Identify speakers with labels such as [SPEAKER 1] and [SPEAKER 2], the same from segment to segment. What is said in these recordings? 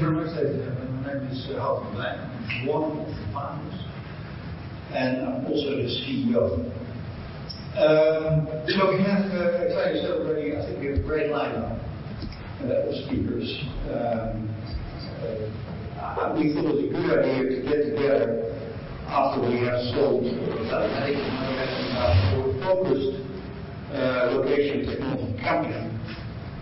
[SPEAKER 1] Thank you very much. My name is Harold Goddijn. I'm one of the founders, and I'm also the CEO. We have an exciting celebration. I think we have a great lineup of speakers. We thought it was a good idea to get together after we have sold TomTom. I think you know that we're a more focused location technology company.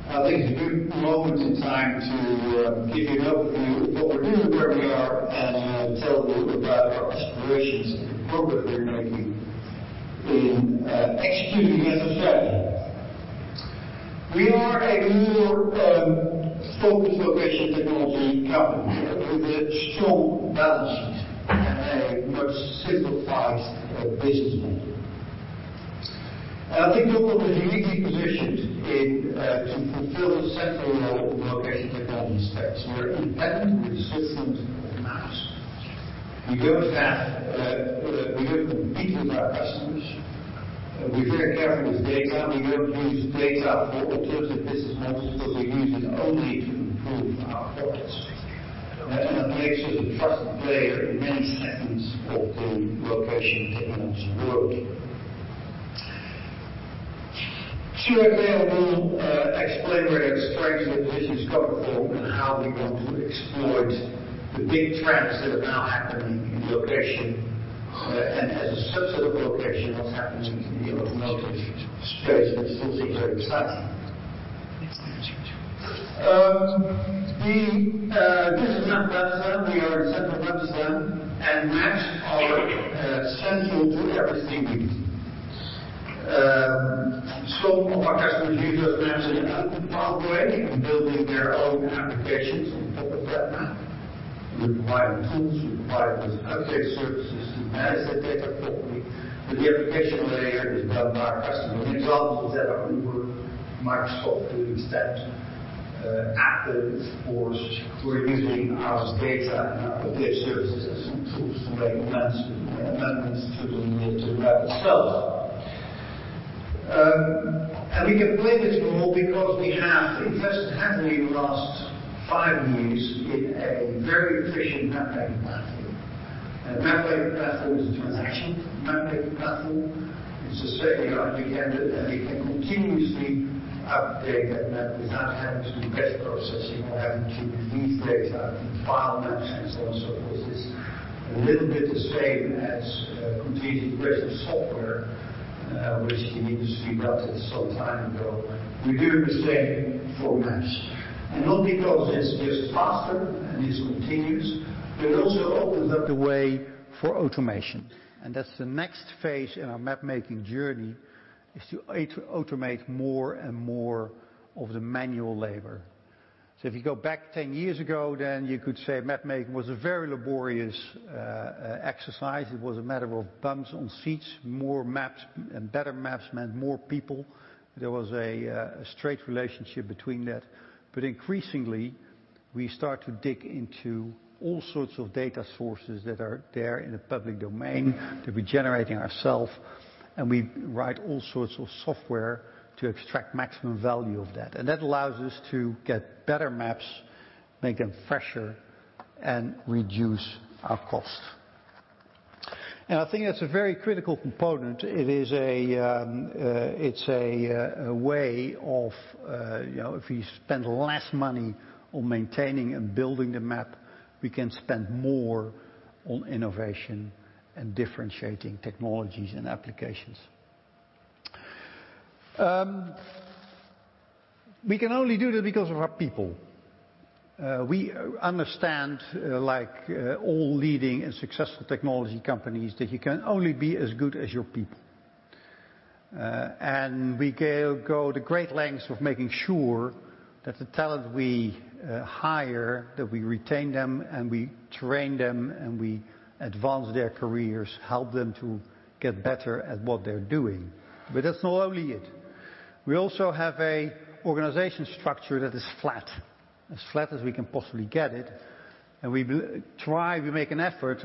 [SPEAKER 1] I think it's a good moment in time to give you an overview of what we're doing, where we are, and tell you a little bit about our aspirations and the progress we're making in executing as a family. We are a more focused location technology company with a strong balance sheet and a much simplified business model. I think TomTom is uniquely positioned to fulfill a central role in the location technology space. We are independent, we are system-agnostic. We don't compete with our customers. We're very careful with data. We don't use data for alternative business models, but we use it only to improve our products. That's what makes us a trusted player in many segments of the location technology world. Later on, I will explain where our strengths of the business come from and how we want to exploit the big trends that are now happening in location. As a subset of location, what's happening in the automotive space, which still seems very exciting. This is Amsterdam. We are in central Amsterdam, and maps are central to everything we do. Some of our customers use those maps in a platform way and building their own applications on top of that map. We provide tools, we provide those update services to manage that data properly. The application layer is done by our customers. An example of that are Uber, Microsoft doing steps. Apple, of course, who are using our data and our update services and tools to make maps and manage the tools themselves. We can play this role because we have invested heavily in the last five years in a very efficient map-making platform. A map-making platform is a transaction map-making platform. It's a certainly large backend, and we can continuously update that map without having to do batch processing or having to release data in file maps and so on, so forth. It's a little bit the same as computing personal software, which the industry adopted some time ago. We're doing the same for maps. Not because it's just faster and it's continuous, but it also opens up the way for automation. That's the next phase in our map-making journey, is to automate more and more of the manual labor. If you go back 10 years ago, then you could say map-making was a very laborious exercise. It was a matter of bums on seats. More maps and better maps meant more people. There was a straight relationship between that. Increasingly, we start to dig into all sorts of data sources that are there in the public domain that we're generating ourself, and we write all sorts of software to extract maximum value of that. That allows us to get better maps, make them fresher, and reduce our cost. I think that's a very critical component. It is a way of, if you spend less money on maintaining and building the map, we can spend more on innovation and differentiating technologies and applications. We can only do that because of our people. We understand, like all leading and successful technology companies, that you can only be as good as your people. We go to great lengths of making sure that the talent we hire, that we retain them and we train them and we advance their careers, help them to get better at what they're doing. That's not only it. We also have a organization structure that is flat, as flat as we can possibly get it. We make an effort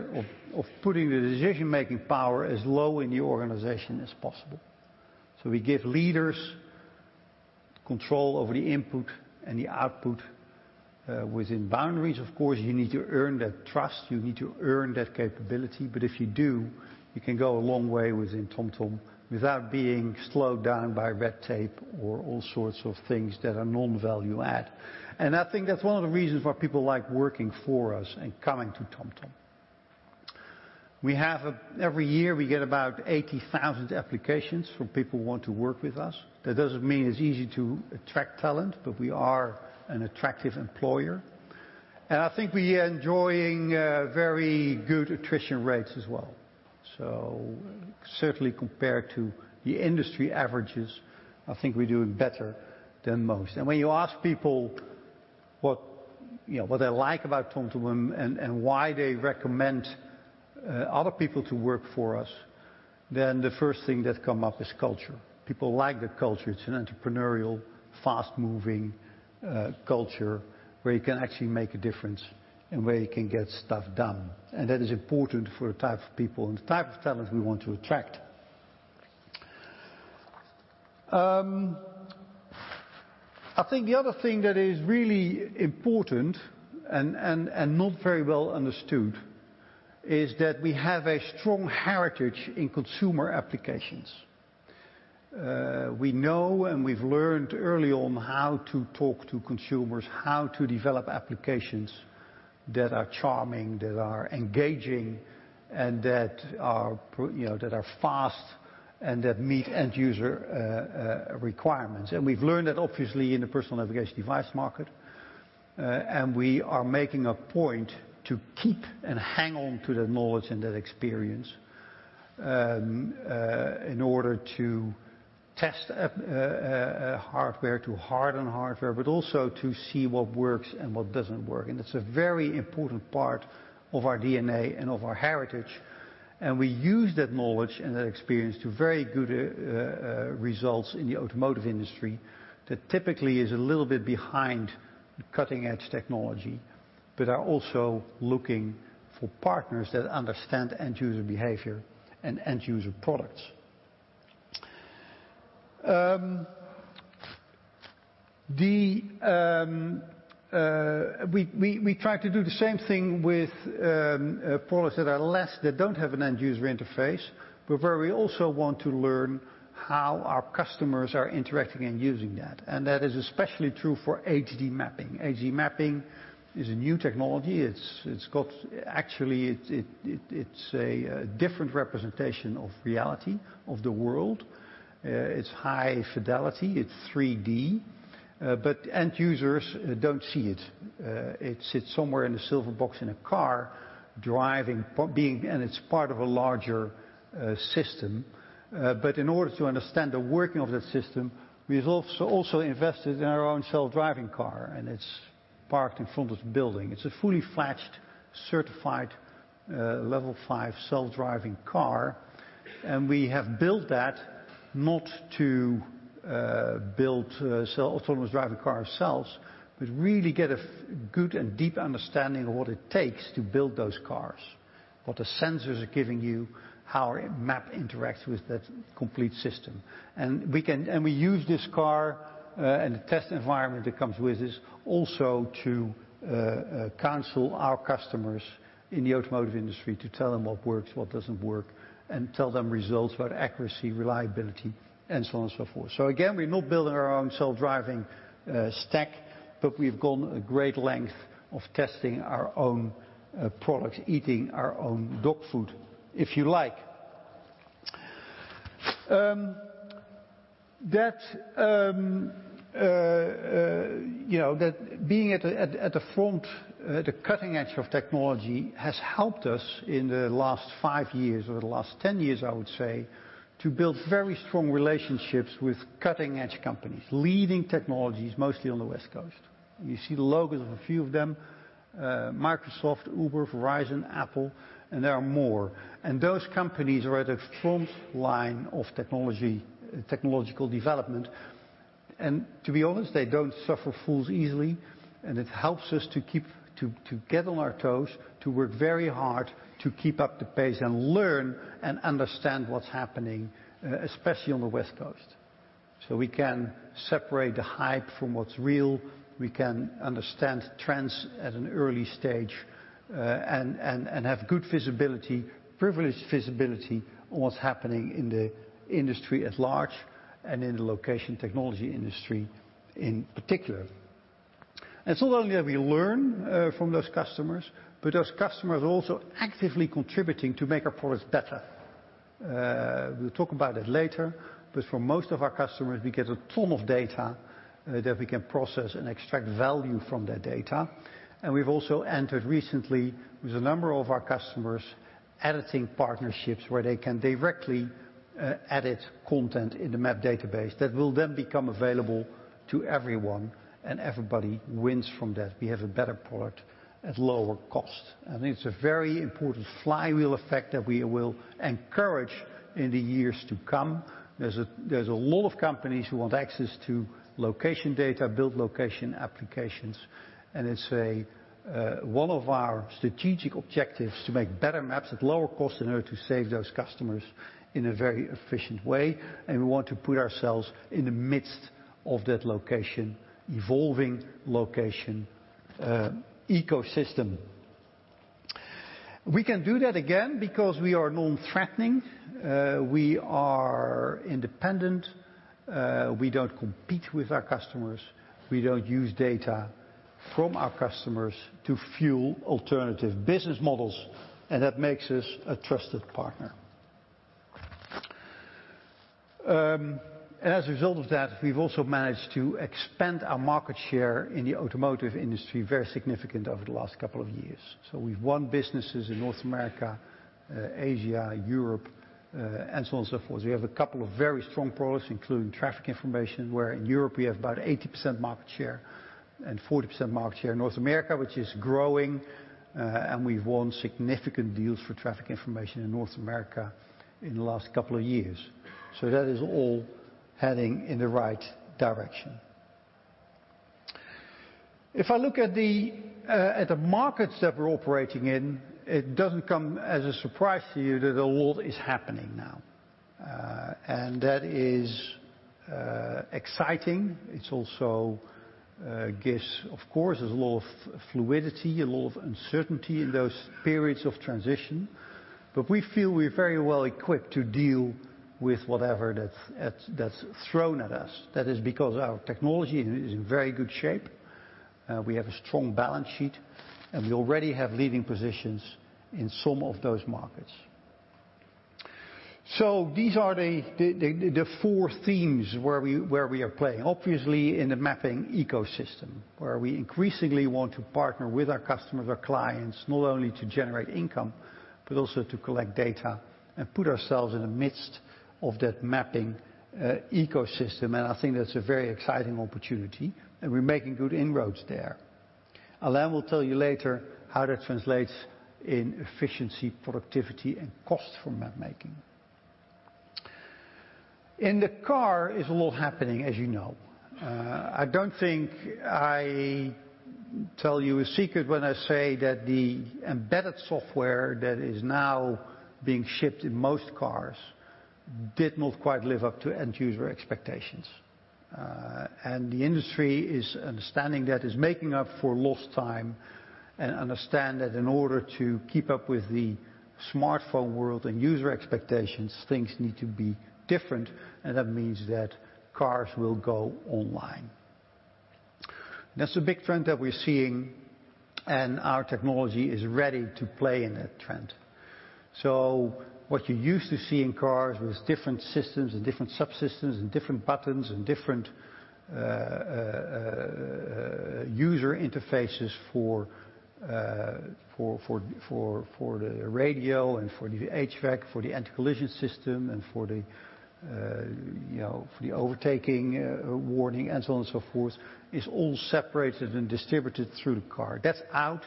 [SPEAKER 1] of putting the decision-making power as low in the organization as possible. We give leaders control over the input and the output within boundaries. Of course, you need to earn that trust. You need to earn that capability. If you do, you can go a long way within TomTom without being slowed down by red tape or all sorts of things that are non-value add. I think that's one of the reasons why people like working for us and coming to TomTom. Every year, we get about 80,000 applications from people who want to work with us. That doesn't mean it's easy to attract talent, but we are an attractive employer. I think we are enjoying very good attrition rates as well. Certainly compared to the industry averages, I think we're doing better than most. When you ask people what they like about TomTom and why they recommend other people to work for us, then the first thing that come up is culture. People like the culture. It's an entrepreneurial, fast-moving culture where you can actually make a difference and where you can get stuff done. That is important for the type of people and the type of talent we want to attract. I think the other thing that is really important and not very well understood is that we have a strong heritage in consumer applications. We know and we've learned early on how to talk to consumers, how to develop applications that are charming, that are engaging, and that are fast, and that meet end-user requirements. We've learned that obviously in the personal navigation device market, and we are making a point to keep and hang on to that knowledge and that experience in order to test hardware, to harden hardware, but also to see what works and what doesn't work. It's a very important part of our DNA and of our heritage. We use that knowledge and that experience to very good results in the automotive industry. That typically is a little bit behind cutting-edge technology, but are also looking for partners that understand end-user behavior and end-user products. We try to do the same thing with products that don't have an end-user interface, but where we also want to learn how our customers are interacting and using that. That is especially true for HD mapping. HD mapping is a new technology. Actually, it's a different representation of reality of the world. It's high fidelity. It's 3D. End users don't see it. It sits somewhere in the silver box in a car driving, and it's part of a larger system. In order to understand the working of that system, we've also invested in our own self-driving car, and it's parked in front of the building. It's a fully fledged, certified level 5 self-driving car. We have built that not to build autonomous driving cars ourselves, but really get a good and deep understanding of what it takes to build those cars. What the sensors are giving you, how a map interacts with that complete system. We use this car and the test environment that comes with this also to counsel our customers in the automotive industry to tell them what works, what doesn't work, and tell them results about accuracy, reliability, and so on and so forth. Again, we're not building our own self-driving stack, but we've gone a great length of testing our own products, eating our own dog food, if you like. Being at the front, the cutting edge of technology, has helped us in the last five years or the last 10 years, I would say, to build very strong relationships with cutting-edge companies, leading technologies, mostly on the West Coast. You see the logos of a few of them, Microsoft, Uber, Verizon, Apple, there are more. Those companies are at the front line of technological development. To be honest, they don't suffer fools easily, and it helps us to get on our toes, to work very hard to keep up the pace and learn and understand what's happening, especially on the West Coast. We can separate the hype from what's real. We can understand trends at an early stage, and have good visibility, privileged visibility on what's happening in the industry at large and in the location technology industry in particular. It's not only that we learn from those customers, but those customers are also actively contributing to make our products better. We'll talk about that later, but from most of our customers, we get a ton of data that we can process and extract value from that data. We've also entered recently with a number of our customers, editing partnerships where they can directly edit content in the map database that will then become available to everyone, and everybody wins from that. We have a better product at lower cost. It's a very important flywheel effect that we will encourage in the years to come. There's a lot of companies who want access to location data, build location applications, and it's one of our strategic objectives to make better maps at lower cost in order to save those customers in a very efficient way. We want to put ourselves in the midst of that evolving location ecosystem. We can do that, again, because we are non-threatening. We are independent. We don't compete with our customers. We don't use data from our customers to fuel alternative business models, and that makes us a trusted partner. As a result of that, we've also managed to expand our market share in the automotive industry, very significant over the last couple of years. We've won businesses in North America, Asia, Europe, and so on and so forth. We have a couple of very strong products, including traffic information, where in Europe we have about 80% market share and 40% market share in North America, which is growing. We've won significant deals for traffic information in North America in the last couple of years. That is all heading in the right direction. If I look at the markets that we're operating in, it doesn't come as a surprise to you that a lot is happening now. That is exciting. It's also, I guess, of course, there's a lot of fluidity, a lot of uncertainty in those periods of transition. We feel we're very well equipped to deal with whatever that's thrown at us. That is because our technology is in very good shape, we have a strong balance sheet, and we already have leading positions in some of those markets. These are the four themes where we are playing. Obviously, in the mapping ecosystem, where we increasingly want to partner with our customers or clients, not only to generate income, but also to collect data and put ourselves in the midst of that mapping ecosystem. I think that's a very exciting opportunity, and we're making good inroads there. Alain will tell you later how that translates in efficiency, productivity, and cost for map making. In the car is a lot happening, as you know. I don't think I tell you a secret when I say that the embedded software that is now being shipped in most cars did not quite live up to end-user expectations. The industry is understanding that, is making up for lost time, and understand that in order to keep up with the smartphone world and user expectations, things need to be different, and that means that cars will go online. That's a big trend that we're seeing, and our technology is ready to play in that trend. What you used to see in cars was different systems and different subsystems and different buttons and different user interfaces for the radio and for the HVAC, for the anti-collision system, and for the overtaking warning and so on and so forth, is all separated and distributed through the car. That's out.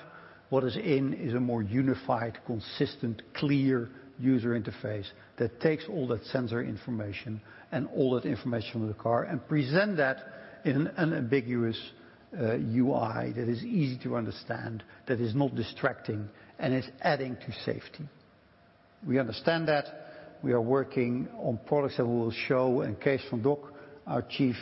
[SPEAKER 1] What is in is a more unified, consistent, clear user interface that takes all that sensor information and all that information from the car and present that in an unambiguous UI that is easy to understand, that is not distracting, and is adding to safety. We understand that. We are working on products that we will show, and Kees van Dok, our Chief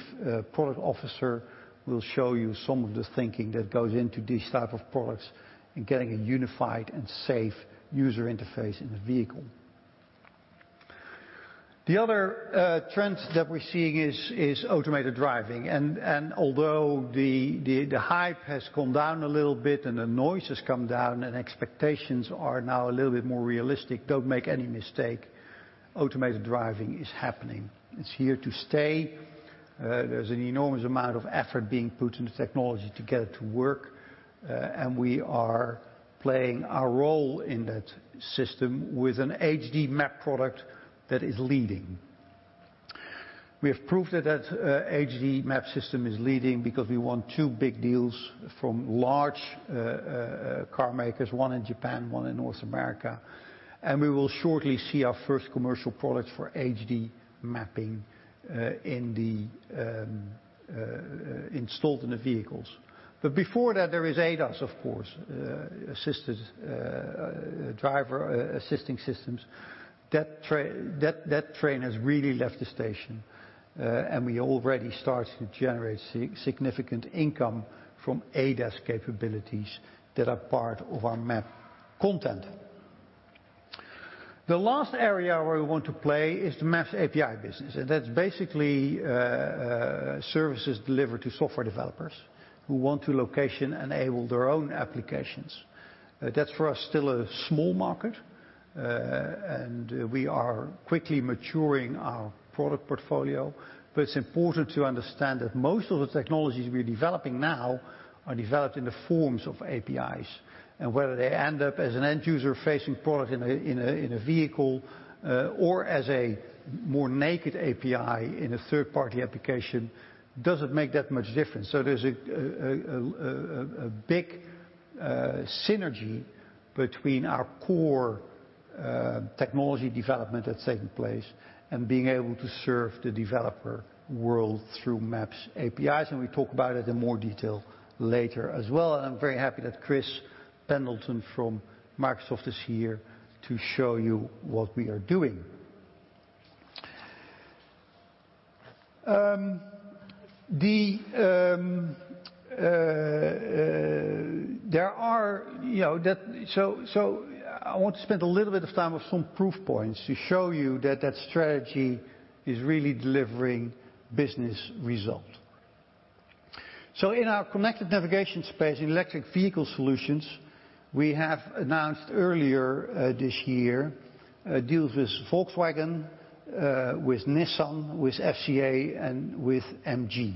[SPEAKER 1] Product Officer, will show you some of the thinking that goes into these type of products and getting a unified and safe user interface in the vehicle. The other trend that we're seeing is automated driving. Although the hype has come down a little bit and the noise has come down and expectations are now a little bit more realistic, don't make any mistake, automated driving is happening. It's here to stay. There's an enormous amount of effort being put into technology to get it to work, and we are playing our role in that system with an HD map product that is leading. We have proved that that HD map system is leading because we won two big deals from large car makers, one in Japan, one in North America. We will shortly see our first commercial product for HD mapping installed in the vehicles. Before that, there is ADAS, of course, driver assisting systems. That train has really left the station. We already started to generate significant income from ADAS capabilities that are part of our map content. The last area where we want to play is the Maps API business. That's basically services delivered to software developers who want to location-enable their own applications. That's, for us, still a small market. We are quickly maturing our product portfolio. It's important to understand that most of the technologies we're developing now are developed in the forms of APIs. Whether they end up as an end-user-facing product in a vehicle or as a more naked API in a third-party application doesn't make that much difference. There's a big synergy between our core technology development that's taking place and being able to serve the developer world through Maps APIs. We talk about it in more detail later as well. I'm very happy that Chris Pendleton from Microsoft is here to show you what we are doing. I want to spend a little bit of time with some proof points to show you that that strategy is really delivering business result. In our connected navigation space, electric vehicle solutions, we have announced earlier this year deals with Volkswagen, with Nissan, with FCA, and with MG,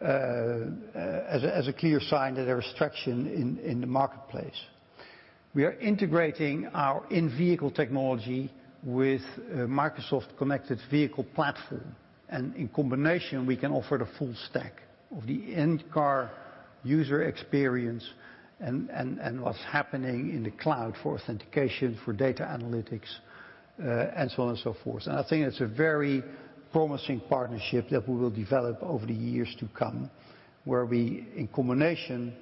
[SPEAKER 1] as a clear sign that there is traction in the marketplace. We are integrating our in-vehicle technology with Microsoft Connected Vehicle Platform, and in combination, we can offer the full stack of the in-car user experience and what's happening in the cloud for authentication, for data analytics and so on and so forth. I think it's a very promising partnership that we will develop over the years to come, where we, in combination,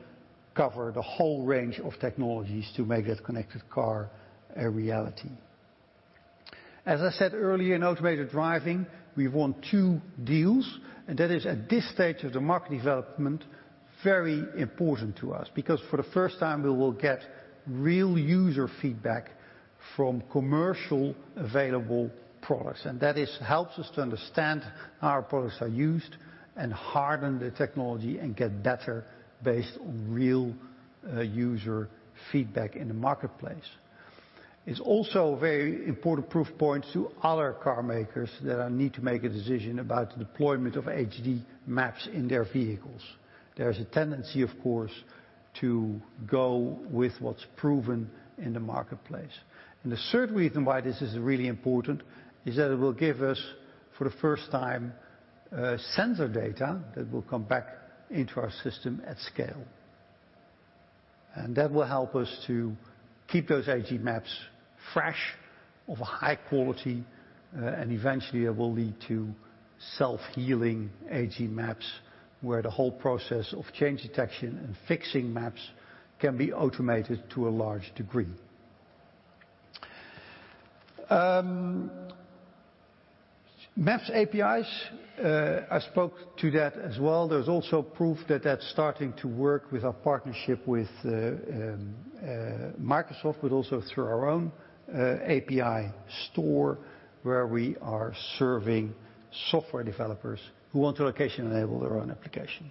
[SPEAKER 1] cover the whole range of technologies to make that connected car a reality. As I said earlier, in automated driving, we won two deals, and that is, at this stage of the market development, very important to us. For the first time, we will get real user feedback from commercially available products. That helps us to understand how our products are used and harden the technology and get better based on real user feedback in the marketplace. It's also a very important proof point to other car makers that need to make a decision about the deployment of HD maps in their vehicles. There is a tendency, of course, to go with what's proven in the marketplace. The third reason why this is really important is that it will give us, for the first time, sensor data that will come back into our system at scale. That will help us to keep those HD maps fresh, of a high quality, and eventually, it will lead to self-healing HD maps, where the whole process of change detection and fixing maps can be automated to a large degree. Maps APIs, I spoke to that as well. There's also proof that that's starting to work with our partnership with Microsoft, but also through our own API store, where we are serving software developers who want to location-enable their own application.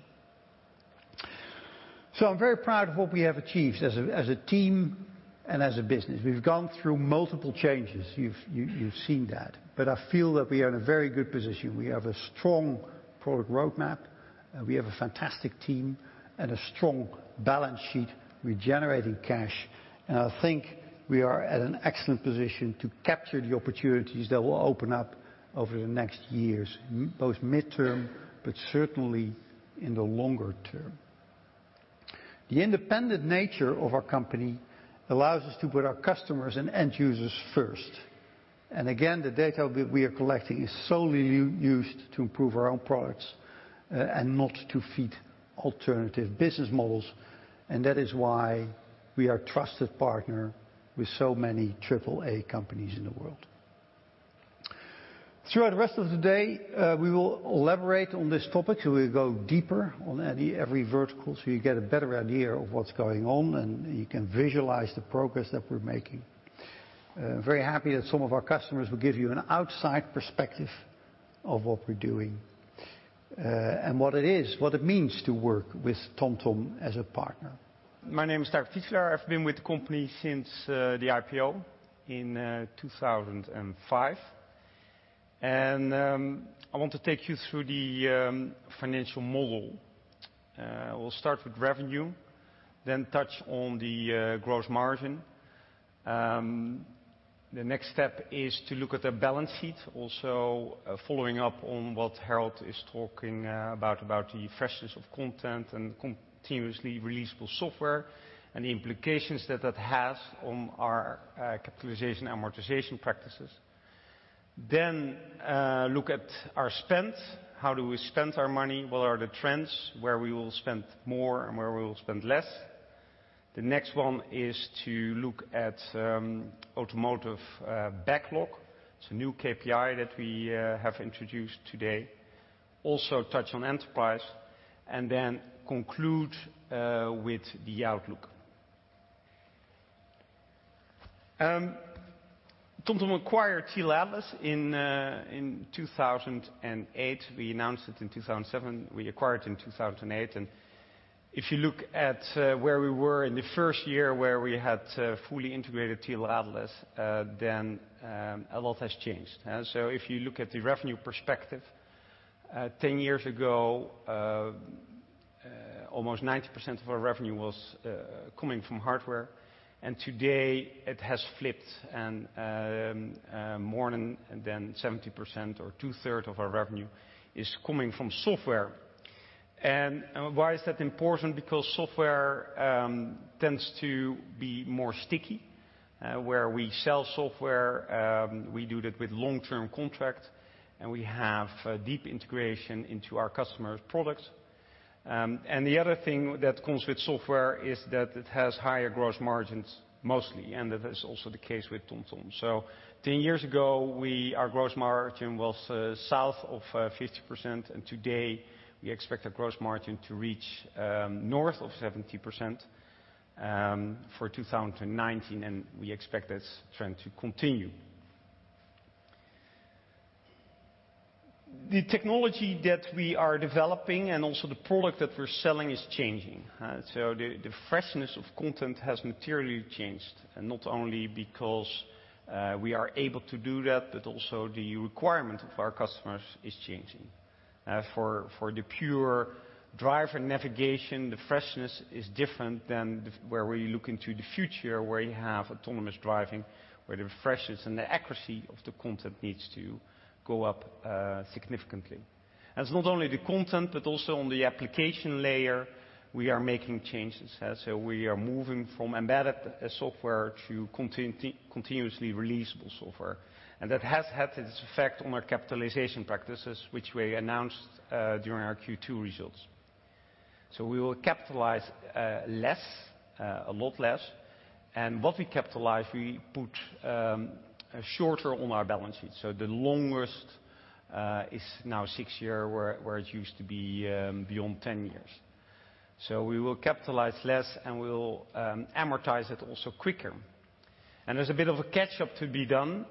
[SPEAKER 1] I'm very proud of what we have achieved as a team and as a business. We've gone through multiple changes. You've seen that. I feel that we are in a very good position. We have a strong product roadmap. We have a fantastic team and a strong balance sheet. We're generating cash. I think we are at an excellent position to capture the opportunities that will open up over the next years, both midterm, but certainly in the longer term. The independent nature of our company allows us to put our customers and end users first. Again, the data we are collecting is solely used to improve our own products and not to feed alternative business models. That is why we are a trusted partner with so many triple-A companies in the world. Throughout the rest of the day, we will elaborate on this topic. We'll go deeper on every vertical so you get a better idea of what's going on, and you can visualize the progress that we're making. I'm very happy that some of our customers will give you an outside perspective of what we're doing and what it is, what it means to work with TomTom as a partner.
[SPEAKER 2] My name is Taco Titulaer. I've been with the company since the IPO in 2005. I want to take you through the financial model. We'll start with revenue, then touch on the gross margin. The next step is to look at the balance sheet, also following up on what Harold is talking about the freshness of content and continuously releasable software, and the implications that that has on our capitalization amortization practices. Look at our spend. How do we spend our money? What are the trends? Where we will spend more and where we will spend less. The next one is to look at automotive backlog. It's a new KPI that we have introduced today. Also touch on enterprise, and then conclude with the outlook. TomTom acquired Tele Atlas in 2008. We announced it in 2007. We acquired in 2008. If you look at where we were in the first year, where we had fully integrated Tele Atlas, then a lot has changed. If you look at the revenue perspective, 10 years ago, almost 90% of our revenue was coming from hardware, and today it has flipped and more than 70% or two-third of our revenue is coming from software. Why is that important? Because software tends to be more sticky. Where we sell software, we do that with long-term contract, and we have deep integration into our customers' products. The other thing that comes with software is that it has higher gross margins, mostly, and that is also the case with TomTom. 10 years ago, our gross margin was south of 50%. Today we expect our gross margin to reach north of 70% for 2019. We expect this trend to continue. The technology that we are developing and also the product that we're selling is changing. The freshness of content has materially changed. Not only because we are able to do that, but also the requirement of our customers is changing. For the pure driver navigation, the freshness is different than where we look into the future, where you have autonomous driving, where the freshness and the accuracy of the content needs to go up significantly. It's not only the content, but also on the application layer, we are making changes. We are moving from embedded software to continuously releasable software. That has had its effect on our capitalization practices, which we announced during our Q2 results. So we will capitalize a lot less. What we capitalize, we put shorter on our balance sheet. The longest is now six years, where it used to be beyond 10 years. We will capitalize less, and we will amortize it also quicker. There's a bit of a catch-up to be done,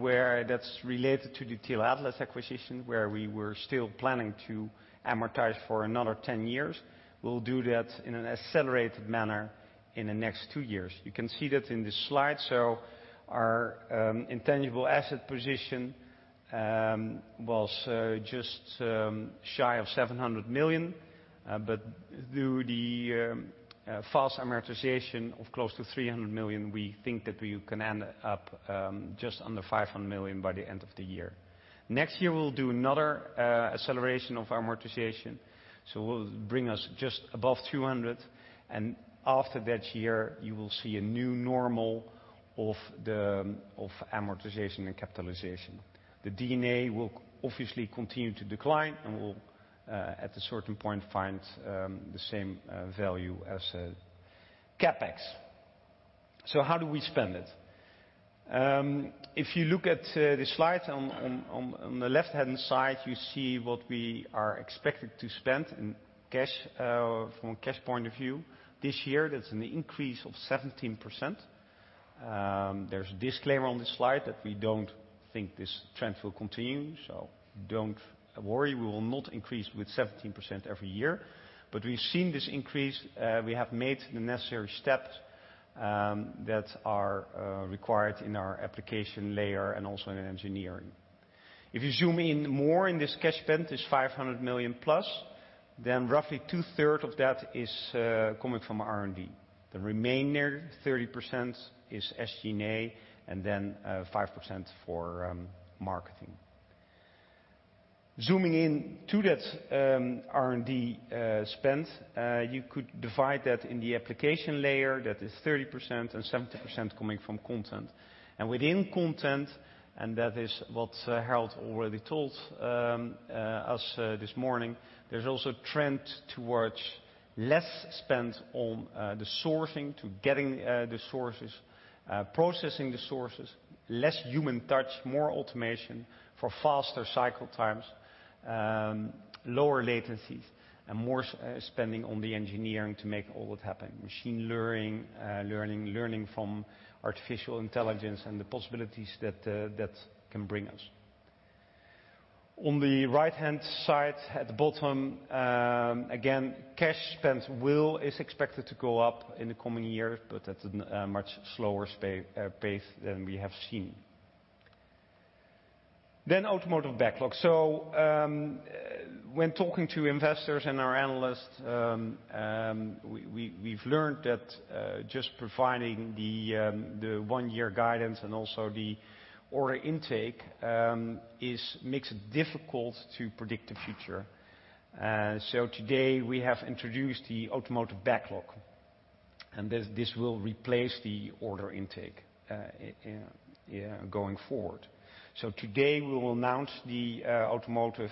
[SPEAKER 2] where that's related to the Tele Atlas acquisition, where we were still planning to amortize for another 10 years. We'll do that in an accelerated manner in the next two years. You can see that in this slide. Our intangible asset position was just shy of 700 million. Through the fast amortization of close to 300 million, we think that we can end up just under 500 million by the end of the year. Next year, we'll do another acceleration of amortization, so will bring us just above 200. After that year, you will see a new normal of amortization and capitalization. The D&A will obviously continue to decline, and will at a certain point, find the same value as CapEx. How do we spend it? If you look at the slide on the left-hand side, you see what we are expected to spend from a cash point of view. This year, that's an increase of 17%. There's a disclaimer on this slide that we don't think this trend will continue, so don't worry. We will not increase with 17% every year. We've seen this increase. We have made the necessary steps that are required in our application layer and also in engineering. If you zoom in more in this cash spend, this 500 million plus, then roughly two-third of that is coming from R&D. The remainder, 30%, is SG&A, and then 5% for marketing. Zooming in to that R&D spend, you could divide that in the application layer that is 30% and 70% coming from content. Within content, and that is what Harold already told us this morning, there's also a trend towards less spend on the sourcing to getting the sources, processing the sources, less human touch, more automation for faster cycle times, lower latencies, and more spending on the engineering to make all that happen. Machine learning from artificial intelligence, and the possibilities that that can bring us. On the right-hand side at the bottom, again, cash spend is expected to go up in the coming years, but at a much slower pace than we have seen. Automotive backlog. When talking to investors and our analysts, we've learned that just providing the one-year guidance and also the order intake makes it difficult to predict the future. Today, we have introduced the automotive backlog, and this will replace the order intake going forward. Today, we will announce the automotive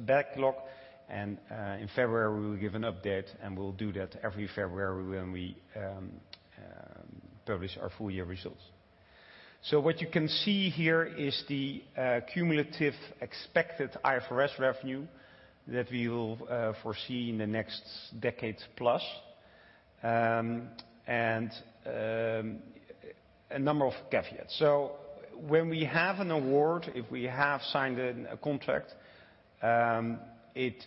[SPEAKER 2] backlog, and in February, we will give an update, and we'll do that every February when we publish our full-year results. What you can see here is the cumulative expected IFRS revenue that we will foresee in the next decade plus, and a number of caveats. When we have an award, if we have signed a contract, it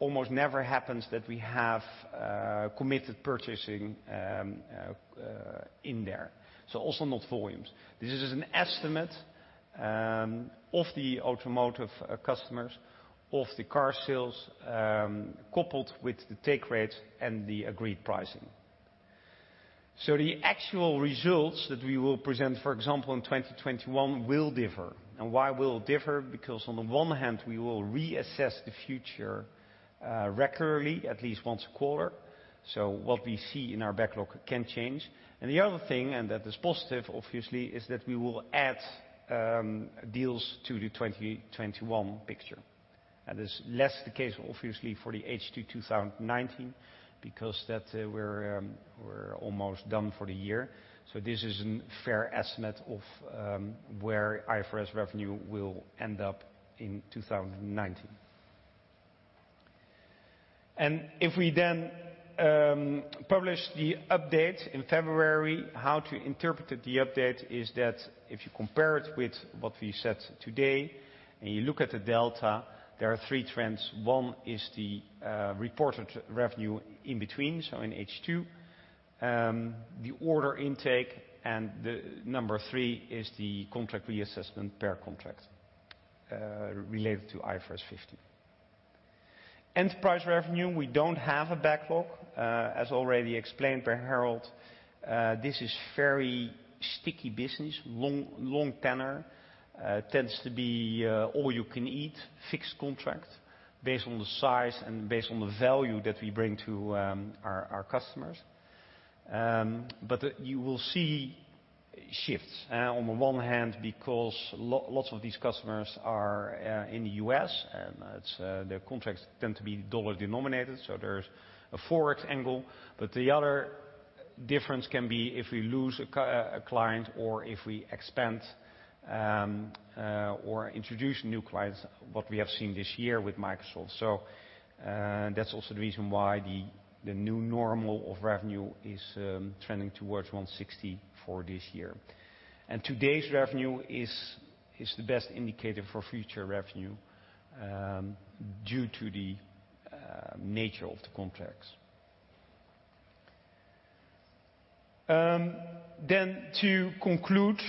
[SPEAKER 2] almost never happens that we have committed purchasing in there. Also not volumes. This is an estimate of the automotive customers of the car sales, coupled with the take rates and the agreed pricing. The actual results that we will present, for example, in 2021 will differ. Why will it differ? On the one hand, we will reassess the future regularly, at least once a quarter. What we see in our backlog can change. The other thing, and that is positive, obviously, is that we will add deals to the 2021 picture. That's less the case, obviously, for the H2019, because that we're almost done for the year. This is a fair estimate of where IFRS revenue will end up in 2019. If we then publish the update in February, how to interpret the update is that if you compare it with what we said today and you look at the delta, there are three trends. One is the reported revenue in between, so in H2. The order intake, number 3 is the contract reassessment per contract related to IFRS 15. Enterprise revenue, we don't have a backlog. As already explained by Harold, this is very sticky business, long tenor. Tends to be all you can eat fixed contract based on the size and based on the value that we bring to our customers. You will see shifts. On the one hand, because lots of these customers are in the U.S. Their contracts tend to be dollar-denominated. There's a Forex angle. The other difference can be if we lose a client or if we expand or introduce new clients, what we have seen this year with Microsoft. That's also the reason why the new normal of revenue is trending towards 160 for this year. Today's revenue is the best indicator for future revenue due to the nature of the contracts. To conclude,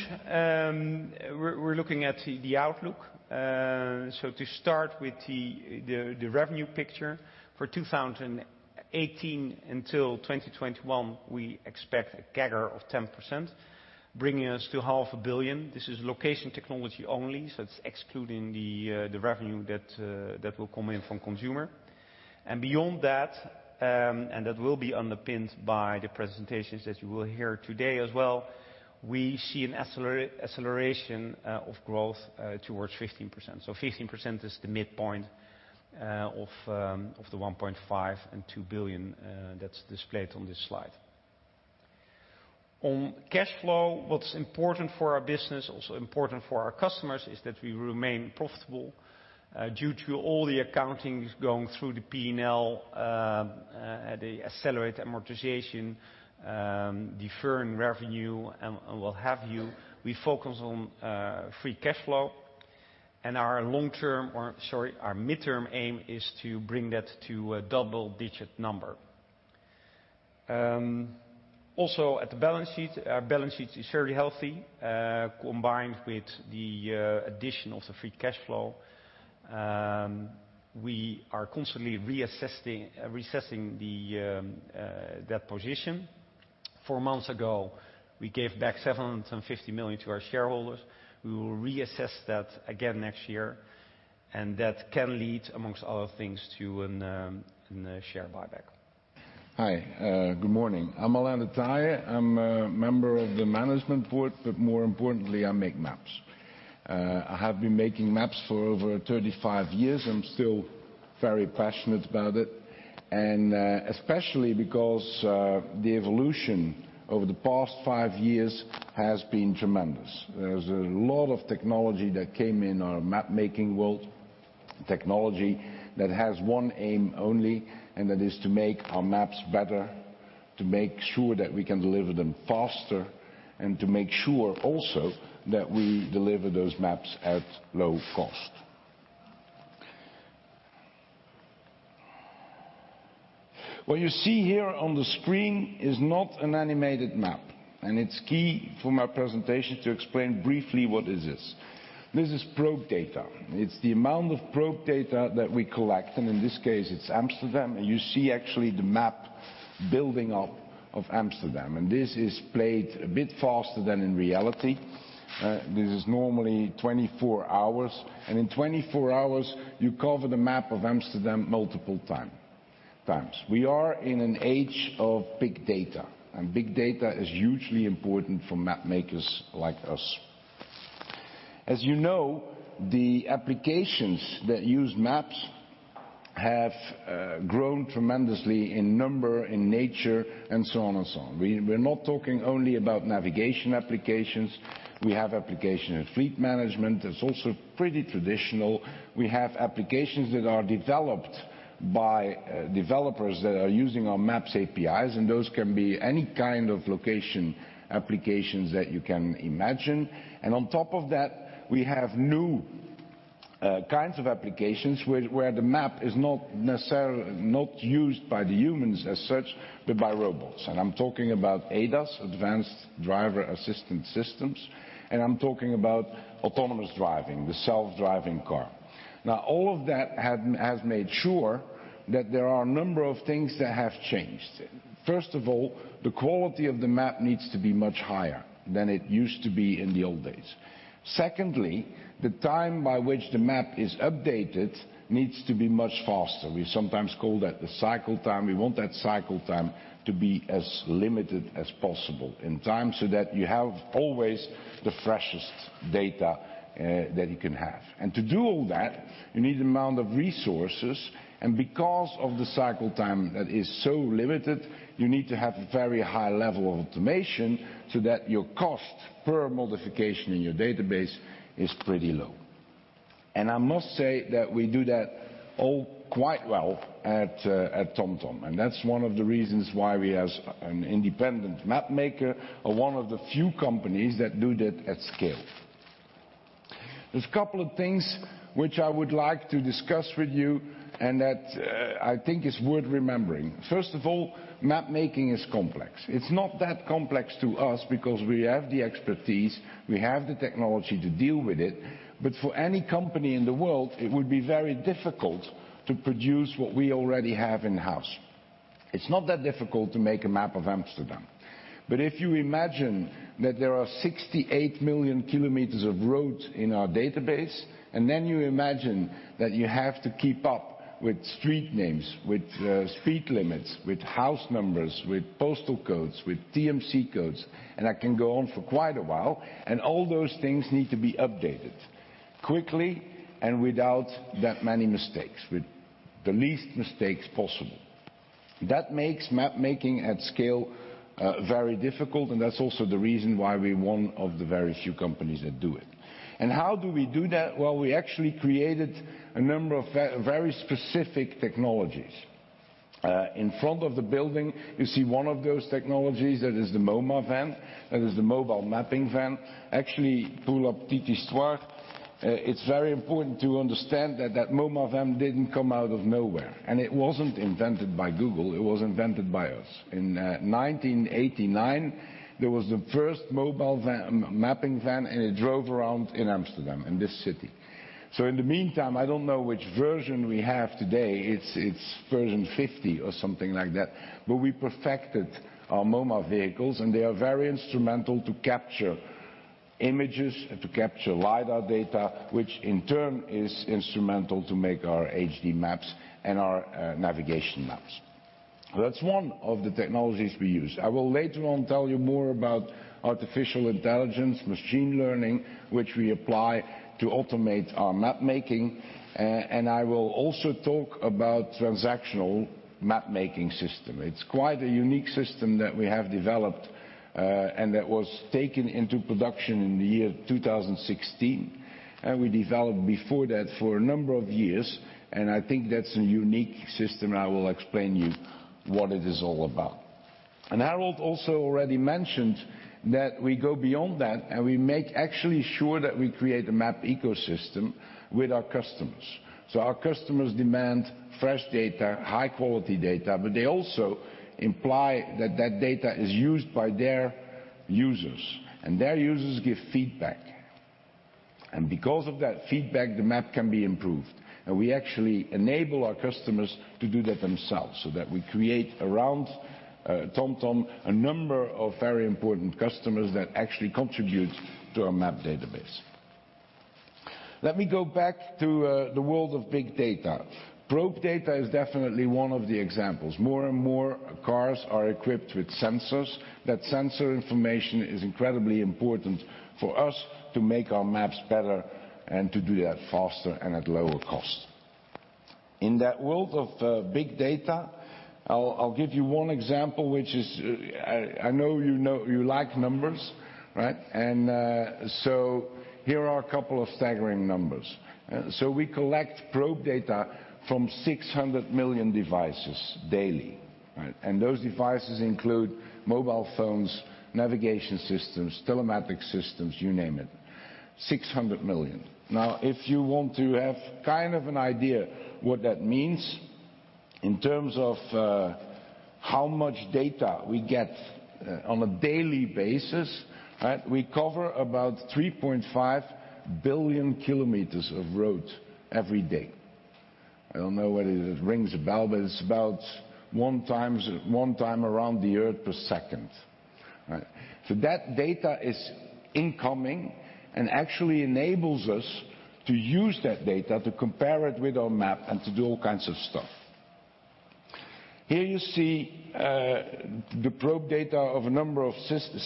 [SPEAKER 2] we're looking at the outlook. To start with the revenue picture. For 2018 until 2021, we expect a CAGR of 10%, bringing us to half a billion EUR. This is location technology only, so it's excluding the revenue that will come in from consumer. Beyond that, and that will be underpinned by the presentations that you will hear today as well, we see an acceleration of growth towards 15%. 15% is the midpoint of the 1.5 billion-2 billion that's displayed on this slide. On cash flow, what's important for our business, also important for our customers, is that we remain profitable. Due to all the accountings going through the P&L, the accelerated amortization, deferring revenue, and what have you, we focus on free cash flow. Our midterm aim is to bring that to a double-digit number. At the balance sheet. Our balance sheet is very healthy. Combined with the addition of the free cash flow, we are constantly reassessing that position. Four months ago, we gave back 750 million to our shareholders. We will reassess that again next year, and that can lead, amongst other things, to a share buyback.
[SPEAKER 3] Hi, good morning. I'm Alain De Taeye. I'm a Member of the Management Board, more importantly, I make maps. I have been making maps for over 35 years. I'm still very passionate about it, especially because the evolution over the past five years has been tremendous. There's a lot of technology that came in our map making world, technology that has one aim only, that is to make our maps better, to make sure that we can deliver them faster, to make sure also that we deliver those maps at low cost. What you see here on the screen is not an animated map, it's key for my presentation to explain briefly what is this. This is probe data. It's the amount of probe data that we collect, in this case, it's Amsterdam. You see actually the map building up of Amsterdam. This is played a bit faster than in reality. This is normally 24 hours. In 24 hours, you cover the map of Amsterdam multiple times. We are in an age of big data. Big data is hugely important for mapmakers like us. As you know, the applications that use maps have grown tremendously in number, in nature, and so on. We're not talking only about navigation applications. We have application in fleet management that's also pretty traditional. We have applications that are developed by developers that are using our Maps APIs, and those can be any kind of location applications that you can imagine. On top of that, we have new kinds of applications where the map is not used by the humans as such, but by robots. I'm talking about ADAS, advanced driver-assistance systems. I'm talking about autonomous driving, the self-driving car. Now, all of that has made sure that there are a number of things that have changed. First of all, the quality of the map needs to be much higher than it used to be in the old days. Secondly, the time by which the map is updated needs to be much faster. We sometimes call that the cycle time. We want that cycle time to be as limited as possible in time so that you have always the freshest data that you can have. To do all that, you need an amount of resources, and because of the cycle time that is so limited, you need to have a very high level of automation so that your cost per modification in your database is pretty low. I must say that we do that all quite well at TomTom, and that's one of the reasons why we, as an independent mapmaker, are one of the few companies that do that at scale. There's a couple of things which I would like to discuss with you, and that I think is worth remembering. First of all, mapmaking is complex. It's not that complex to us because we have the expertise, we have the technology to deal with it, but for any company in the world, it would be very difficult to produce what we already have in-house. It's not that difficult to make a map of Amsterdam. If you imagine that there are 68 million kilometers of roads in our database, and then you imagine that you have to keep up with street names, with speed limits, with house numbers, with postal codes, with TMC codes, and I can go on for quite a while, and all those things need to be updated quickly and without that many mistakes. With the least mistakes possible. That makes map making at scale very difficult, and that's also the reason why we're one of the very few companies that do it. How do we do that? Well, we actually created a number of very specific technologies. In front of the building, you see one of those technologies. That is the MoMa van. That is the mobile mapping van. Actually, pull up TT 3. It's very important to understand that that MoMa van didn't come out of nowhere, and it wasn't invented by Google, it was invented by us. In 1989, there was the first mobile mapping van, and it drove around in Amsterdam, in this city. In the meantime, I don't know which version we have today. It's version 50 or something like that. We perfected our MoMa vehicles, and they are very instrumental to capture images, to capture lidar data, which in turn is instrumental to make our HD maps and our navigation maps. That's one of the technologies we use. I will later on tell you more about artificial intelligence, machine learning, which we apply to automate our map making. I will also talk about Transactional Map Making system. It's quite a unique system that we have developed, and that was taken into production in the year 2016. We developed before that for a number of years, and I think that's a unique system, and I will explain you what it is all about. Harold also already mentioned that we go beyond that, and we make actually sure that we create a map ecosystem with our customers. Our customers demand fresh data, high quality data, but they also imply that that data is used by their users, and their users give feedback. Because of that feedback, the map can be improved. We actually enable our customers to do that themselves, so that we create around TomTom a number of very important customers that actually contribute to our map database. Let me go back to the world of big data. Probe data is definitely one of the examples. More and more cars are equipped with sensors. That sensor information is incredibly important for us to make our maps better and to do that faster and at lower cost. In that world of big data, I'll give you one example. I know you like numbers, right? Here are a couple of staggering numbers. We collect probe data from 600 million devices daily. Those devices include mobile phones, navigation systems, telematics systems, you name it. 600 million. If you want to have kind of an idea what that means in terms of how much data we get on a daily basis, we cover about 3.5 billion kilometers of road every day. I don't know whether it rings a bell, but it's about one time around the Earth per second. That data is incoming and actually enables us to use that data to compare it with our map and to do all kinds of stuff. Here you see the probe data of a number of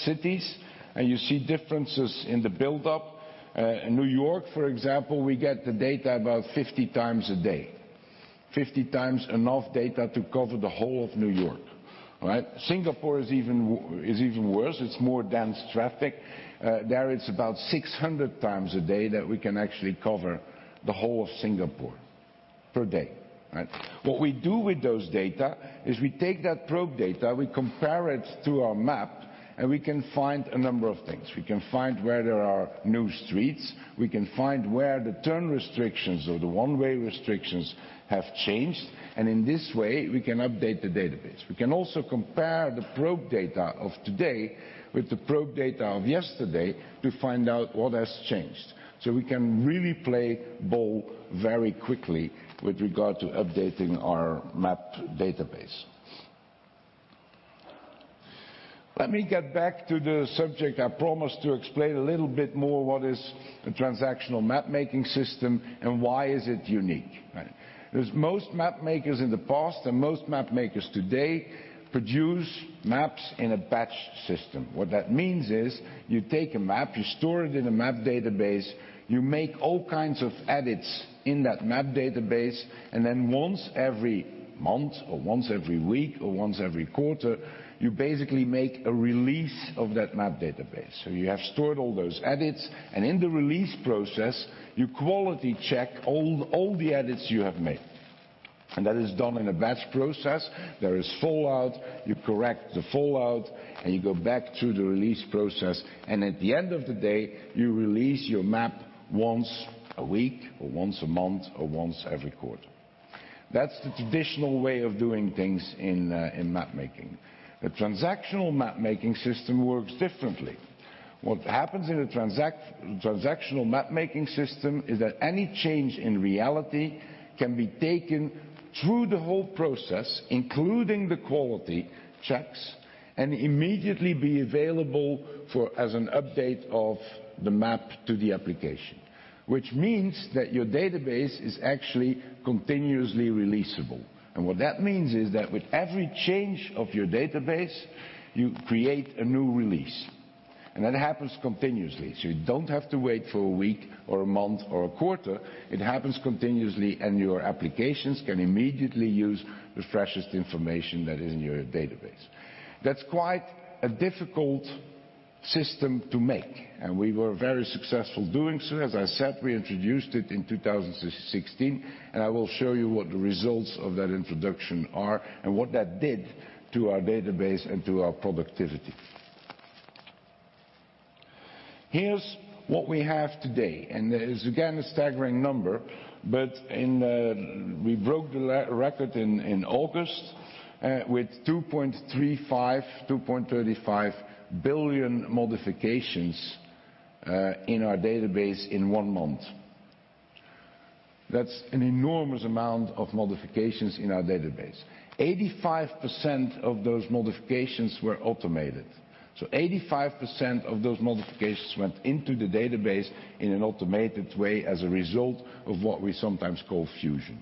[SPEAKER 3] cities, and you see differences in the buildup. In New York, for example, we get the data about 50 times a day. 50 times enough data to cover the whole of New York. Singapore is even worse. It is more dense traffic. There it is about 600 times a day that we can actually cover the whole of Singapore per day. What we do with those data is we take that probe data, we compare it to our map, and we can find a number of things. We can find where there are new streets, we can find where the turn restrictions or the one-way restrictions have changed. In this way, we can update the database. We can also compare the probe data of today with the probe data of yesterday to find out what has changed. We can really play ball very quickly with regard to updating our map database. Let me get back to the subject I promised to explain a little bit more, what is a transactional map making system and why is it unique? Most map makers in the past and most map makers today produce maps in a batched system. What that means is you take a map, you store it in a map database, you make all kinds of edits in that map database, and then once every month or once every week or once every quarter, you basically make a release of that map database. You have stored all those edits, and in the release process, you quality check all the edits you have made. That is done in a batch process. There is fallout, you correct the fallout, and you go back to the release process, and at the end of the day, you release your map once a week or once a month or once every quarter. That's the traditional way of doing things in map making. The transactional map making system works differently. What happens in a transactional mapmaking system is that any change in reality can be taken through the whole process, including the quality checks, and immediately be available as an update of the map to the application. Which means that your database is actually continuously releasable. What that means is that with every change of your database, you create a new release, and that happens continuously. You don't have to wait for a week or a month or a quarter. It happens continuously, and your applications can immediately use the freshest information that is in your database. That's quite a difficult system to make, and we were very successful doing so. As I said, we introduced it in 2016, and I will show you what the results of that introduction are and what that did to our database and to our productivity. Here's what we have today, and it is again, a staggering number, but we broke the record in August, with 2.35 billion modifications in our database in one month. That's an enormous amount of modifications in our database. 85% of those modifications were automated. 85% of those modifications went into the database in an automated way as a result of what we sometimes call fusion. Fusion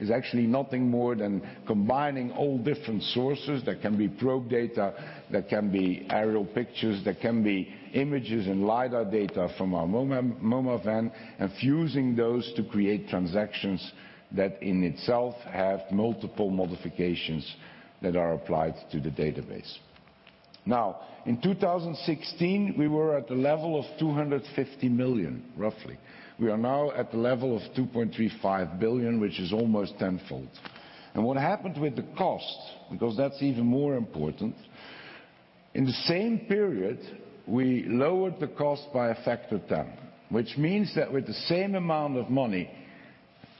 [SPEAKER 3] is actually nothing more than combining all different sources. That can be probe data, that can be aerial pictures, that can be images and lidar data from our MoMA van, and fusing those to create transactions that in itself have multiple modifications that are applied to the database. Now, in 2016, we were at the level of 250 million, roughly. We are now at the level of 2.35 billion, which is almost tenfold. What happened with the cost, because that's even more important, in the same period, we lowered the cost by a factor of 10. Which means that with the same amount of money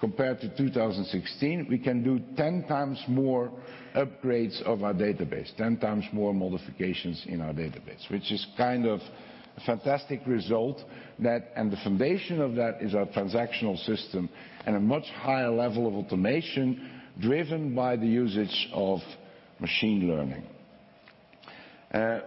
[SPEAKER 3] compared to 2016, we can do 10 times more upgrades of our database, 10 times more modifications in our database. Which is kind of a fantastic result, and the foundation of that is our transactional system and a much higher level of automation driven by the usage of machine learning.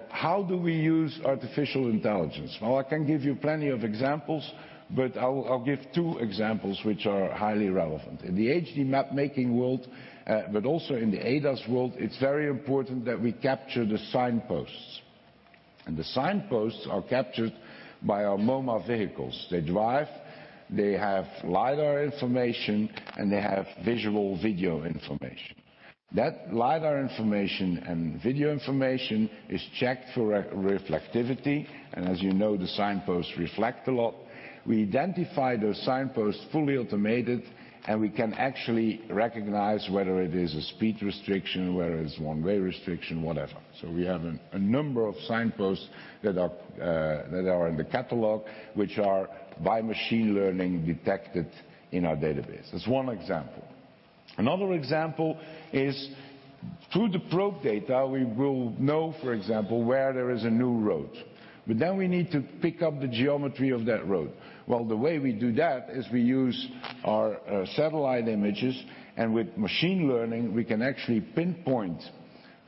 [SPEAKER 3] How do we use artificial intelligence? Well, I can give you plenty of examples, but I'll give two examples which are highly relevant. In the HD mapmaking world, but also in the ADAS world, it's very important that we capture the signposts. The signposts are captured by our MoMa vehicles. They drive, they have lidar information, and they have visual video information. That lidar information and video information is checked for reflectivity. As you know, the signposts reflect a lot. We identify those signposts fully automated, and we can actually recognize whether it is a speed restriction, whether it's one-way restriction, whatever. We have a number of signposts that are in the catalog, which are by machine learning detected in our database. That's one example. Another example is through the probe data, we will know, for example, where there is a new road. We need to pick up the geometry of that road. Well, the way we do that is we use our satellite images, and with machine learning, we can actually pinpoint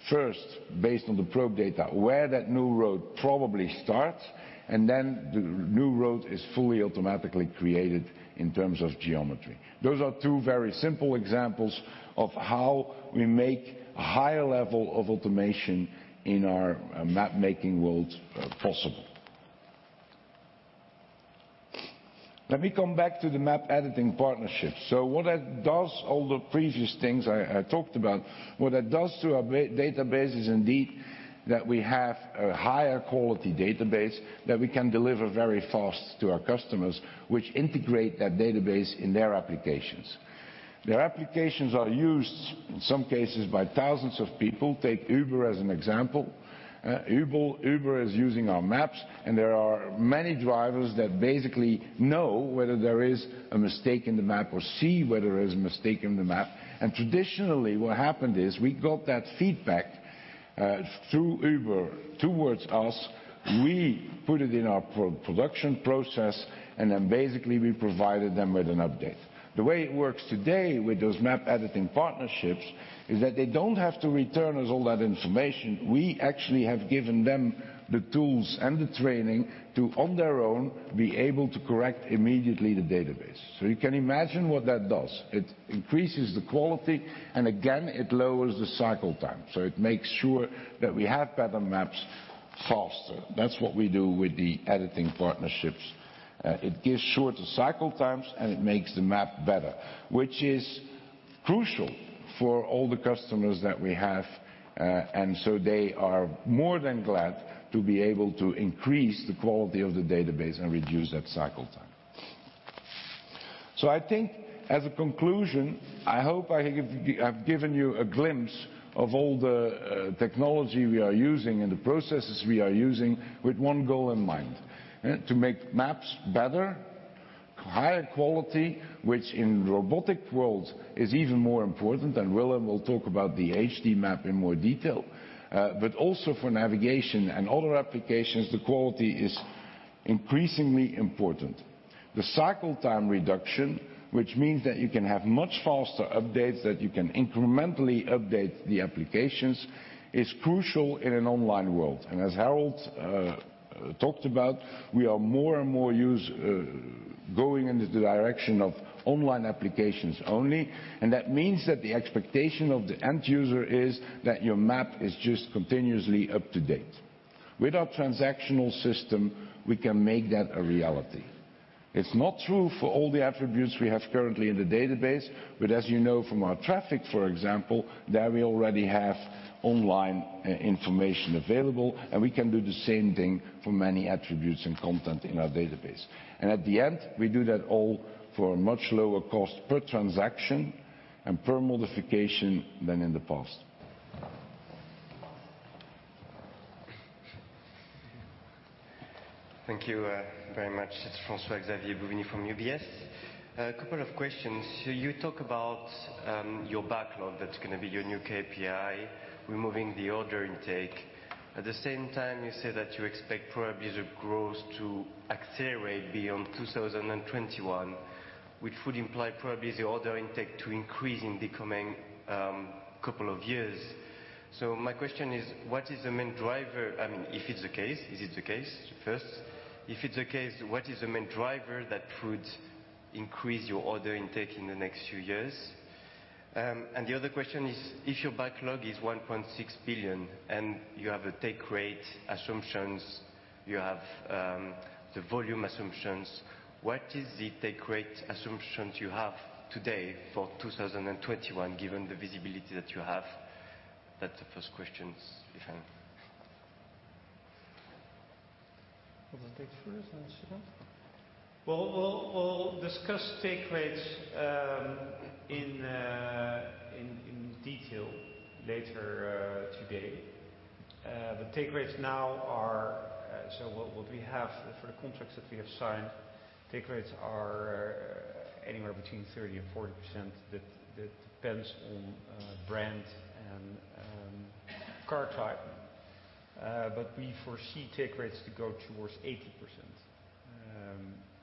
[SPEAKER 3] first, based on the probe data, where that new road probably starts, and then the new road is fully automatically created in terms of geometry. Those are two very simple examples of how we make a higher level of automation in our mapmaking world possible. Let me come back to the map editing partnership. What that does, all the previous things I talked about, what that does to our database is indeed that we have a higher quality database that we can deliver very fast to our customers, which integrate that database in their applications. Their applications are used, in some cases, by thousands of people. Take Uber as an example. Uber is using our maps, and there are many drivers that basically know whether there is a mistake in the map or see whether there is a mistake in the map. Traditionally, what happened is we got that feedback through Uber towards us. We put it in our production process, and then basically we provided them with an update. The way it works today with those map editing partnerships is that they don't have to return us all that information. We actually have given them the tools and the training to, on their own, be able to correct immediately the database. You can imagine what that does. It increases the quality, and again, it lowers the cycle time. It makes sure that we have better maps faster. That's what we do with the editing partnerships. It gives shorter cycle times, and it makes the map better, which is crucial for all the customers that we have. They are more than glad to be able to increase the quality of the database and reduce that cycle time. I think as a conclusion, I hope I've given you a glimpse of all the technology we are using and the processes we are using with one goal in mind. To make maps better. Higher quality, which in robotic world is even more important. Willem will talk about the HD map in more detail. Also for navigation and other applications, the quality is increasingly important. The cycle time reduction, which means that you can have much faster updates, that you can incrementally update the applications, is crucial in an online world. As Harold talked about, we are more and more going in the direction of online applications only. That means that the expectation of the end user is that your map is just continuously up to date. With our transactional system, we can make that a reality. It's not true for all the attributes we have currently in the database, but as you know from our traffic, for example, there we already have online information available, and we can do the same thing for many attributes and content in our database. At the end, we do that all for a much lower cost per transaction and per modification than in the past.
[SPEAKER 4] Thank you very much. It's François-Xavier Bouvignies from UBS. A couple of questions. You talk about your backlog that's going to be your new KPI, removing the order intake. At the same time, you say that you expect overall growth to accelerate beyond 2021, which would imply overall order intake to increase in the coming couple of years. My question is, what is the main driver? If it's the case, is it the case, first? If it's the case, what is the main driver that would increase your order intake in the next few years? The other question is, if your backlog is 1.6 billion and you have take rate assumptions, you have the volume assumptions, what is the take rate assumptions you have today for 2021 given the visibility that you have? That's the first question.
[SPEAKER 1] Willem take first, then Stefan.
[SPEAKER 2] We'll discuss take rates in detail later today. The take rates now are what we have for the contracts that we have signed, take rates are anywhere between 30% and 40%. That depends on brand and car type. We foresee take rates to go towards 80%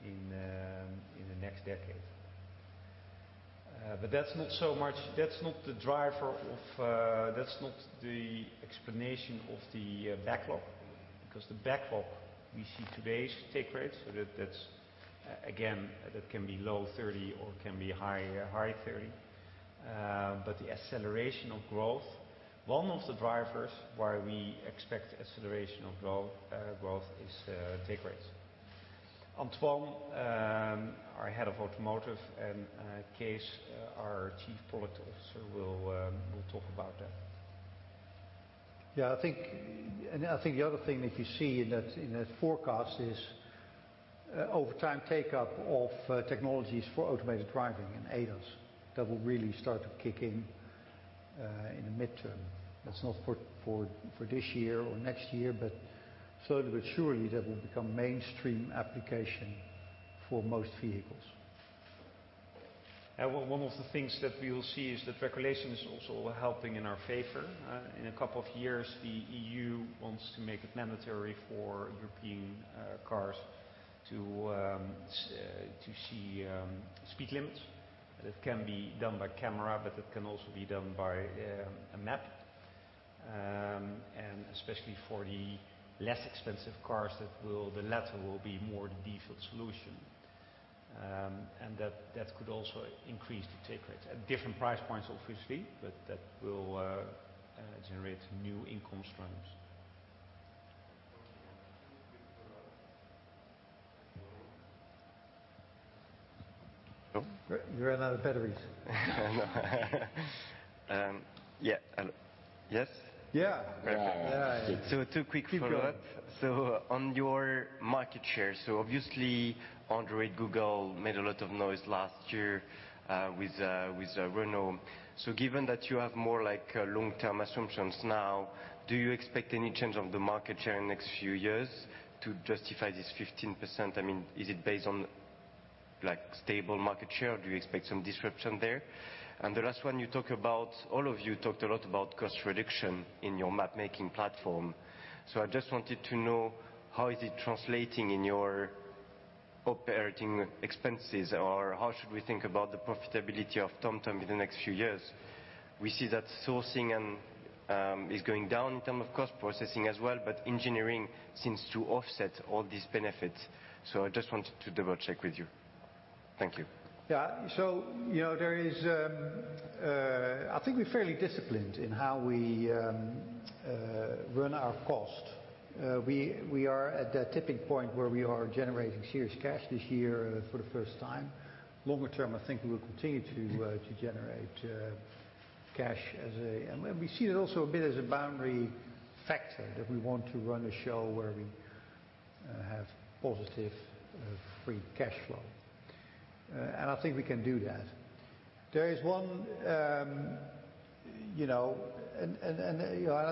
[SPEAKER 2] in the next decade. That's not the explanation of the backlog, because the backlog, we see today's take rates. That, again, that can be low 30% or it can be high 30%. The acceleration of growth, one of the drivers why we expect acceleration of growth is take rates. Antoine, our Head of Automotive, and Kees, our Chief Product Officer, will talk about that.
[SPEAKER 1] Yeah. I think the other thing that you see in that forecast is over time take-up of technologies for automated driving and ADAS. That will really start to kick in the midterm. That's not for this year or next year, but slowly but surely, that will become mainstream application for most vehicles.
[SPEAKER 2] One of the things that we will see is that regulation is also helping in our favor. In a couple of years, the EU wants to make it mandatory for European cars to see speed limits. That can be done by camera, but that can also be done by a map. Especially for the less expensive cars, the latter will be more the default solution. That could also increase the take rates. At different price points, obviously, but that will generate new income streams.
[SPEAKER 4] Two quick follow-ups. Hello?
[SPEAKER 1] You ran out of batteries.
[SPEAKER 4] Yeah. Hello. Yes?
[SPEAKER 1] Yeah.
[SPEAKER 4] Perfect.
[SPEAKER 1] Yeah.
[SPEAKER 4] Two quick follow-ups.
[SPEAKER 1] Keep going.
[SPEAKER 4] On your market share, obviously Android, Google made a lot of noise last year with Renault. Given that you have more long-term assumptions now, do you expect any change of the market share in the next few years to justify this 15%? Is it based on stable market share? Do you expect some disruption there? The last one, all of you talked a lot about cost reduction in your map-making platform. I just wanted to know, how is it translating in your operating expenses? How should we think about the profitability of TomTom in the next few years? We see that sourcing is going down in terms of cost processing as well, but engineering seems to offset all these benefits. I just wanted to double-check with you. Thank you.
[SPEAKER 1] I think we're fairly disciplined in how we run our cost. We are at that tipping point where we are generating serious cash this year for the first time. Longer term, I think we will continue to generate cash. We see it also a bit as a boundary factor that we want to run a show where we have positive free cash flow. I think we can do that. I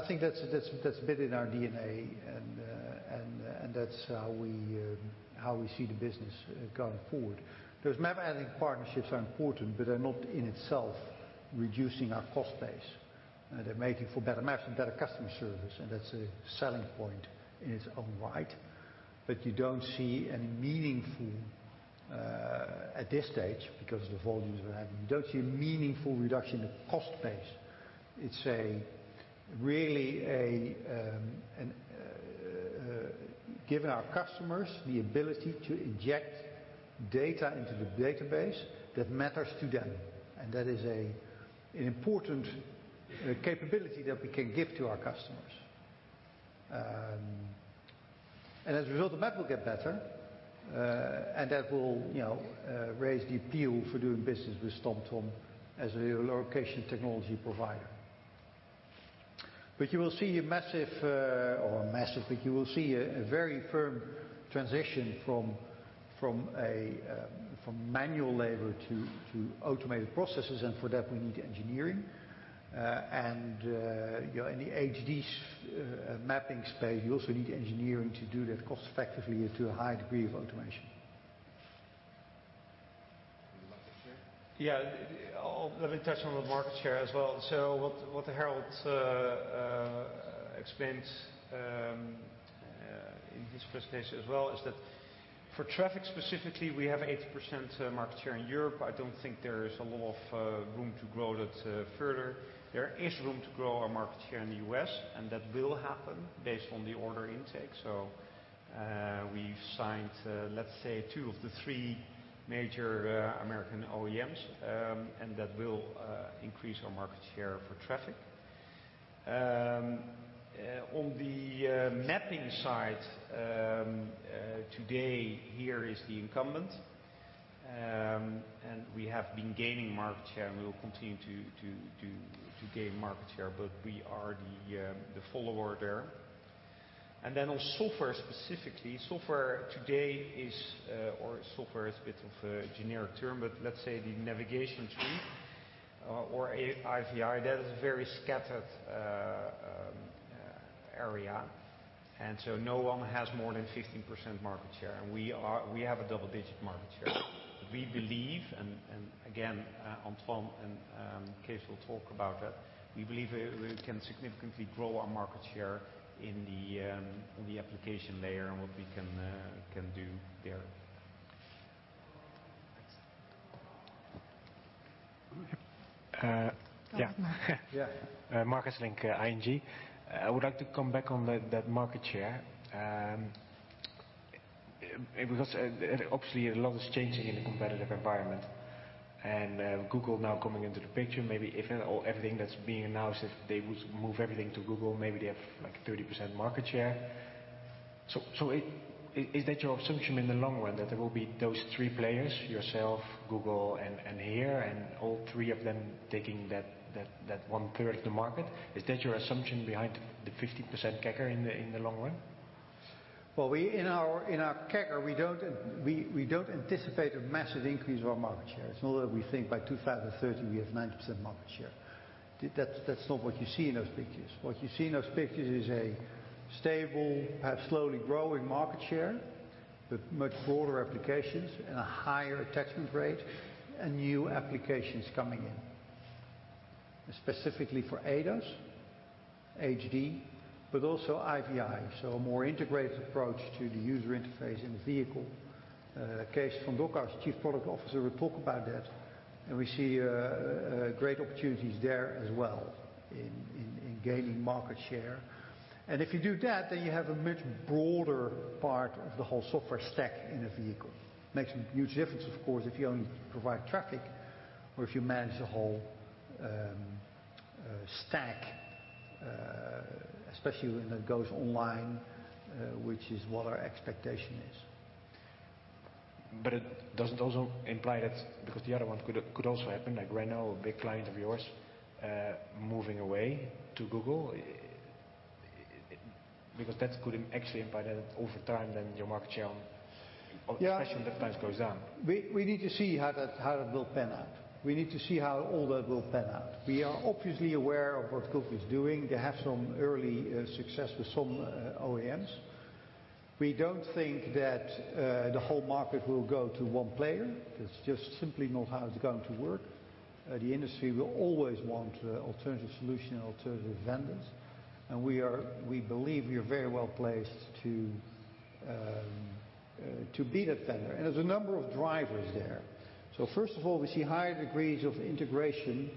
[SPEAKER 1] think that's built in our D&A, and that's how we see the business going forward. Those map-adding partnerships are important; they're not in itself reducing our cost base. They're making for better maps and better customer service, that's a selling point in its own right. You don't see any meaningful, at this stage, because of the volumes we're having, you don't see a meaningful reduction in the cost base. It's really giving our customers the ability to inject data into the database that matters to them. That is an important capability that we can give to our customers. As a result, the map will get better, and that will raise the appeal for doing business with TomTom as a location technology provider. You will see a very firm transition from manual labor to automated processes, and for that we need engineering. In the HD mapping space, you also need engineering to do that cost-effectively and to a high degree of automation.
[SPEAKER 5] On the market share?
[SPEAKER 2] Yeah. Let me touch on the market share as well. What Harold explained in his presentation as well is that for traffic specifically, we have 80% market share in Europe. I don't think there is a lot of room to grow that further. There is room to grow our market share in the U.S. That will happen based on the order intake. We've signed, let's say, two of the three major American OEMs. That will increase our market share for traffic. On the mapping side, today, HERE is the incumbent. We have been gaining market share, and we will continue to gain market share. We are the follower there. On software specifically, software today is a bit of a generic term, let's say the navigation suite or IVI, that is a very scattered area. No one has more than 15% market share. We have a double-digit market share. We believe, and again, Antoine and Kees will talk about that, we believe we can significantly grow our market share in the application layer and what we can do there.
[SPEAKER 5] Excellent.
[SPEAKER 1] Yep. Yeah. Yeah.
[SPEAKER 5] Marc Hesselink, ING. I would like to come back on that market share. Obviously, a lot is changing in the competitive environment, and Google now coming into the picture, maybe if everything that's being announced, if they would move everything to Google, maybe they have 30% market share. Is that your assumption in the long run, that there will be those three players, yourself, Google, and HERE, and all three of them taking that 1/3 of the market? Is that your assumption behind the 50% CAGR in the long run?
[SPEAKER 1] Well, in our CAGR, we don't anticipate a massive increase of our market share. It's not that we think by 2030 we have 90% market share. That's not what you see in those pictures. What you see in those pictures is a stable, perhaps slowly growing market share, but much broader applications and a higher attachment rate, and new applications coming in. Specifically for ADAS, HD, but also IVI, so a more integrated approach to the user interface in the vehicle. Kees van Dok, our Chief Product Officer, will talk about that, and we see great opportunities there as well in gaining market share. If you do that, then you have a much broader part of the whole software stack in a vehicle. Makes a huge difference, of course, if you only provide traffic or if you manage the whole stack, especially when that goes online, which is what our expectation is.
[SPEAKER 5] It doesn't also imply that, because the other one could also happen, like Renault, a big client of yours, moving away to Google? That could actually imply that over time, then your market share on-
[SPEAKER 1] Yeah.
[SPEAKER 5] goes down.
[SPEAKER 1] We need to see how that will pan out. We need to see how all that will pan out. We are obviously aware of what Google is doing. They have some early success with some OEMs. We don't think that the whole market will go to one player. That's just simply not how it's going to work. The industry will always want alternative solution and alternative vendors. We believe we are very well-placed to be that vendor. There's a number of drivers there. First of all, we see higher degrees of integration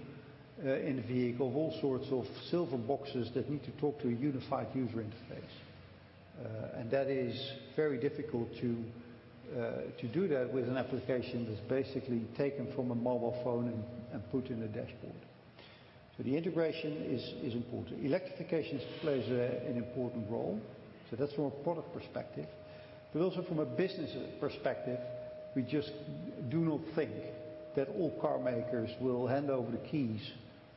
[SPEAKER 1] in the vehicle, all sorts of silver boxes that need to talk to a unified user interface. That is very difficult to do that with an application that's basically taken from a mobile phone and put in a dashboard. The integration is important. Electrification plays an important role. That's from a product perspective. Also from a business perspective, we just do not think that all car makers will hand over the keys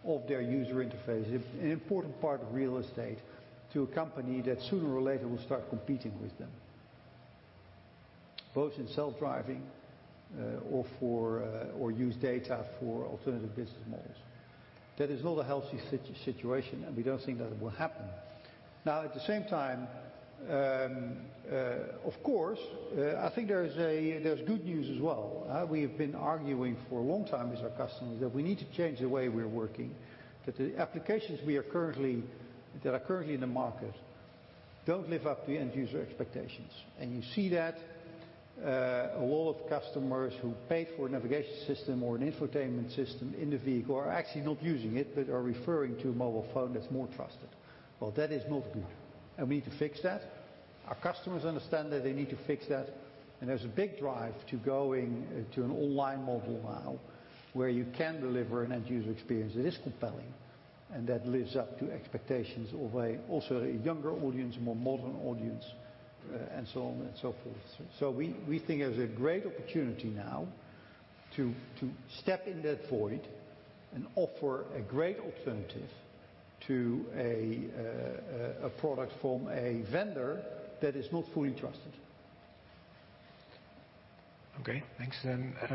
[SPEAKER 1] of their user interface, an important part of real estate, to a company that sooner or later will start competing with them, both in self-driving or use data for alternative business models. That is not a healthy situation, and we don't think that it will happen. At the same time, of course, I think there's good news as well. We have been arguing for a long time with our customers that we need to change the way we're working, that the applications that are currently in the market don't live up to end-user expectations. You see that a lot of customers who paid for a navigation system or an infotainment system in the vehicle are actually not using it, but are referring to a mobile phone that's more trusted. Well, that is not good. We need to fix that. Our customers understand that they need to fix that, and there's a big drive to going to an online model now where you can deliver an end-user experience that is compelling and that lives up to expectations of also a younger audience, a more modern audience, and so on and so forth. We think there's a great opportunity now to step in that void and offer a great alternative to a product from a vendor that is not fully trusted.
[SPEAKER 5] Okay, thanks.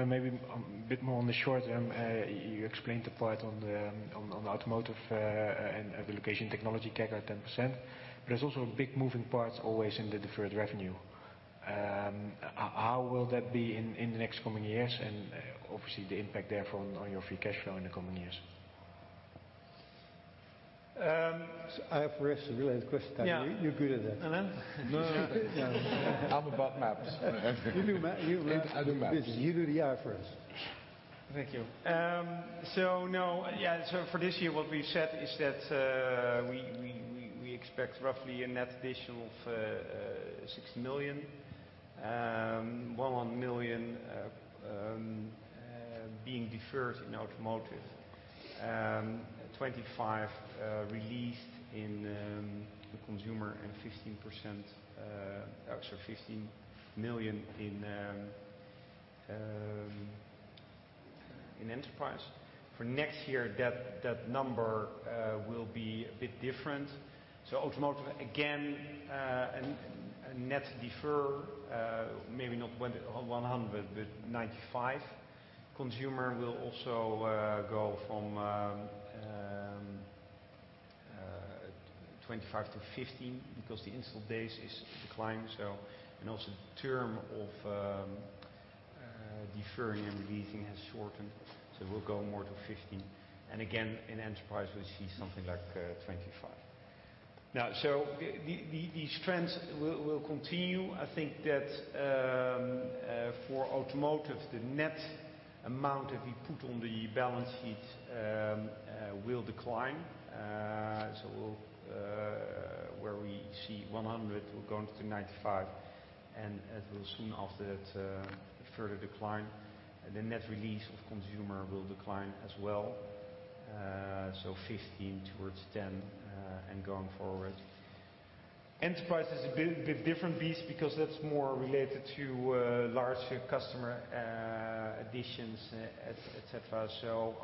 [SPEAKER 5] Maybe a bit more on the short term, you explained the part on the automotive and the location technology category, 10%, but there's also big moving parts always in the deferred revenue. How will that be in the next coming years? Obviously the impact therefore on your free cash flow in the coming years. I have first a related question to that.
[SPEAKER 1] Yeah. You're good at that.
[SPEAKER 5] No.
[SPEAKER 3] No. I'm about maps.
[SPEAKER 5] You do maps.
[SPEAKER 3] I do maps.
[SPEAKER 5] You do the I first.
[SPEAKER 2] Thank you. For this year, what we've said is that we expect roughly a net addition of 60 million, 100 million being deferred in automotive, 25 released in the consumer, and 15 million in enterprise. For next year, that number will be a bit different. Automotive, again, a net defer, maybe not 100, but 95. Consumer will also go from 25 to 15 because the install base is declining, and also the term of deferring and releasing has shortened. We'll go more to 15. Again, in enterprise, we see something like 25. These trends will continue. I think that for automotive, the net amount that we put on the balance sheet will decline. Where we see 100, we're going to 95, and it will soon after that further decline. The net release of consumer will decline as well, 15 towards 10 and going forward. Enterprise is a bit different beast because that's more related to large customer additions, et cetera.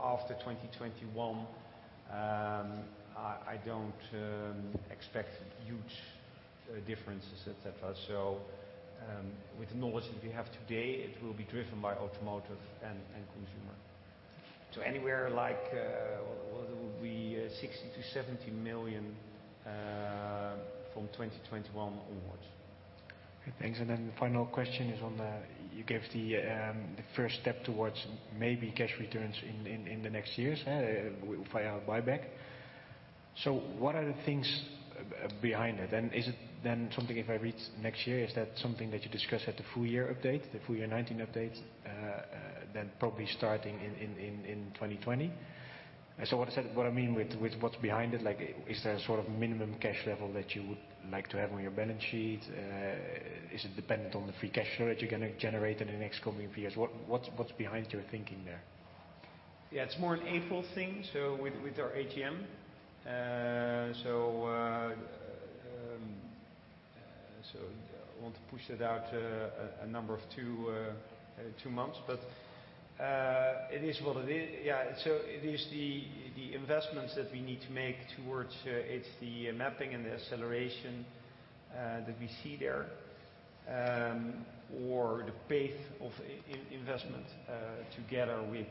[SPEAKER 2] After 2021, I don't expect huge differences, et cetera. With the knowledge that we have today, it will be driven by automotive and consumer. Anywhere like EUR 60 million-EUR 70 million from 2021 onwards.
[SPEAKER 5] Okay, thanks. The final question is on the You gave the first step towards maybe cash returns in the next years via buyback. What are the things behind it? Is it then something, if I read next year, is that something that you discuss at the full year update, the full year 2019 update, then probably starting in 2020? What I mean with what's behind it, is there a sort of minimum cash level that you would like to have on your balance sheet? Is it dependent on the free cash flow that you're going to generate in the next coming years? What's behind your thinking there?
[SPEAKER 2] Yeah, it's more an April thing, with our AGM. I want to push that out a number of two months. It is what it is. It is the investments that we need to make towards It's the mapping and the acceleration that we see there, or the pace of investment together with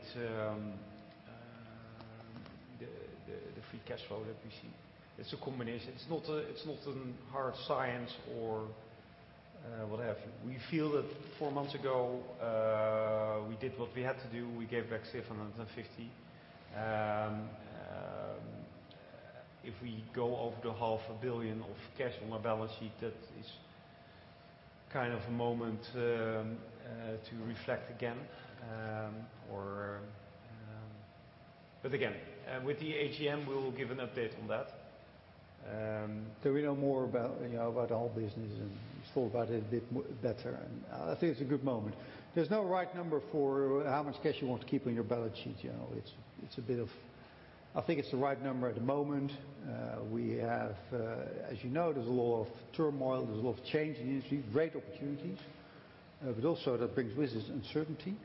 [SPEAKER 2] the free cash flow that we see. It's a combination. It's not a hard science or what have you. We feel that four months ago, we did what we had to do. We gave back 750. If we go over the half a billion EUR of cash on our balance sheet, that is kind of a moment to reflect again. Again, with the AGM, we will give an update on that.
[SPEAKER 1] We know more about the whole business and thought about it a bit better, and I think it's a good moment. There's no right number for how much cash you want to keep on your balance sheet. I think it's the right number at the moment. As you know, there's a lot of turmoil, there's a lot of change in the industry, great opportunities, but also that brings with it uncertainty.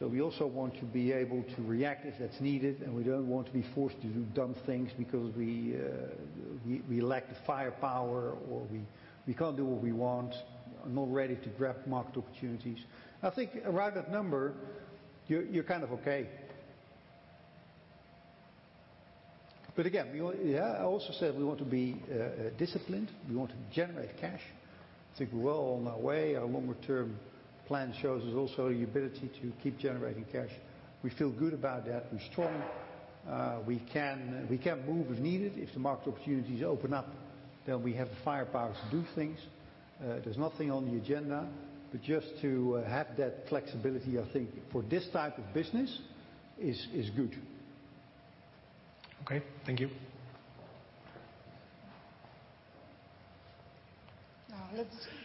[SPEAKER 1] We also want to be able to react if that's needed, and we don't want to be forced to do dumb things because we lack the firepower, or we can't do what we want, not ready to grab market opportunities. I think around that number, you're kind of okay. Again, I also said we want to be disciplined. We want to generate cash. I think we're well on our way. Our longer-term plan shows us also the ability to keep generating cash. We feel good about that. We're strong. We can move as needed. If the market opportunities open up, then we have the firepower to do things. There's nothing on the agenda, but just to have that flexibility, I think, for this type of business is good.
[SPEAKER 5] Okay. Thank you.
[SPEAKER 2] Now let-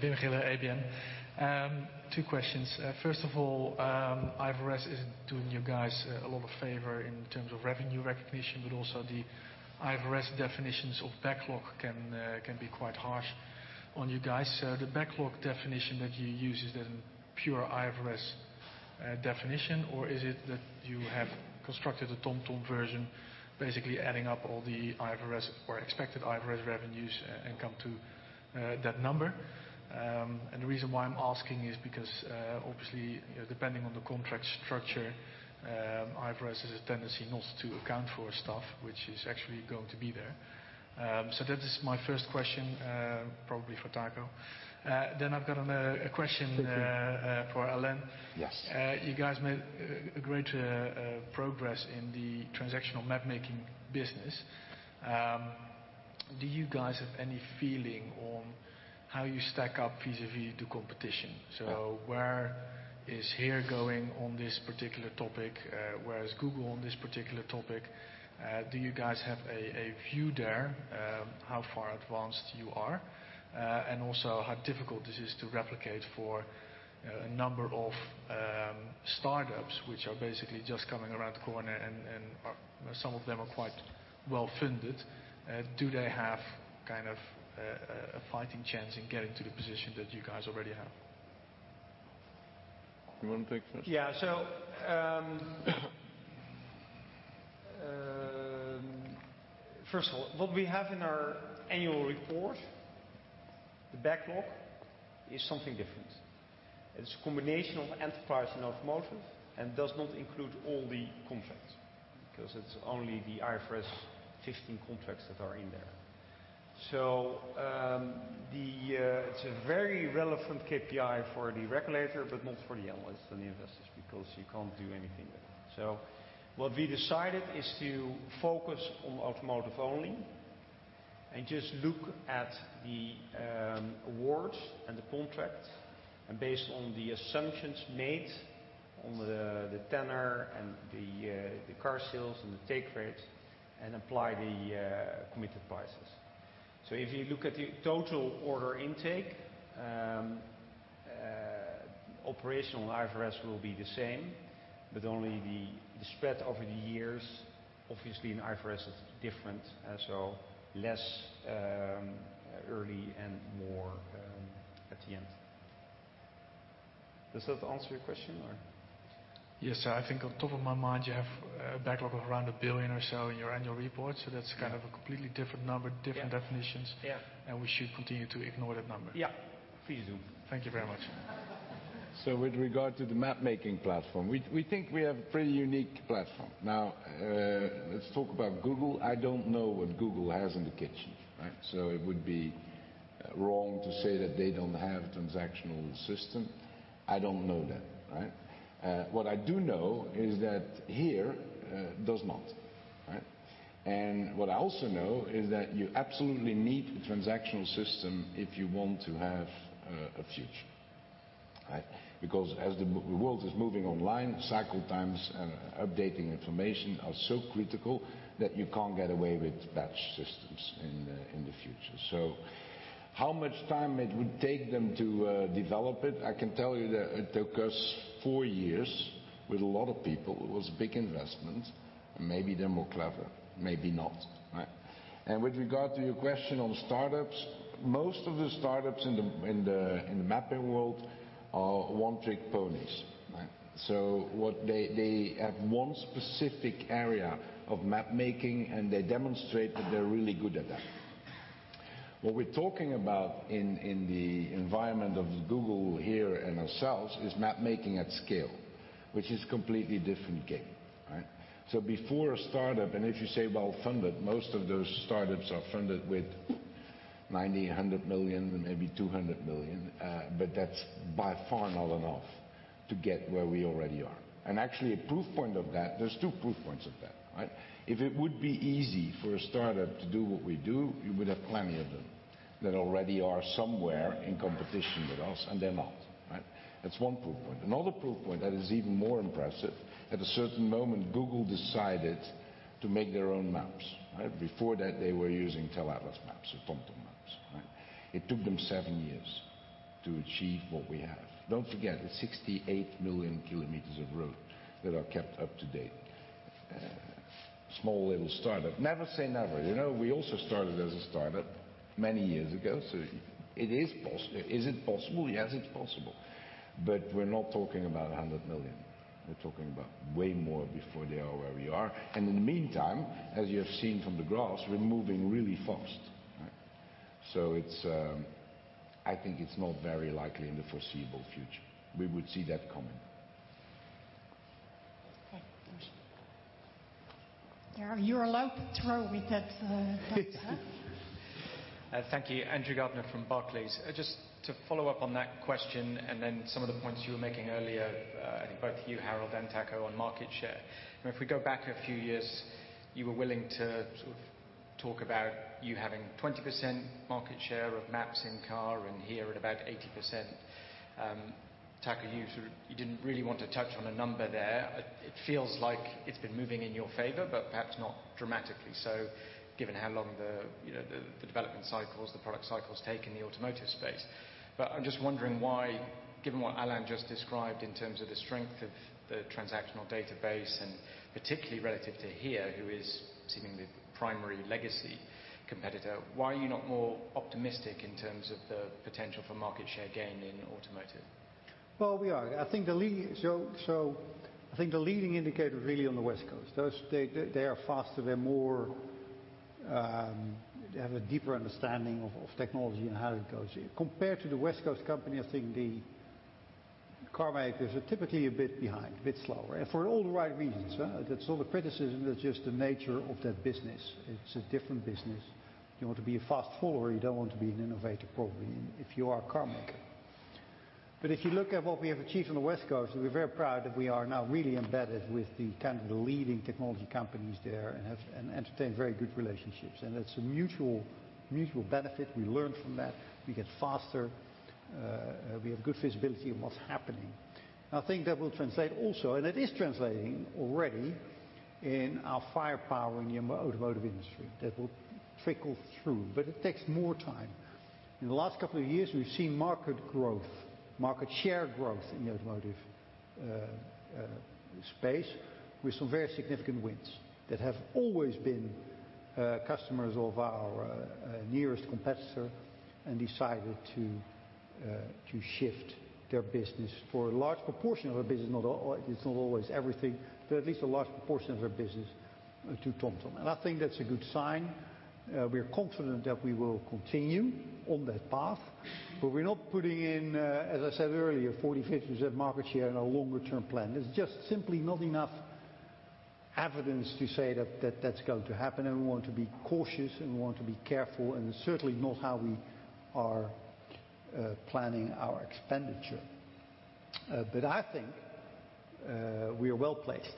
[SPEAKER 6] Wim Gille, ABN. Two questions. First of all, IFRS isn't doing you guys a lot of favor in terms of revenue recognition, but also the IFRS definitions of backlog can be quite harsh on you guys. The backlog definition that you use, is that a pure IFRS definition or is it that you have constructed a TomTom version, basically adding up all the IFRS or expected IFRS revenues and come to that number? The reason why I'm asking is because, obviously, depending on the contract structure, IFRS has a tendency not to account for stuff which is actually going to be there. That is my first question, probably for Taco. I've got a question.
[SPEAKER 1] Thank you. for Alain. Yes.
[SPEAKER 6] You guys made a great progress in the transactional mapmaking business. Do you guys have any feeling on how you stack up vis-a-vis to competition? Where is HERE going on this particular topic? Where is Google on this particular topic? Do you guys have a view there, how far advanced you are? Also how difficult is this to replicate for a number of startups, which are basically just coming around the corner and some of them are quite well-funded. Do they have kind of a fighting chance in getting to the position that you guys already have?
[SPEAKER 3] You want to take this?
[SPEAKER 2] Yeah. First of all, what we have in our annual report, the backlog is something different. It's a combination of enterprise and automotive and does not include all the contracts, because it's only the IFRS 15 contracts that are in there. It's a very relevant KPI for the regulator, but not for the analysts and the investors, because you can't do anything with it. What we decided is to focus on automotive only and just look at the awards and the contracts, and based on the assumptions made on the tenor and the car sales and the take rates, and apply the committed prices. If you look at the total order intake, operational IFRS will be the same, but only the spread over the years. Obviously, in IFRS, it's different, so less early and more at the end. Does that answer your question or?
[SPEAKER 6] Yes, I think on top of my mind, you have a backlog of around 1 billion or so in your annual report. That's kind of a completely different number, different definitions.
[SPEAKER 2] Yeah.
[SPEAKER 6] We should continue to ignore that number.
[SPEAKER 2] Yeah. Please do.
[SPEAKER 6] Thank you very much.
[SPEAKER 3] With regard to the mapmaking platform, we think we have a pretty unique platform. Let's talk about Google. I don't know what Google has in the kitchen. It would be wrong to say that they don't have a transactional system. I don't know that, right? What I do know is that HERE does not. What I also know is that you absolutely need a transactional system if you want to have a future. As the world is moving online, cycle times and updating information are so critical that you can't get away with batch systems in the future. How much time it would take them to develop it? I can tell you that it took us four years with a lot of people. It was a big investment. Maybe they're more clever, maybe not.
[SPEAKER 1] With regard to your question on startups, most of the startups in the mapping world are one-trick ponies. They have one specific area of mapmaking, and they demonstrate that they're really good at that. What we're talking about in the environment of Google, HERE, and ourselves is mapmaking at scale, which is a completely different game. Before a startup, and if you say well-funded, most of those startups are funded with 90, 100 million, maybe 200 million. That's by far not enough to get where we already are. Actually, a proof point of that, there's two proof points of that. If it would be easy for a startup to do what we do, you would have plenty of them that already are somewhere in competition with us, and they're not. That's one proof point. Another proof point that is even more impressive, at a certain moment, Google decided to make their own maps. Before that, they were using Tele Atlas maps or TomTom maps. It took them seven years to achieve what we have. Don't forget, it's 68 million kilometers of road that are kept up to date. Small, little startup. Never say never. We also started as a startup many years ago. Is it possible? Yes, it's possible. We're not talking about 100 million. We're talking about way more before they are where we are. In the meantime, as you have seen from the graphs, we're moving really fast. I think it's not very likely in the foreseeable future we would see that coming.
[SPEAKER 7] Okay. There. You're allowed to throw with that.
[SPEAKER 8] Thank you. Andrew Gardner from Barclays. Just to follow up on that question and then some of the points you were making earlier, I think both you, Harold, and Taco, on market share. If we go back a few years, you were willing to talk about you having 20% market share of maps in car and HERE at about 80%. Taco, you didn't really want to touch on a number there. It feels like it's been moving in your favor, but perhaps not dramatically so, given how long the development cycles, the product cycles take in the automotive space. I'm just wondering why, given what Alain just described in terms of the strength of the transactional database, and particularly relative to HERE, who is seemingly the primary legacy competitor, why are you not more optimistic in terms of the potential for market share gain in automotive?
[SPEAKER 1] We are. I think the leading indicator really on the West Coast, they are faster, they have a deeper understanding of technology and how that goes. Compared to the West Coast company, I think the car makers are typically a bit behind, a bit slower, and for all the right reasons. That's not a criticism, that's just the nature of that business. It's a different business. You want to be a fast follower. You don't want to be an innovator, probably, if you are a car maker. If you look at what we have achieved on the West Coast, we're very proud that we are now really embedded with the leading technology companies there and entertain very good relationships. That's a mutual benefit. We learn from that. We get faster, we have good visibility of what's happening. I think that will translate also, and it is translating already, in our firepower in the automotive industry. That will trickle through, but it takes more time. In the last couple of years, we've seen market growth, market share growth in the automotive space with some very significant wins that have always been customers of our nearest competitor and decided to shift their business for a large proportion of their business, it's not always everything, but at least a large proportion of their business to TomTom. I think that's a good sign. We're confident that we will continue on that path. We're not putting in, as I said earlier, 40%, 50% market share in our longer-term plan. There's just simply not enough evidence to say that that's going to happen, and we want to be cautious, and we want to be careful, and it's certainly not how we are planning our expenditure. I think we are well-placed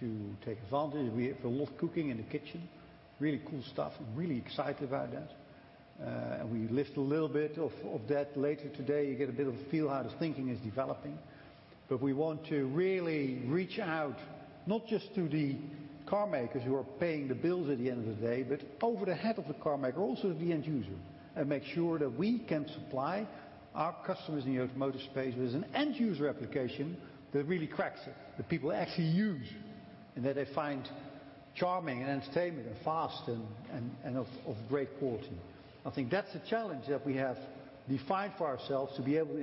[SPEAKER 1] to take advantage. We have a lot of cooking in the kitchen, really cool stuff, really excited about that. We list a little bit of that later today. You get a bit of a feel how the thinking is developing. We want to really reach out, not just to the car makers who are paying the bills at the end of the day, but over the head of the car maker, also the end user, and make sure that we can supply our customers in the automotive space with an end-user application that really cracks it. That people actually use, and that they find charming and entertaining and fast and of great quality. I think that's a challenge that we have defined for ourselves to be able,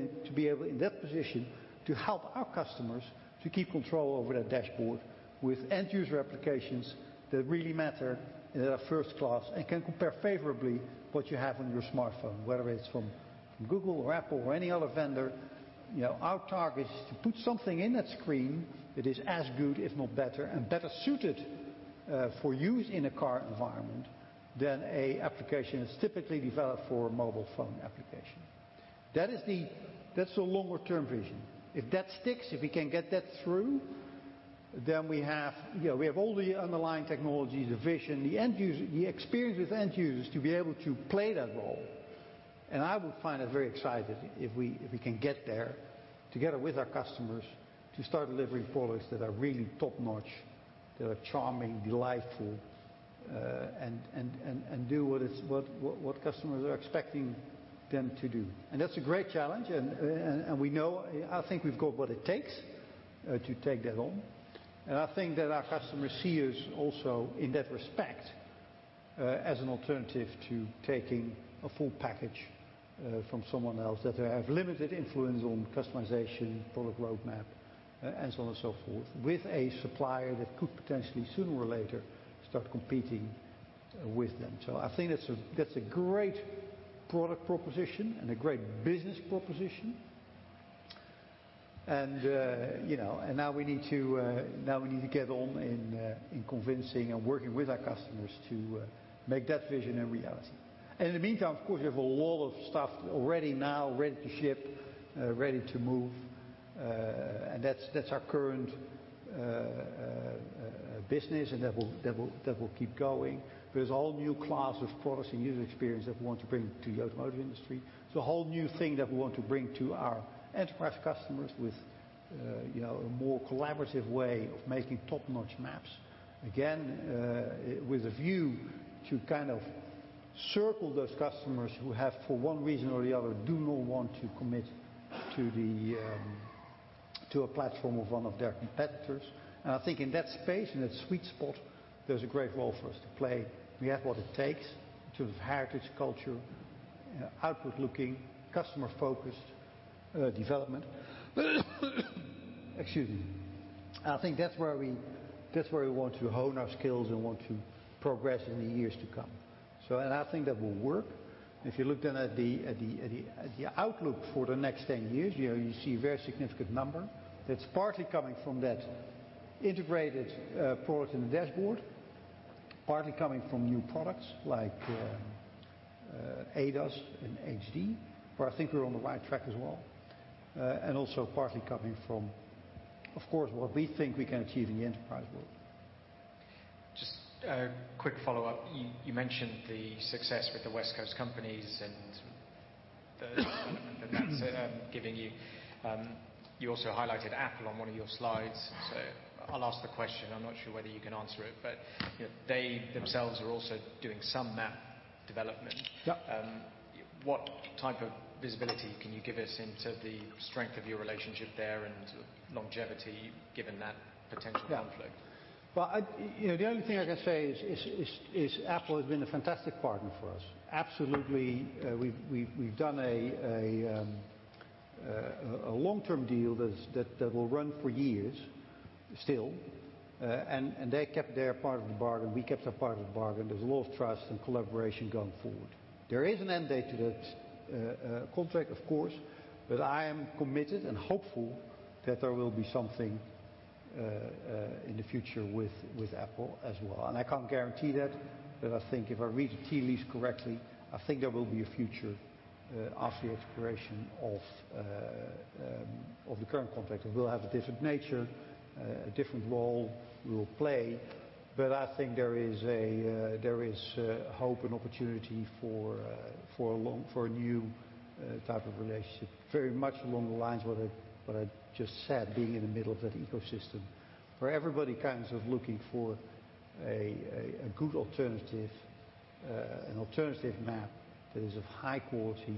[SPEAKER 1] in that position, to help our customers to keep control over their dashboard with end-user applications that really matter and that are first class and can compare favorably what you have on your smartphone, whether it's from Google or Apple or any other vendor. Our target is to put something in that screen that is as good, if not better, and better suited for use in a car environment than a application that's typically developed for a mobile phone application. That's the longer-term vision. If that sticks, if we can get that through, then we have all the underlying technologies, the vision, the experience with end users to be able to play that role. I would find that very exciting if we can get there together with our customers to start delivering products that are really top-notch, that are charming, delightful, and do what customers are expecting them to do. That's a great challenge, and I think we've got what it takes to take that on. I think that our customers see us also in that respect, as an alternative to taking a full package from someone else that they have limited influence on customization, product roadmap, and so on and so forth, with a supplier that could potentially sooner or later start competing with them. I think that's a great product proposition and a great business proposition. Now we need to get on in convincing and working with our customers to make that vision a reality. In the meantime, of course, we have a lot of stuff already now ready to ship, ready to move. That's our current business and that will keep going. There's a whole new class of products and user experience that we want to bring to the automotive industry. There's a whole new thing that we want to bring to our enterprise customers with a more collaborative way of making top-notch maps. Again, with a view to circle those customers who have, for one reason or the other, do not want to commit to a platform of one of their competitors. I think in that space, in that sweet spot, there's a great role for us to play. We have what it takes in terms of heritage, culture, output looking, customer focused development. Excuse me. I think that's where we want to hone our skills and want to progress in the years to come. I think that will work. If you look then at the outlook for the next 10 years, you see a very significant number that's partly coming from that integrated product and dashboard, partly coming from new products like ADAS and HD, where I think we're on the right track as well, and also partly coming from, of course, what we think we can achieve in the enterprise world.
[SPEAKER 8] Just a quick follow-up. You mentioned the success with the West Coast companies that's giving you. You also highlighted Apple on one of your slides. I'll ask the question, I'm not sure whether you can answer it, but they themselves are also doing some map development.
[SPEAKER 1] Yeah.
[SPEAKER 8] What type of visibility can you give us into the strength of your relationship there and longevity, given that potential conflict?
[SPEAKER 1] Well, the only thing I can say is Apple has been a fantastic partner for us. Absolutely, we've done a long-term deal that will run for years still. They kept their part of the bargain, we kept our part of the bargain. There's a lot of trust and collaboration going forward. There is an end date to that contract, of course, I am committed and hopeful that there will be something in the future with Apple as well. I can't guarantee that, I think if I read the tea leaves correctly, I think there will be a future after the expiration of the current contract. It will have a different nature, a different role we will play, I think there is hope and opportunity for a new type of relationship, very much along the lines what I just said, being in the middle of that ecosystem, where everybody kind of looking for a good alternative, an alternative map that is of high quality,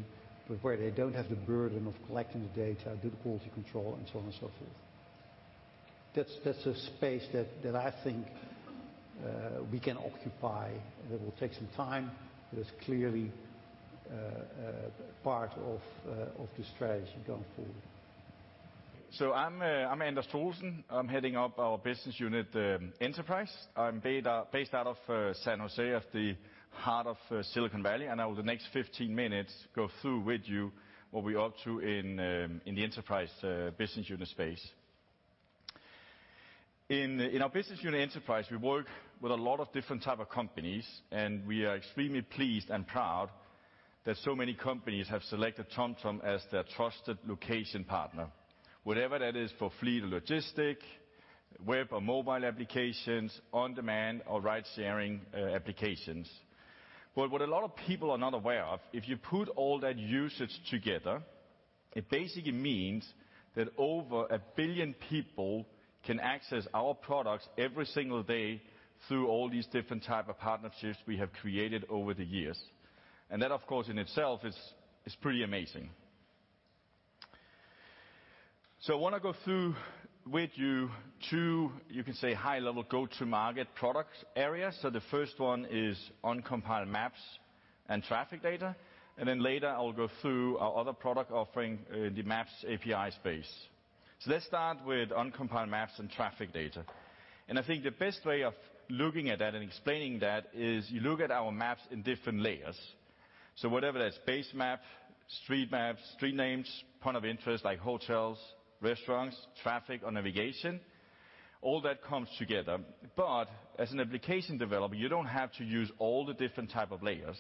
[SPEAKER 1] but where they don't have the burden of collecting the data, do the quality control, and so on and so forth. That's a space that I think we can occupy. That will take some time, but it's clearly part of the strategy going forward.
[SPEAKER 9] I'm Anders Troelsen. I'm heading up our business unit, Enterprise. I'm based out of San Jose, at the heart of Silicon Valley, and over the next 15 minutes, go through with you what we're up to in the enterprise business unit space. In our business unit Enterprise, we work with a lot of different type of companies, and we are extremely pleased and proud that so many companies have selected TomTom as their trusted location partner, whatever that is, for fleet or logistic, web or mobile applications, on-demand or ride sharing applications. What a lot of people are not aware of, if you put all that usage together, it basically means that over 1 billion people can access our products every single day through all these different type of partnerships we have created over the years. That, of course, in itself is pretty amazing. I want to go through with you two, you can say high-level go-to-market products areas. The first one is uncompiled maps and traffic data, and then later I will go through our other product offering, the Maps API space. Let's start with uncompiled maps and traffic data. I think the best way of looking at that and explaining that is you look at our maps in different layers. Whatever that base map, street map, street names, point of interest, like hotels, restaurants, traffic or navigation, all that comes together. As an application developer, you don't have to use all the different type of layers.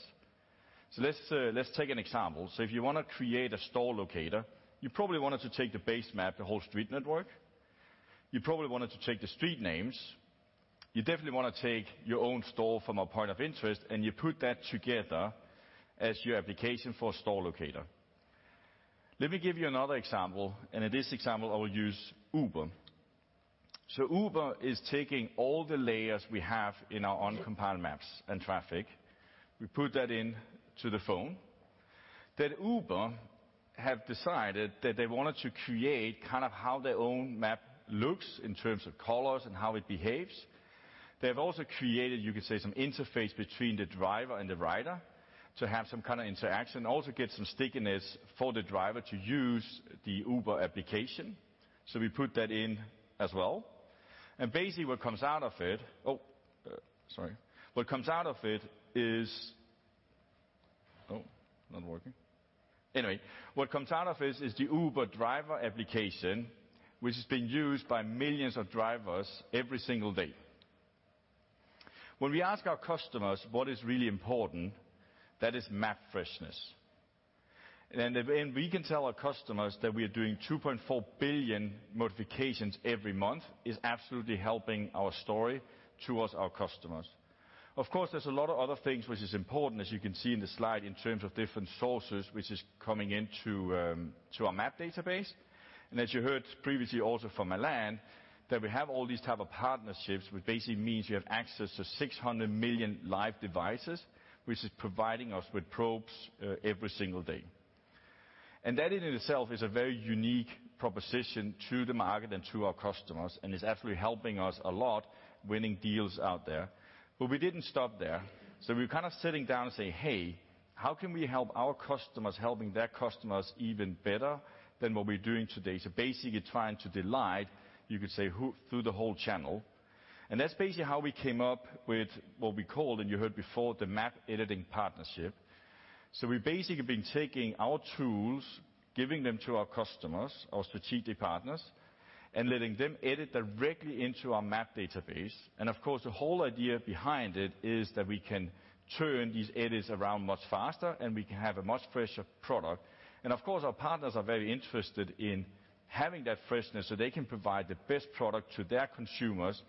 [SPEAKER 9] Let's take an example. If you want to create a store locator, you probably wanted to take the base map, the whole street network. You probably wanted to take the street names. You definitely want to take your own store from a point of interest, and you put that together as your application for a store locator. Let me give you another example, and in this example, I will use Uber. Uber is taking all the layers we have in our uncompiled maps and traffic. We put that into the phone. Uber have decided that they wanted to create kind of how their own map looks in terms of colors and how it behaves. They've also created, you could say, some interface between the driver and the rider to have some kind of interaction, also get some stickiness for the driver to use the Uber application. We put that in as well. Basically what comes out of it. Oh, sorry. What comes out of it is. Oh, not working. What comes out of it is the Uber driver application, which is being used by millions of drivers every single day. When we ask our customers what is really important, that is map freshness. We can tell our customers that we are doing 2.4 billion modifications every month, is absolutely helping our story towards our customers. Of course, there's a lot of other things which is important, as you can see in the slide, in terms of different sources, which is coming into our map database. As you heard previously also from Alain, that we have all these type of partnerships, which basically means you have access to 600 million live devices, which is providing us with probes every single day. That in itself is a very unique proposition to the market and to our customers, and is actually helping us a lot winning deals out there. We didn't stop there. We're kind of sitting down and say, "Hey, how can we help our customers helping their customers even better than what we're doing today?" Basically trying to delight, you could say, through the whole channel. That's basically how we came up with what we call, and you heard before, the map editing partnership. We've basically been taking our tools, giving them to our customers, our strategic partners, and letting them edit directly into our map database. Of course, the whole idea behind it is that we can turn these edits around much faster, and we can have a much fresher product. Of course, our partners are very interested in having that freshness so they can provide the best product to their consumers,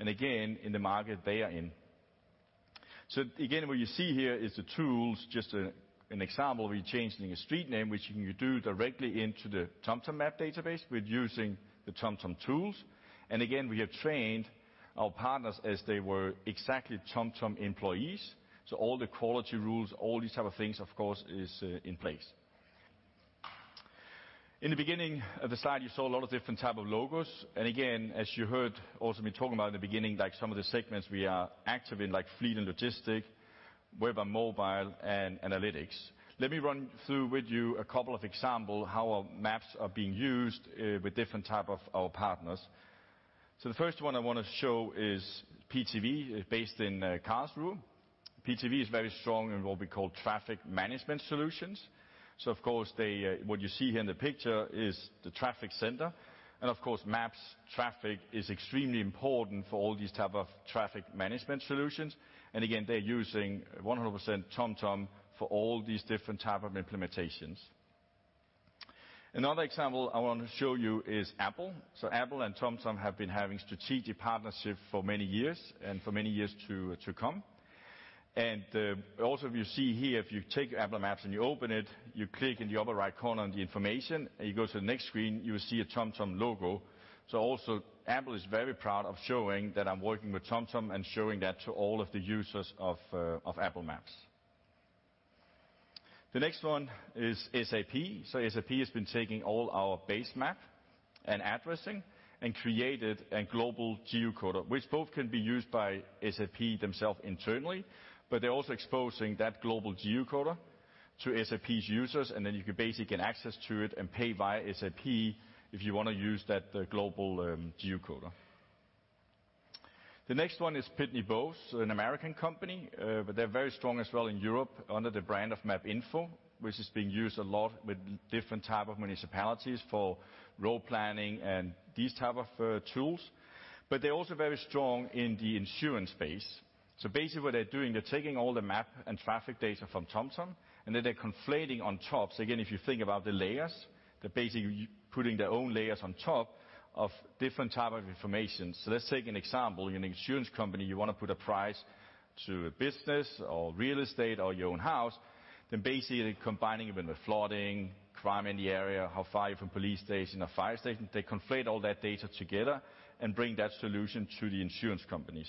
[SPEAKER 9] and again, in the market they are in. What you see here is the tools, just an example of you changing a street name, which you can do directly into the TomTom map database with using the TomTom tools. We have trained our partners as they were exactly TomTom employees. All the quality rules, all these type of things, of course, is in place. In the beginning of the slide, you saw a lot of different type of logos. As you heard also me talking about in the beginning, like some of the segments we are active in like fleet and logistic, web and mobile, and analytics. Let me run through with you a couple of example how our maps are being used, with different type of our partners. The first one I want to show is PTV, based in Karlsruhe. PTV is very strong in what we call traffic management solutions. Of course, what you see here in the picture is the traffic center, and of course, maps, traffic is extremely important for all these type of traffic management solutions. Again, they're using 100% TomTom for all these different type of implementations. Another example I want to show you is Apple. Apple and TomTom have been having strategic partnership for many years, and for many years to come. Also if you see here, if you take Apple Maps and you open it, you click in the upper right corner on the information, and you go to the next screen, you will see a TomTom logo. Also Apple is very proud of showing that I'm working with TomTom and showing that to all of the users of Apple Maps. The next one is SAP. SAP has been taking all our base map and addressing and created a global geocoder, which both can be used by SAP themself internally, but they're also exposing that global geocoder to SAP's users, and then you can basically get access to it and pay via SAP if you want to use that global geocoder. The next one is Pitney Bowes, an American company. They're very strong as well in Europe under the brand of MapInfo, which is being used a lot with different type of municipalities for road planning and these type of tools. They're also very strong in the insurance space. Basically what they're doing, they're taking all the map and traffic data from TomTom, and then they're conflating on top. Again, if you think about the layers, they're basically putting their own layers on top of different type of information. Let's take an example. You're an insurance company, you want to put a price to a business or real estate or your own house. Basically combining even with flooding, crime in the area, how far are you from police station or fire station, they conflate all that data together and bring that solution to the insurance companies.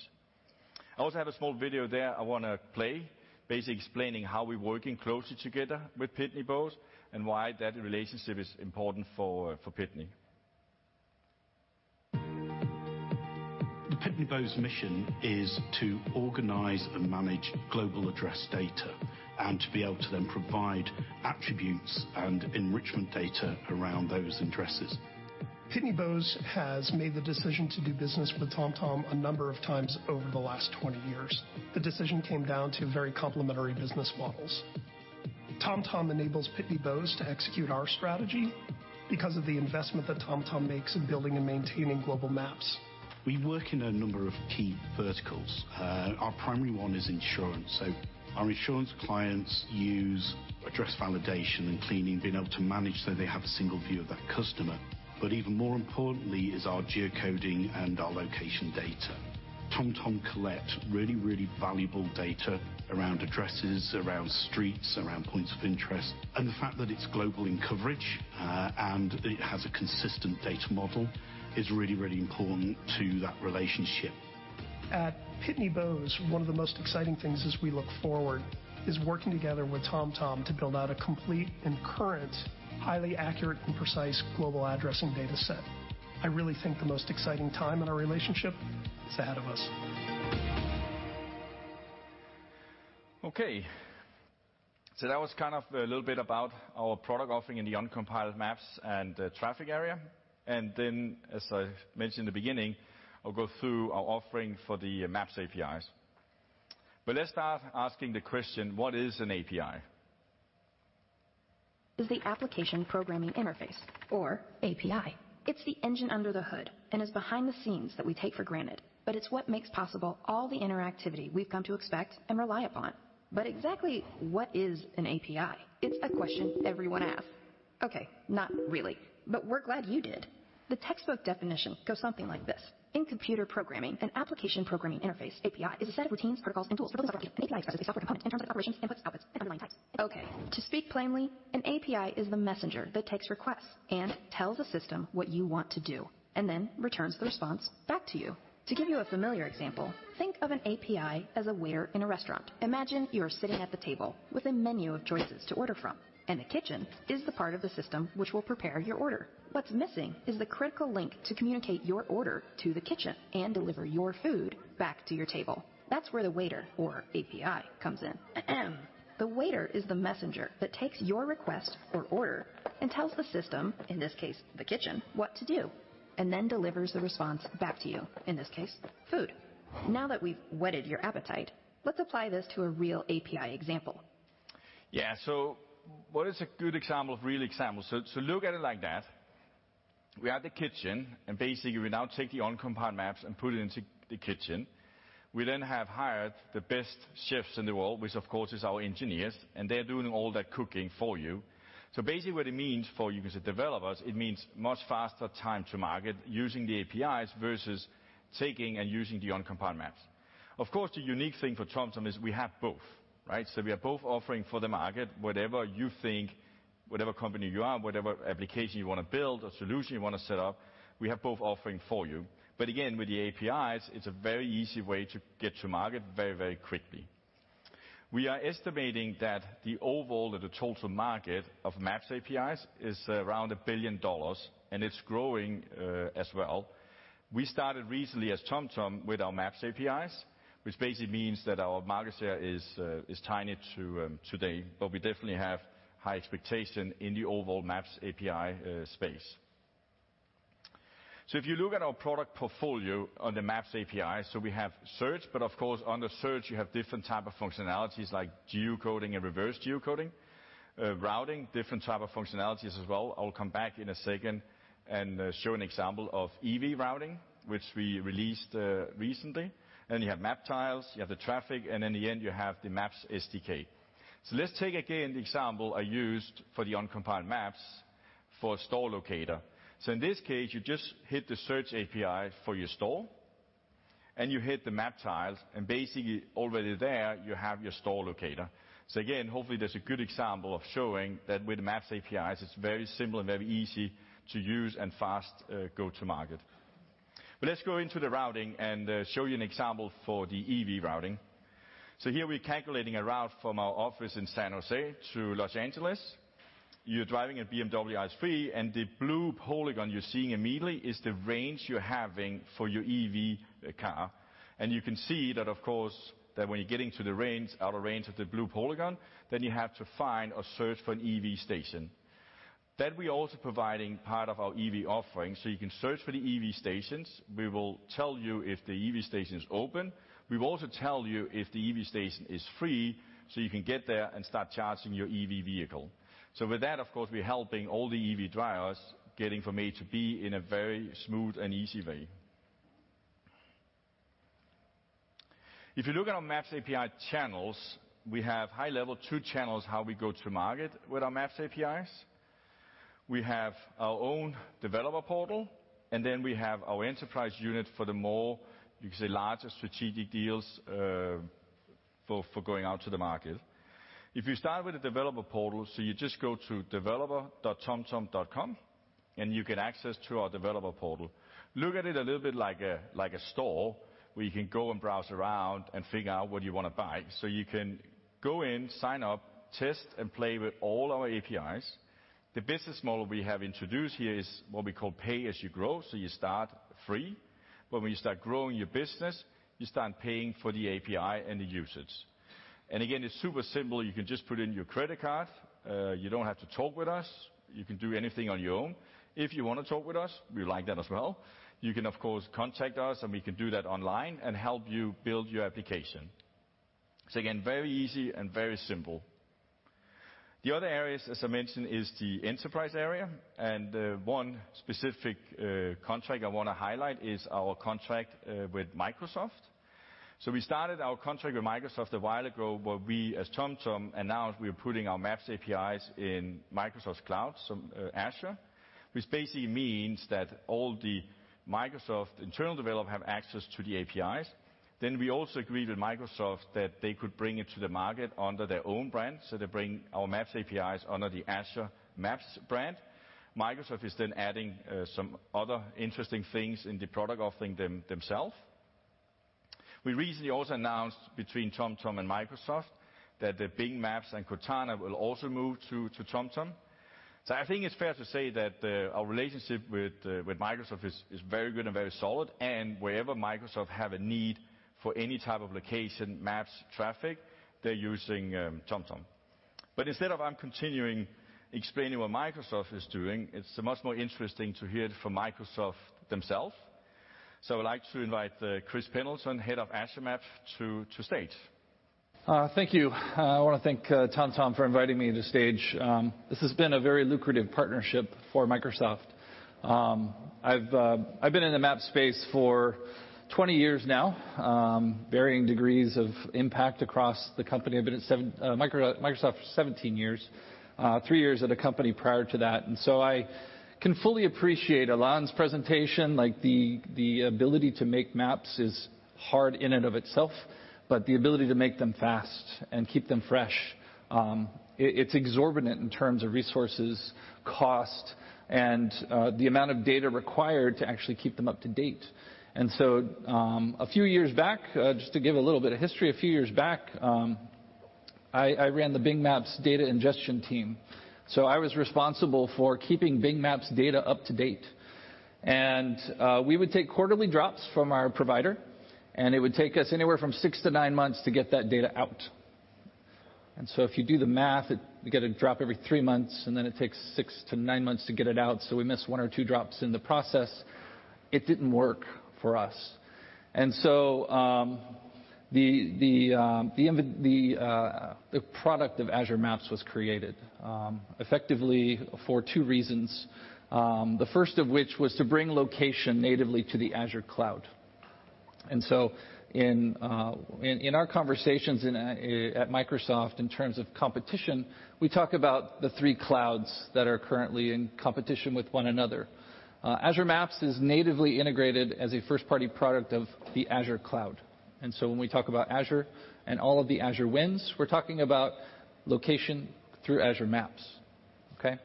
[SPEAKER 9] I also have a small video there I want to play, basically explaining how we're working closely together with Pitney Bowes and why that relationship is important for Pitney.
[SPEAKER 7] The Pitney Bowes mission is to organize and manage global address data and to be able to then provide attributes and enrichment data around those addresses. Pitney Bowes has made the decision to do business with TomTom a number of times over the last 20 years. The decision came down to very complementary business models. TomTom enables Pitney Bowes to execute our strategy because of the investment that TomTom makes in building and maintaining global maps. We work in a number of key verticals. Our primary one is insurance. Our insurance clients use address validation and cleaning, being able to manage so they have a single view of that customer. Even more importantly is our geocoding and our location data. TomTom collect really, really valuable data around addresses, around streets, around points of interest. The fact that it's global in coverage, and it has a consistent data model is really, really important to that relationship. At Pitney Bowes, one of the most exciting things as we look forward is working together with TomTom to build out a complete and current, highly accurate and precise global addressing data set. I really think the most exciting time in our relationship is ahead of us.
[SPEAKER 9] Okay, that was kind of a little bit about our product offering in the uncompiled maps and traffic area. As I mentioned in the beginning, I'll go through our offering for the Maps APIs. Let's start asking the question, what is an API?
[SPEAKER 10] Is the application programming interface or API. It's the engine under the hood and is behind the scenes that we take for granted. It's what makes possible all the interactivity we've come to expect and rely upon. Exactly what is an API? It's a question everyone asks. Okay, not really, but we're glad you did. The textbook definition goes something like this. In computer programming, an application programming interface, API, is a set of routines, protocols, and tools for building software. An API exposes a software component in terms of operations, inputs, outputs, and underlying types. Okay, to speak plainly, an API is the messenger that takes requests and tells a system what you want to do, and then returns the response back to you. To give you a familiar example, think of an API as a waiter in a restaurant. Imagine you're sitting at the table with a menu of choices to order from, and the kitchen is the part of the system which will prepare your order. What's missing is the critical link to communicate your order to the kitchen and deliver your food back to your table. That's where the waiter or API comes in. The waiter is the messenger that takes your request or order and tells the system, in this case, the kitchen, what to do, and then delivers the response back to you, in this case, food. Now that we've whetted your appetite, let's apply this to a real API example.
[SPEAKER 9] Yeah. What is a good example of real examples? Look at it like that. We have the kitchen, and basically, we now take the uncompiled maps and put it into the kitchen. We then have hired the best chefs in the world, which of course, is our engineers, and they're doing all that cooking for you. Basically, what it means for you as developers, it means much faster time to market using the APIs versus taking and using the uncompiled maps. Of course, the unique thing for TomTom is we have both, right? We are both offering for the market, whatever you think, whatever company you are, whatever application you want to build or solution you want to set up, we have both offering for you. Again, with the APIs, it's a very easy way to get to market very quickly. We are estimating that the overall or the total market of Maps APIs is around EUR 1 billion, and it's growing as well. We started recently as TomTom with our Maps APIs, which basically means that our market share is tiny today. We definitely have high expectation in the overall Maps API space. If you look at our product portfolio on the Maps API, we have search, but of course on the search you have different type of functionalities like geocoding and reverse geocoding. Routing, different type of functionalities as well. I'll come back in a second and show an example of EV routing, which we released recently. You have map tiles, you have the traffic, and in the end you have the Maps SDK. Let's take again the example I used for the uncompiled maps for store locator. In this case, you just hit the search API for your store and you hit the map tiles and basically already there you have your store locator. Again, hopefully, that's a good example of showing that with Maps APIs, it's very simple and very easy to use and fast go to market. Let's go into the routing and show you an example for the EV routing. Here we're calculating a route from our office in San Jose to Los Angeles. You're driving a BMW i3, and the blue polygon you're seeing immediately is the range you're having for your EV car. You can see that, of course, that when you're getting to the range, outer range of the blue polygon, then you have to find or search for an EV station. That we're also providing part of our EV offering so you can search for the EV stations. We will tell you if the EV station is open. We will also tell you if the EV station is free so you can get there and start charging your EV vehicle. With that, of course, we're helping all the EV drivers getting from A to B in a very smooth and easy way. If you look at our Maps API channels, we have high-level 2 channels how we go to market with our Maps APIs. We have our own developer portal, and then we have our enterprise unit for the more, you could say, larger strategic deals for going out to the market. If you start with the developer portal, you just go to developer.tomtom.com and you get access to our developer portal. Look at it a little bit like a store where you can go and browse around and figure out what you want to buy. You can go in, sign up, test, and play with all our APIs. The business model we have introduced here is what we call pay as you grow. You start free, but when you start growing your business, you start paying for the API and the usage. Again, it's super simple. You can just put in your credit card. You don't have to talk with us. You can do anything on your own. If you want to talk with us, we like that as well. You can, of course, contact us and we can do that online and help you build your application. Again, very easy and very simple. The other areas, as I mentioned, is the enterprise area. One specific contract I want to highlight is our contract with Microsoft. We started our contract with Microsoft a while ago where we, as TomTom, announced we are putting our Maps APIs in Microsoft's cloud, so Azure, which basically means that all the Microsoft internal developer have access to the APIs. We also agreed with Microsoft that they could bring it to the market under their own brand. They bring our Maps APIs under the Azure Maps brand. Microsoft is then adding some other interesting things in the product offering themself. We recently also announced between TomTom and Microsoft that the Bing Maps and Cortana will also move to TomTom. I think it's fair to say that our relationship with Microsoft is very good and very solid, and wherever Microsoft have a need for any type of location, maps, traffic, they're using TomTom. Instead of I'm continuing explaining what Microsoft is doing, it's much more interesting to hear it from Microsoft themselves. I would like to invite Chris Pendleton, Head of Azure Maps, to stage.
[SPEAKER 11] Thank you. I want to thank TomTom for inviting me to the stage. This has been a very lucrative partnership for Microsoft. I've been in the map space for 20 years now, varying degrees of impact across the company. I've been at Microsoft for 17 years, three years at a company prior to that. I can fully appreciate Alain's presentation. The ability to make maps is hard in and of itself, but the ability to make them fast and keep them fresh, it's exorbitant in terms of resources, cost, and the amount of data required to actually keep them up to date. A few years back, just to give a little bit of history, a few years back, I ran the Bing Maps data ingestion team. I was responsible for keeping Bing Maps' data up to date. We would take quarterly drops from our provider, and it would take us anywhere from 6 to 9 months to get that data out. If you do the math, you get a drop every 3 months, then it takes 6 to 9 months to get it out, so we miss one or two drops in the process. It didn't work for us. The product of Azure Maps was created effectively for two reasons. The first of which was to bring location natively to the Azure cloud. In our conversations at Microsoft in terms of competition, we talk about the three clouds that are currently in competition with one another. Azure Maps is natively integrated as a first-party product of the Azure cloud. When we talk about Azure and all of the Azure wins, we're talking about location through Azure Maps. Okay?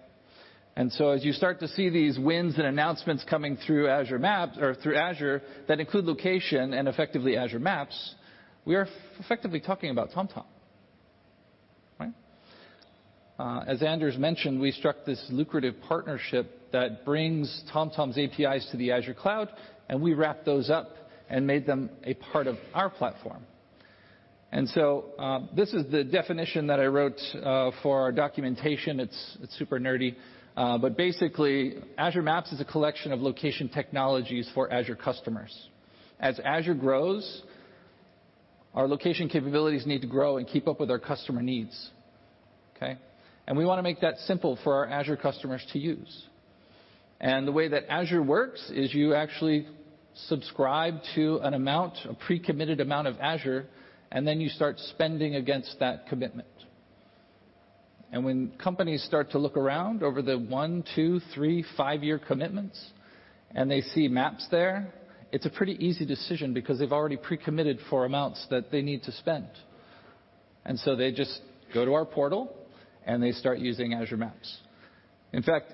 [SPEAKER 11] As you start to see these wins and announcements coming through Azure that include location and effectively Azure Maps, we are effectively talking about TomTom. Right? As Anders mentioned, we struck this lucrative partnership that brings TomTom's APIs to the Azure cloud, and we wrapped those up and made them a part of our platform. This is the definition that I wrote for our documentation. It's super nerdy. Basically, Azure Maps is a collection of location technologies for Azure customers. As Azure grows, our location capabilities need to grow and keep up with our customer needs. Okay? We want to make that simple for our Azure customers to use. The way that Azure works is you actually subscribe to an amount, a pre-committed amount of Azure, and then you start spending against that commitment. When companies start to look around over the one, two, three, five-year commitments and they see Maps there, it's a pretty easy decision because they've already pre-committed for amounts that they need to spend. They just go to our portal, and they start using Azure Maps. In fact,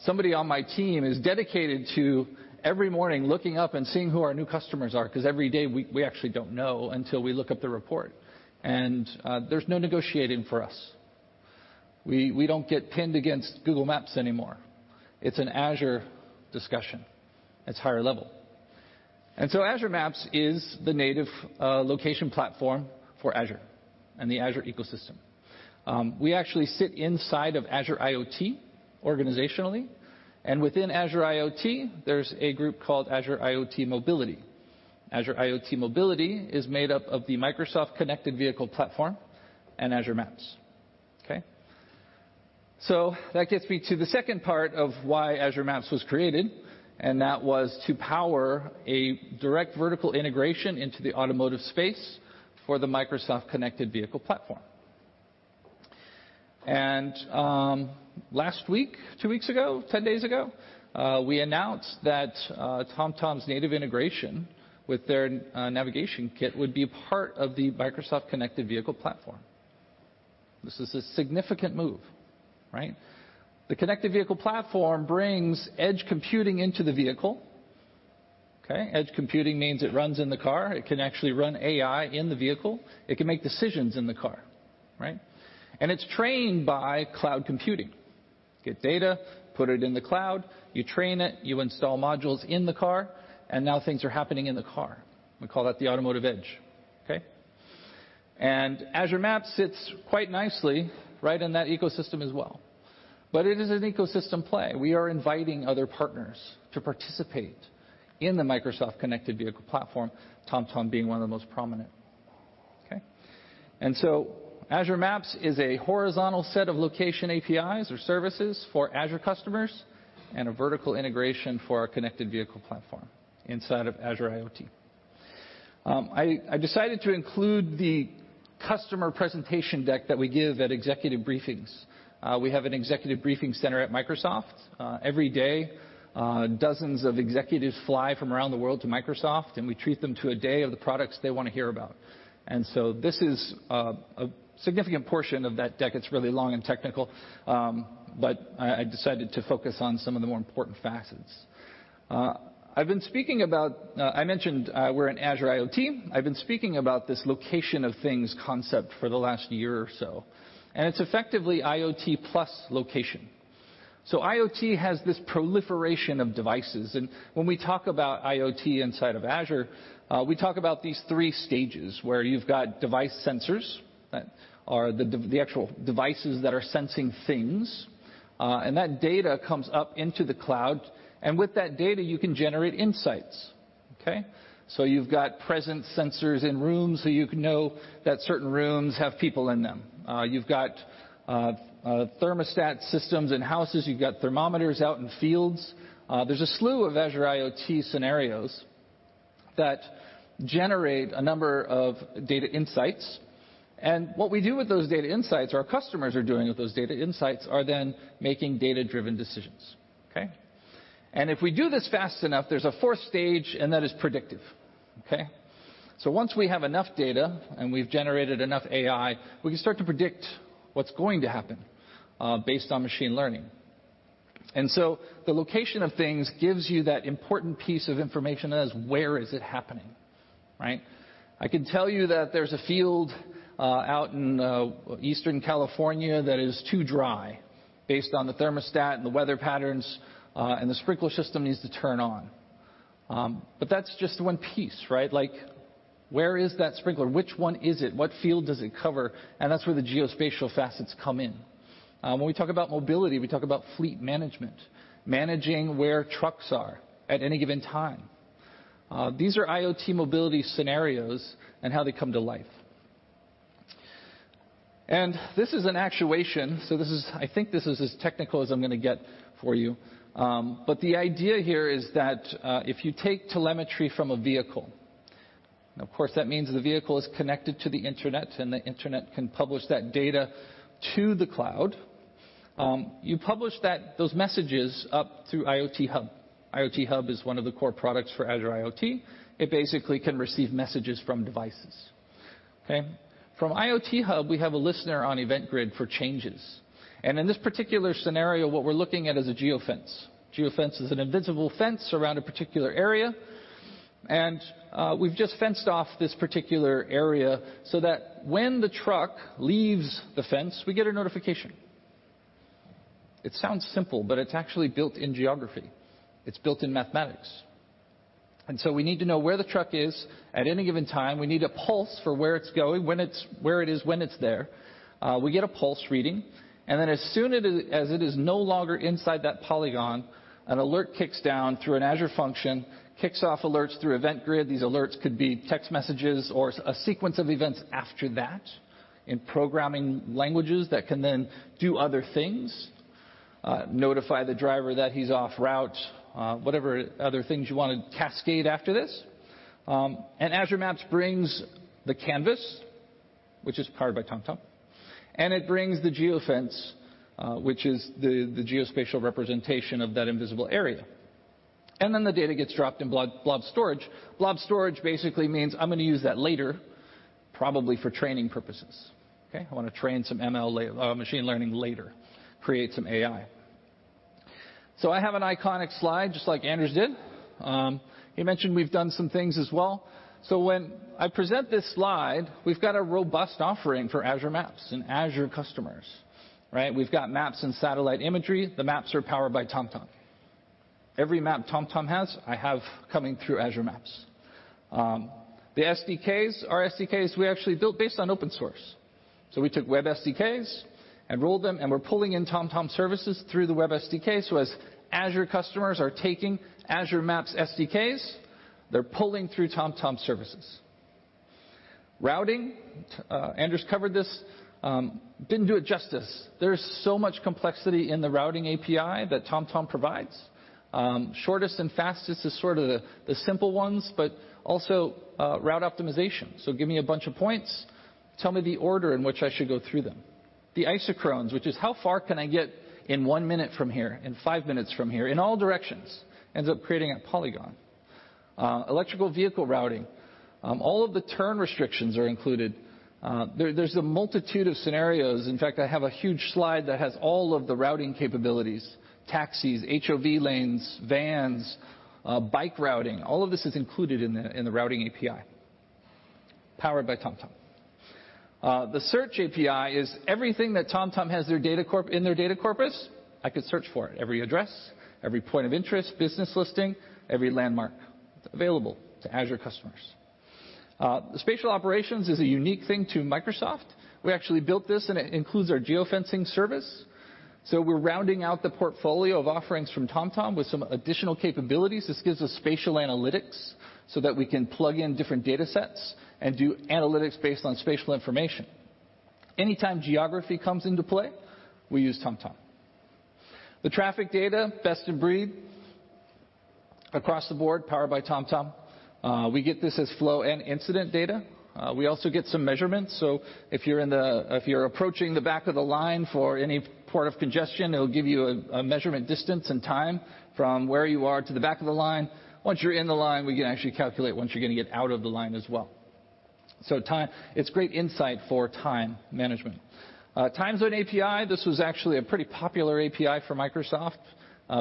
[SPEAKER 11] somebody on my team is dedicated to every morning looking up and seeing who our new customers are because every day we actually don't know until we look up the report. There's no negotiating for us. We don't get pinned against Google Maps anymore. It's an Azure discussion. It's higher level. Azure Maps is the native location platform for Azure and the Azure ecosystem. We actually sit inside of Azure IoT organizationally, and within Azure IoT, there's a group called Azure IoT Mobility. Azure IoT Mobility is made up of the Microsoft Connected Vehicle Platform and Azure Maps. Okay? That gets me to the second part of why Azure Maps was created, and that was to power a direct vertical integration into the automotive space for the Microsoft Connected Vehicle Platform. Last week, two weeks ago, 10 days ago, we announced that TomTom's native integration with their navigation kit would be a part of the Microsoft Connected Vehicle Platform. This is a significant move, right? The Connected Vehicle Platform brings edge computing into the vehicle. Okay? Edge computing means it runs in the car. It can actually run AI in the vehicle. It can make decisions in the car. Right? It's trained by cloud computing. Get data, put it in the cloud, you train it, you install modules in the car, and now things are happening in the car. We call that the automotive edge. Okay? Azure Maps sits quite nicely right in that ecosystem as well. It is an ecosystem play. We are inviting other partners to participate in the Microsoft Connected Vehicle Platform, TomTom being one of the most prominent. Okay? Azure Maps is a horizontal set of location APIs or services for Azure customers and a vertical integration for our Connected Vehicle Platform inside of Azure IoT. I decided to include the customer presentation deck that we give at executive briefings. We have an executive briefing center at Microsoft. Every day, dozens of executives fly from around the world to Microsoft, and we treat them to a day of the products they want to hear about. This is a significant portion of that deck. It's really long and technical. I decided to focus on some of the more important facets. I mentioned we're in Azure IoT. I've been speaking about this location of things concept for the last year or so, and it's effectively IoT plus location. IoT has this proliferation of devices, and when we talk about IoT inside of Azure, we talk about these 3 stages where you've got device sensors that are the actual devices that are sensing things. That data comes up into the cloud, and with that data, you can generate insights. Okay? You've got presence sensors in rooms, so you can know that certain rooms have people in them. You've got thermostat systems in houses. You've got thermometers out in fields. There's a slew of Azure IoT scenarios that generate a number of data insights. What we do with those data insights, or our customers are doing with those data insights, are then making data-driven decisions. Okay? If we do this fast enough, there's a stage 4, That is predictive. Okay? Once we have enough data and we've generated enough AI, we can start to predict what's going to happen based on machine learning. The location of things gives you that important piece of information as where is it happening, right? I can tell you that there's a field out in Eastern California that is too dry based on the thermostat and the weather patterns. The sprinkler system needs to turn on. That's just one piece, right? Where is that sprinkler? Which one is it? What field does it cover? That's where the geospatial facets come in. When we talk about mobility, we talk about fleet management, managing where trucks are at any given time. These are IoT mobility scenarios and how they come to life. This is an actuation, so I think this is as technical as I'm going to get for you. The idea here is that if you take telemetry from a vehicle, and of course, that means the vehicle is connected to the Internet, and the Internet can publish that data to the cloud. You publish those messages up through IoT Hub. IoT Hub is one of the core products for Azure IoT. It basically can receive messages from devices. Okay? From IoT Hub, we have a listener on Event Grid for changes. In this particular scenario, what we're looking at is a geofence. Geofence is an invisible fence around a particular area. We've just fenced off this particular area so that when the truck leaves the fence, we get a notification. It sounds simple, it's actually built in geography. It's built in mathematics. We need to know where the truck is at any given time. We need a pulse for where it's going, where it is, when it's there. We get a pulse reading. As soon as it is no longer inside that polygon, an alert kicks down through an Azure function, kicks off alerts through Event Grid. These alerts could be text messages or a sequence of events after that in programming languages that can then do other things, notify the driver that he's off route, whatever other things you want to cascade after this. Azure Maps brings the canvas, which is powered by TomTom, and it brings the geofence, which is the geospatial representation of that invisible area. The data gets dropped in Blob storage. Blob storage basically means I'm going to use that later, probably for training purposes. Okay. I want to train some ML, machine learning later, create some AI. I have an iconic slide just like Anders did. He mentioned we've done some things as well. When I present this slide, we've got a robust offering for Azure Maps and Azure customers, right. We've got maps and satellite imagery. The maps are powered by TomTom. Every map TomTom has, I have coming through Azure Maps. The SDKs. Our SDKs we actually built based on open source. We took web SDKs and rolled them, and we're pulling in TomTom services through the web SDK. As Azure customers are taking Azure Maps SDKs, they are pulling through TomTom services. Routing. Anders covered this. Didn't do it justice. There is so much complexity in the routing API that TomTom provides. Shortest and fastest is sort of the simple ones, but also route optimization. Give me a bunch of points, tell me the order in which I should go through them. The isochrones, which is how far can I get in one minute from here, in five minutes from here, in all directions? Ends up creating a polygon. Electrical vehicle routing. All of the turn restrictions are included. There is a multitude of scenarios. In fact, I have a huge slide that has all of the routing capabilities, taxis, HOV lanes, vans, bike routing. All of this is included in the routing API powered by TomTom. The search API is everything that TomTom has in their data corpus, I could search for it. Every address, every point of interest, business listing, every landmark available to Azure customers. The spatial operations is a unique thing to Microsoft. We actually built this, and it includes our geofencing service. We're rounding out the portfolio of offerings from TomTom with some additional capabilities. This gives us spatial analytics so that we can plug in different data sets and do analytics based on spatial information. Anytime geography comes into play, we use TomTom. The traffic data, best of breed across the board, powered by TomTom. We get this as flow and incident data. We also get some measurements. If you're approaching the back of the line for any port of congestion, it'll give you a measurement distance and time from where you are to the back of the line. Once you're in the line, we can actually calculate once you're going to get out of the line as well. It's great insight for time management. Time Zone API. This was actually a pretty popular API for Microsoft.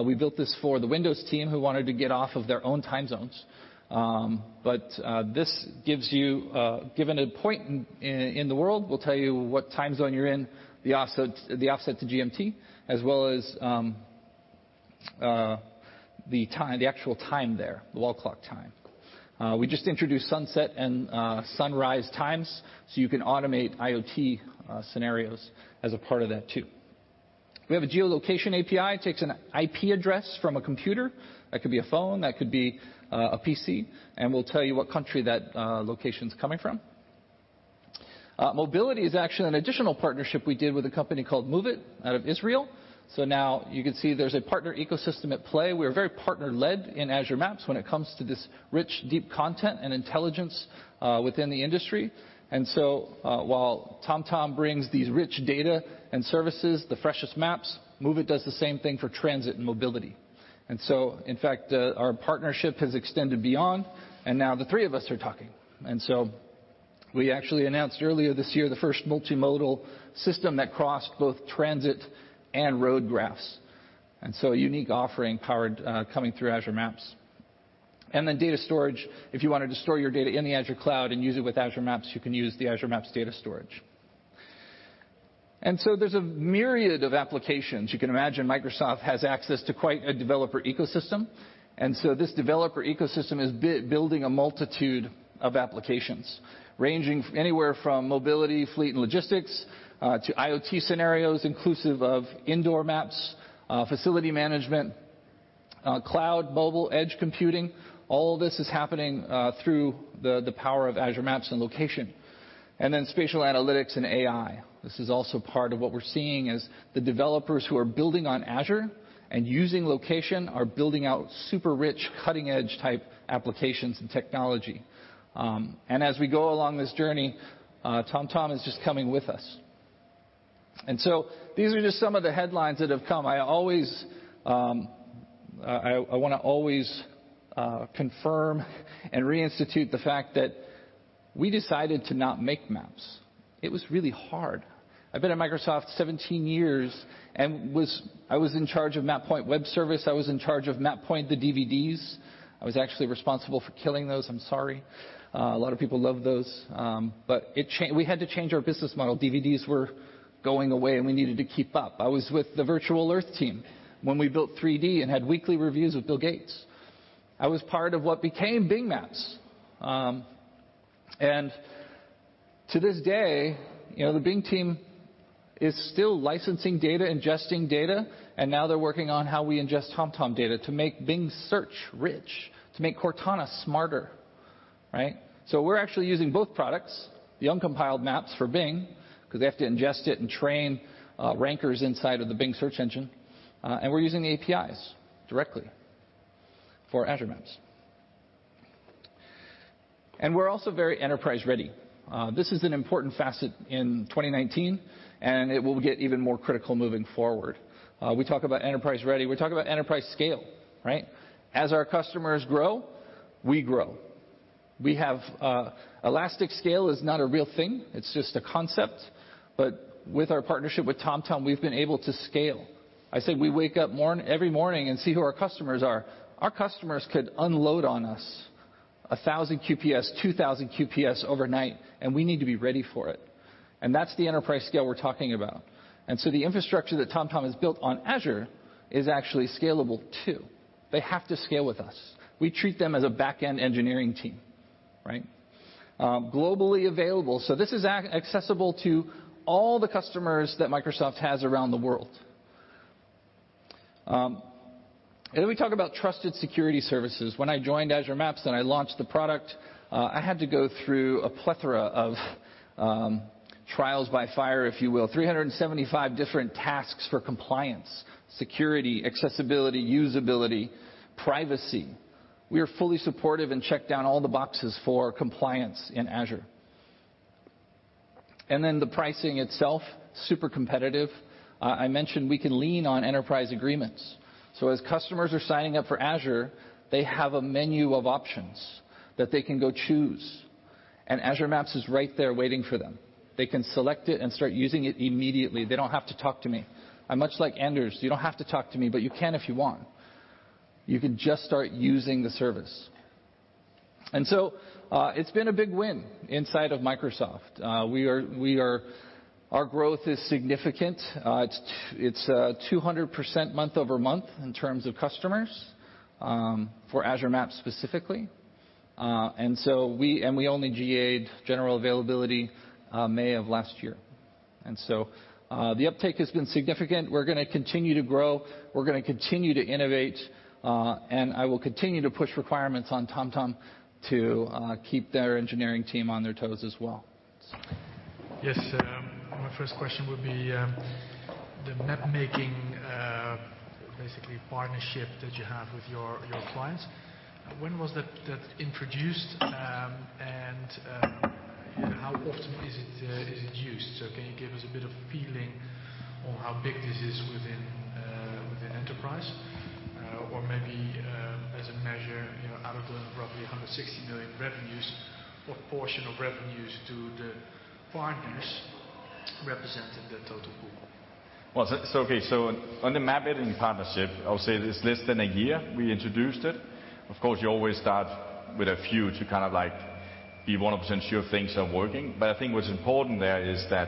[SPEAKER 11] We built this for the Windows team who wanted to get off of their own time zones. This gives you, given a point in the world, will tell you what time zone you're in, the offset to GMT, as well as the actual time there, the wall clock time. We just introduced sunset and sunrise times so you can automate IoT scenarios as a part of that too. We have a Geolocation API. It takes an IP address from a computer. That could be a phone, that could be a PC, and will tell you what country that location's coming from. Mobility is actually an additional partnership we did with a company called Moovit out of Israel. Now you can see there's a partner ecosystem at play. We are very partner-led in Azure Maps when it comes to this rich, deep content and intelligence within the industry. While TomTom brings these rich data and services, the freshest maps, Moovit does the same thing for transit and mobility. In fact, our partnership has extended beyond, and now the three of us are talking. We actually announced earlier this year the first multimodal system that crossed both transit and road graphs. A unique offering coming through Azure Maps. Data storage, if you wanted to store your data in the Azure cloud and use it with Azure Maps, you can use the Azure Maps data storage. There's a myriad of applications. You can imagine Microsoft has access to quite a developer ecosystem. This developer ecosystem is building a multitude of applications ranging anywhere from mobility fleet and logistics, to IoT scenarios inclusive of indoor maps, facility management, cloud, mobile edge computing. All of this is happening through the power of Azure Maps and location. Spatial analytics and AI. This is also part of what we're seeing as the developers who are building on Azure and using location are building out super rich, cutting-edge type applications and technology. As we go along this journey, TomTom is just coming with us. These are just some of the headlines that have come. I want to always confirm and reinstitute the fact that we decided to not make maps. It was really hard. I've been at Microsoft 17 years and I was in charge of MapPoint web service. I was in charge of MapPoint, the DVDs. I was actually responsible for killing those. I'm sorry. A lot of people loved those. We had to change our business model. DVDs were going away, and we needed to keep up. I was with the Virtual Earth team when we built 3D and had weekly reviews with Bill Gates. I was part of what became Bing Maps. To this day, the Bing team is still licensing data, ingesting data, and now they're working on how we ingest TomTom data to make Bing Search rich, to make Cortana smarter, right? We're actually using both products, the uncompiled maps for Bing, because they have to ingest it and train rankers inside of the Bing search engine. We're using the APIs directly for Azure Maps. We're also very enterprise-ready. This is an important facet in 2019. It will get even more critical moving forward. We talk about enterprise-ready. We talk about enterprise scale, right? As our customers grow, we grow. Elastic scale is not a real thing. It's just a concept. With our partnership with TomTom, we've been able to scale. I say we wake up every morning and see who our customers are. Our customers could unload on us 1,000 QPS, 2,000 QPS overnight. We need to be ready for it. That's the enterprise scale we're talking about. The infrastructure that TomTom has built on Azure is actually scalable too. They have to scale with us. We treat them as a back-end engineering team, right? Globally available. This is accessible to all the customers that Microsoft has around the world. We talk about trusted security services. When I joined Azure Maps and I launched the product, I had to go through a plethora of trials by fire, if you will, 375 different tasks for compliance, security, accessibility, usability, privacy. We are fully supportive and checked down all the boxes for compliance in Azure. The pricing itself, super competitive. I mentioned we can lean on enterprise agreements. As customers are signing up for Azure, they have a menu of options that they can go choose, and Azure Maps is right there waiting for them. They can select it and start using it immediately. They don't have to talk to me. I'm much like Anders. You don't have to talk to me, but you can if you want. You can just start using the service. It's been a big win inside of Microsoft. Our growth is significant. It's 200% month-over-month in terms of customers for Azure Maps specifically. We only GA'd, general availability, May of last year. The uptake has been significant. We're going to continue to grow, we're going to continue to innovate, and I will continue to push requirements on TomTom to keep their engineering team on their toes as well.
[SPEAKER 6] Yes. My first question would be the map making basically partnership that you have with your clients. When was that introduced? How often is it used? Can you give us a bit of a feeling on how big this is within enterprise? Maybe as a measure, out of the roughly 160 million revenues, what portion of revenues do the partners represent in the total pool?
[SPEAKER 9] Okay. On the map editing partnership, I would say it is less than a year we introduced it. Of course, you always start with a few to kind of be 100% sure things are working. I think what's important there is that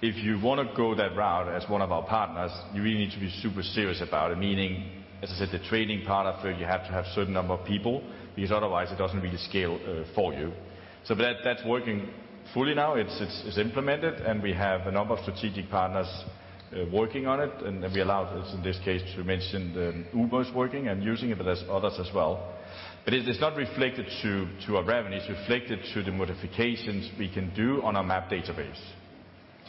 [SPEAKER 9] if you want to go that route as one of our partners, you really need to be super serious about it. Meaning, as I said, the training part of it, you have to have certain number of people because otherwise it doesn't really scale for you. That's working fully now. It's implemented, and we have a number of strategic partners working on it, and we allowed, in this case, to mention that Uber is working and using it, but there's others as well. It's not reflected to our revenues, it's reflected to the modifications we can do on our map database.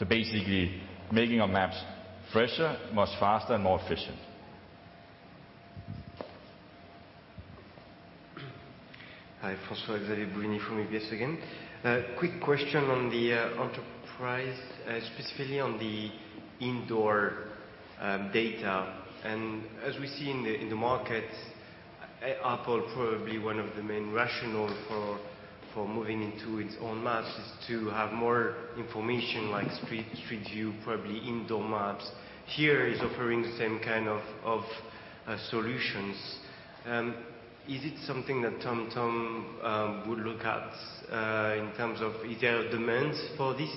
[SPEAKER 9] Basically, making our maps fresher, much faster, and more efficient.
[SPEAKER 4] Hi. François-Xavier Bouvignies from UBS again. A quick question on the enterprise, specifically on the indoor data. As we see in the market, Apple probably one of the main rationales for moving into its own maps is to have more information like Street View, probably indoor maps. HERE is offering the same kind of solutions. Is it something that TomTom would look at in terms of is there demands for this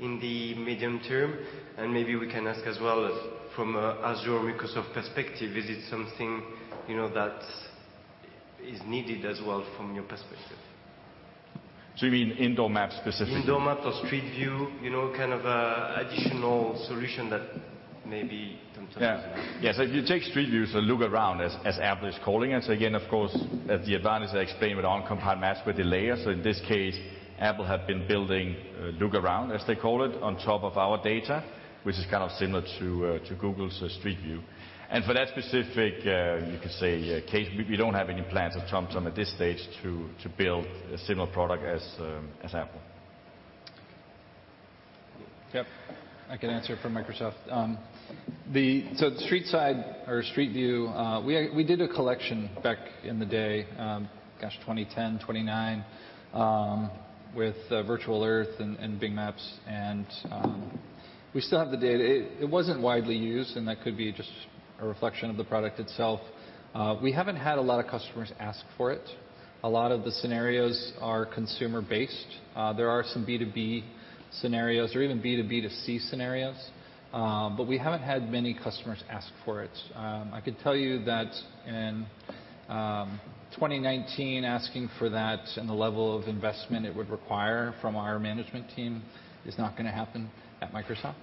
[SPEAKER 4] in the medium term? Maybe we can ask as well as from Azure Microsoft perspective, is it something that is needed as well from your perspective?
[SPEAKER 9] You mean indoor maps specifically?
[SPEAKER 4] Indoor map or Street View, kind of additional solution that maybe TomTom is looking at.
[SPEAKER 9] Yeah. If you take Street View, Look Around as Apple is calling it. Again, of course, the advantage I explained with our own compound maps with the layers. In this case, Apple have been building Look Around, as they call it, on top of our data, which is kind of similar to Google's Street View. For that specific, you could say, case, we don't have any plans at TomTom at this stage to build a similar product as Apple.
[SPEAKER 11] Yep. I can answer it for Microsoft. The Street Side or Street View, we did a collection back in the day, gosh, 2010, [2029], with Virtual Earth and Bing Maps, and we still have the data. It wasn't widely used, and that could be just a reflection of the product itself. We haven't had a lot of customers ask for it. A lot of the scenarios are consumer-based. There are some B2B scenarios or even B2B2C scenarios, but we haven't had many customers ask for it. I could tell you that in 2019, asking for that and the level of investment it would require from our management team is not going to happen at Microsoft.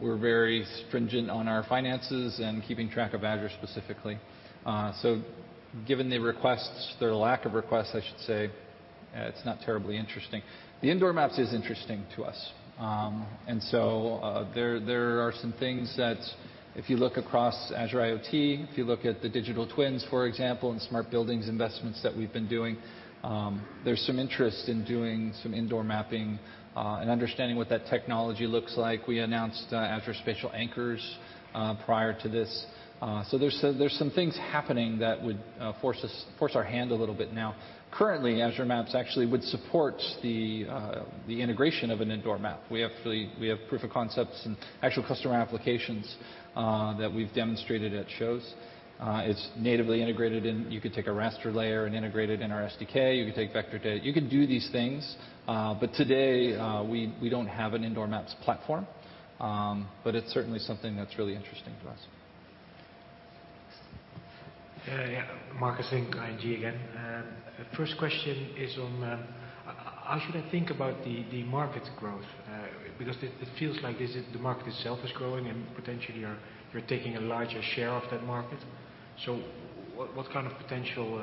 [SPEAKER 11] We're very stringent on our finances and keeping track of Azure specifically. Given the requests, their lack of requests I should say, it's not terribly interesting. The indoor maps is interesting to us. There are some things that if you look across Azure IoT, if you look at the Digital Twins, for example, and smart buildings investments that we've been doing, there's some interest in doing some indoor mapping, and understanding what that technology looks like. We announced Azure Spatial Anchors prior to this. There's some things happening that would force our hand a little bit now. Currently, Azure Maps actually would support the integration of an indoor map. We have proof of concepts and actual customer applications that we've demonstrated at shows. It's natively integrated in, you could take a raster layer and integrate it in our SDK. You could take vector data. You could do these things. Today, we don't have an indoor maps platform. It's certainly something that's really interesting to us.
[SPEAKER 5] Yeah. Marc Hesselink, ING again. First question is on, how should I think about the market growth? It feels like the market itself is growing and potentially you're taking a larger share of that market. What kind of potential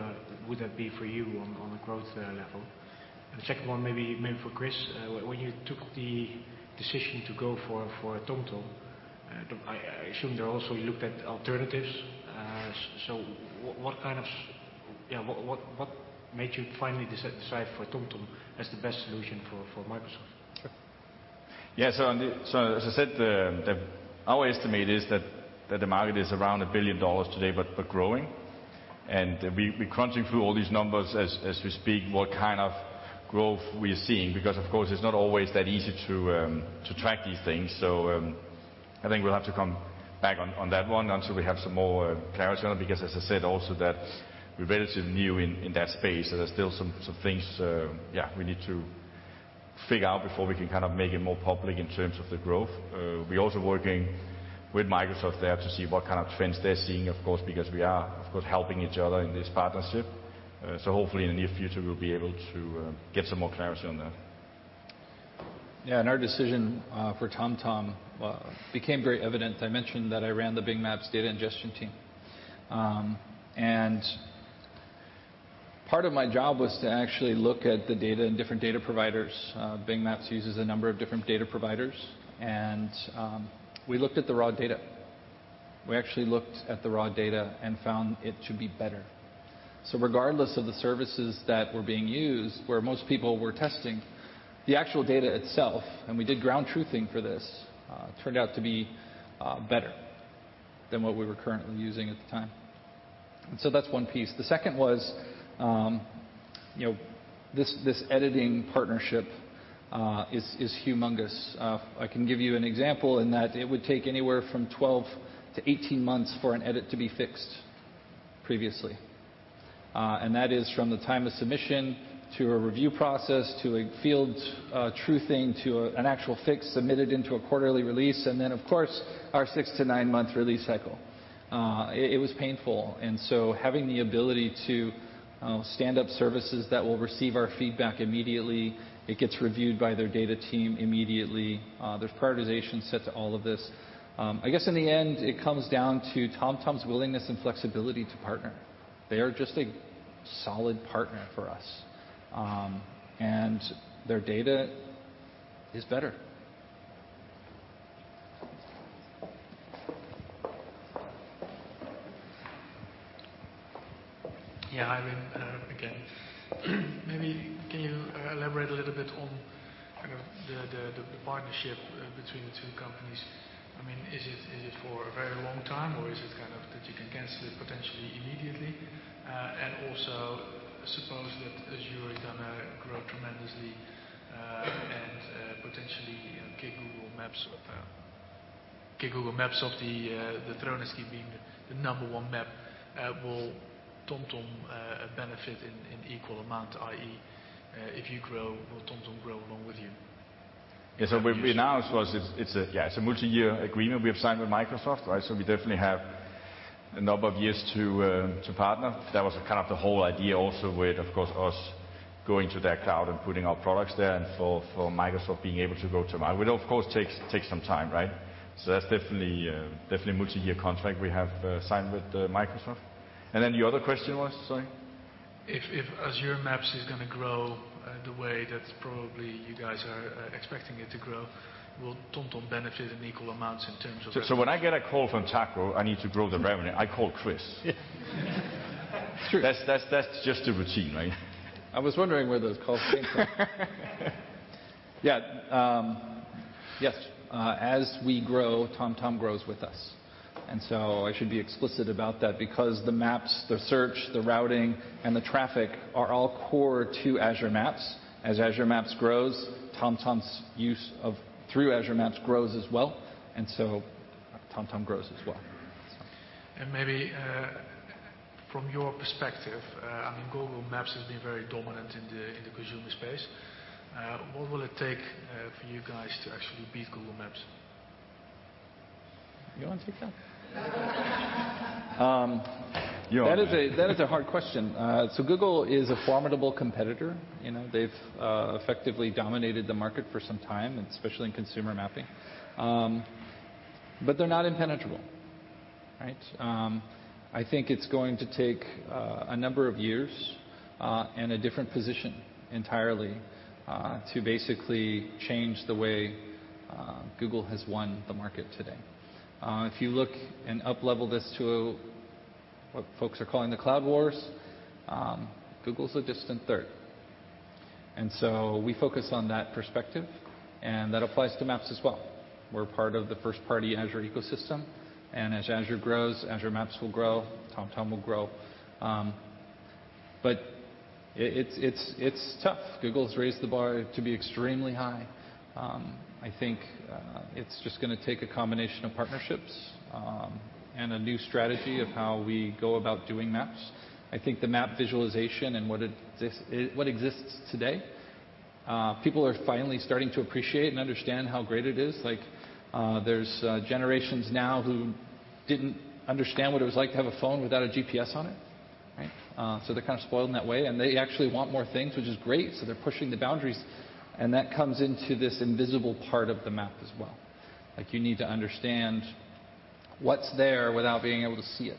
[SPEAKER 5] would that be for you on a growth level? The second one maybe for Chris. When you took the decision to go for TomTom, I assume you also looked at alternatives. What made you finally decide for TomTom as the best solution for Microsoft?
[SPEAKER 9] Yeah. As I said, our estimate is that the market is around EUR 1 billion today, but growing. We're crunching through all these numbers as we speak, what kind of growth we're seeing. Of course, it's not always that easy to track these things. I think we'll have to come back on that one until we have some more clarity on it. As I said also that we're relatively new in that space, there's still some things we need to figure out before we can kind of make it more public in terms of the growth. We're also working with Microsoft there to see what kind of trends they're seeing, of course, because we are, of course, helping each other in this partnership. Hopefully in the near future, we'll be able to get some more clarity on that.
[SPEAKER 11] Yeah. Our decision for TomTom became very evident. I mentioned that I ran the Bing Maps data ingestion team. Part of my job was to actually look at the data and different data providers. Bing Maps uses a number of different data providers, and we looked at the raw data. We actually looked at the raw data and found it to be better. Regardless of the services that were being used, where most people were testing the actual data itself, and we did ground truthing for this, turned out to be better than what we were currently using at the time. That's one piece. The second was this editing partnership is humongous. I can give you an example in that it would take anywhere from 12 to 18 months for an edit to be fixed previously. That is from the time of submission to a review process, to a field truthing, to an actual fix submitted into a quarterly release, and then of course, our six to nine-month release cycle. It was painful. Having the ability to stand up services that will receive our feedback immediately, it gets reviewed by their data team immediately. There's prioritization set to all of this. I guess in the end, it comes down to TomTom's willingness and flexibility to partner. They are just a solid partner for us, and their data is better.
[SPEAKER 6] Yeah. Ivan again. Maybe can you elaborate a little bit on kind of the partnership between the two companies? Is it for a very long time or is it that you can cancel it potentially immediately? Also suppose that as you are going to grow tremendously, and potentially kick Google Maps off the throne as being the number one map, will TomTom benefit in equal amount, i.e., if you grow, will TomTom grow along with you?
[SPEAKER 9] Yes. What we announced was it's a multi-year agreement we have signed with Microsoft. We definitely have a number of years to partner. That was kind of the whole idea also with, of course, us going to their cloud and putting our products there, and for Microsoft being able to go to it, of course, takes some time, right. That's definitely a multi-year contract we have signed with Microsoft. The other question was, sorry?
[SPEAKER 6] If Azure Maps is going to grow the way that probably you guys are expecting it to grow, will TomTom benefit in equal amounts in terms of-
[SPEAKER 9] When I get a call from Taco, I need to grow the revenue, I call Chris.
[SPEAKER 11] It is true.
[SPEAKER 9] That's just a routine, right?
[SPEAKER 11] I was wondering where those calls came from. Yes. As we grow, TomTom grows with us. I should be explicit about that because the maps, the search, the routing, and the traffic are all core to Azure Maps. As Azure Maps grows, TomTom's use through Azure Maps grows as well, and so TomTom grows as well.
[SPEAKER 6] Maybe from your perspective, Google Maps has been very dominant in the consumer space. What will it take for you guys to actually beat Google Maps?
[SPEAKER 11] You want to take that? That is a hard question. Google is a formidable competitor. They've effectively dominated the market for some time, and especially in consumer mapping. They're not impenetrable, right? I think it's going to take a number of years, and a different position entirely, to basically change the way Google has won the market today. If you look and up-level this to what folks are calling the cloud wars, Google's a distant third. We focus on that perspective, and that applies to maps as well. We're part of the first-party Azure ecosystem, and as Azure grows, Azure Maps will grow, TomTom will grow. It's tough. Google's raised the bar to be extremely high. I think it's just going to take a combination of partnerships and a new strategy of how we go about doing maps. I think the map visualization and what exists today, people are finally starting to appreciate and understand how great it is. There's generations now who didn't understand what it was like to have a phone without a GPS on it, right? They're kind of spoiled in that way, and they actually want more things, which is great. They're pushing the boundaries, and that comes into this invisible part of the map as well. You need to understand what's there without being able to see it.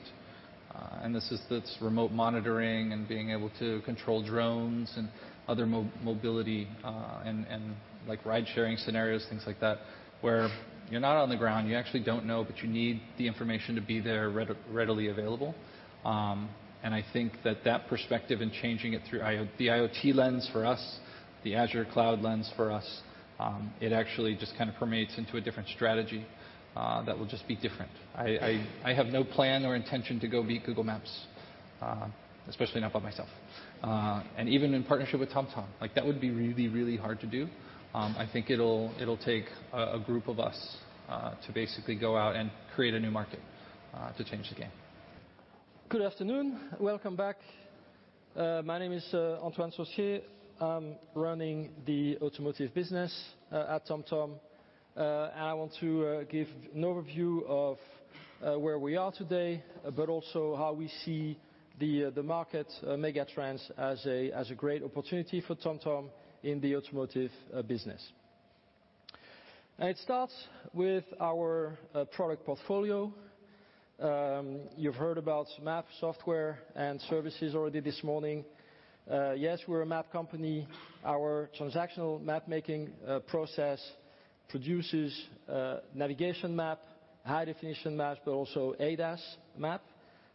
[SPEAKER 11] This remote monitoring and being able to control drones and other mobility and ride-sharing scenarios, things like that, where you're not on the ground, you actually don't know, but you need the information to be there readily available. I think that that perspective and changing it through the IoT lens for us, the Azure cloud lens for us, it actually just kind of permeates into a different strategy that will just be different. I have no plan or intention to go beat Google Maps, especially not by myself. Even in partnership with TomTom, that would be really, really hard to do. I think it'll take a group of us to basically go out and create a new market to change the game.
[SPEAKER 12] Good afternoon. Welcome back. My name is Antoine Saucier. I'm running the automotive business at TomTom. I want to give an overview of where we are today, but also how we see the market megatrends as a great opportunity for TomTom in the automotive business. It starts with our product portfolio. You've heard about map software and services already this morning. Yes, we're a map company. Our transactional mapmaking process produces navigation map, high-definition maps, but also ADAS map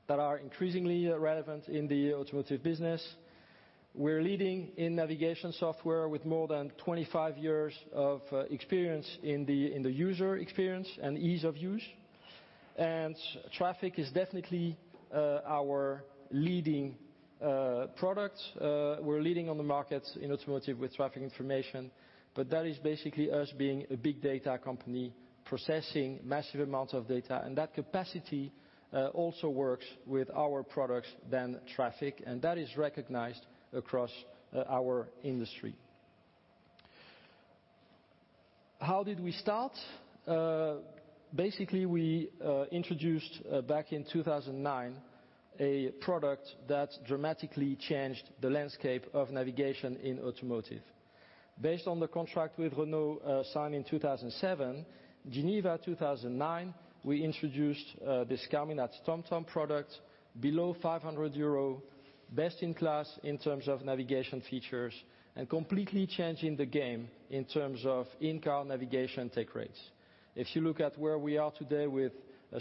[SPEAKER 12] that are increasingly relevant in the automotive business. We're leading in navigation software with more than 25 years of experience in the user experience and ease of use. Traffic is definitely our leading products. We're leading on the market in automotive with traffic information. That is basically us being a big data company processing massive amounts of data, and that capacity also works with our products, than traffic, and that is recognized across our industry. How did we start? Basically, we introduced, back in 2009, a product that dramatically changed the landscape of navigation in automotive. Based on the contract with Renault signed in 2007, Geneva 2009, we introduced this Carminat TomTom product below 500 euro, best in class in terms of navigation features, and completely changing the game in terms of in-car navigation take rates. If you look at where we are today with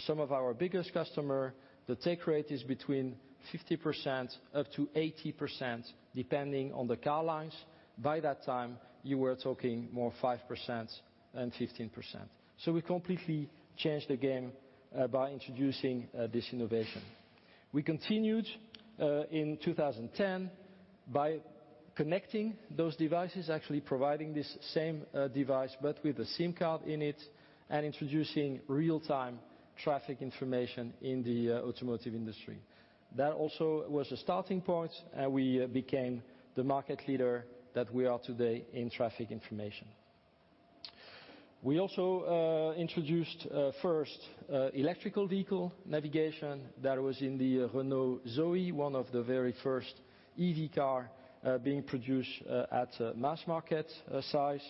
[SPEAKER 12] some of our biggest customer, the take rate is between 50% up to 80%, depending on the car lines. By that time, you were talking more 5% than 15%. We completely changed the game by introducing this innovation. We continued in 2010 by connecting those devices, actually providing this same device, but with a SIM card in it, and introducing real-time traffic information in the automotive industry. That also was a starting point, and we became the market leader that we are today in traffic information. We also introduced first electrical vehicle navigation. That was in the Renault ZOE, one of the very first EV car being produced at mass market size.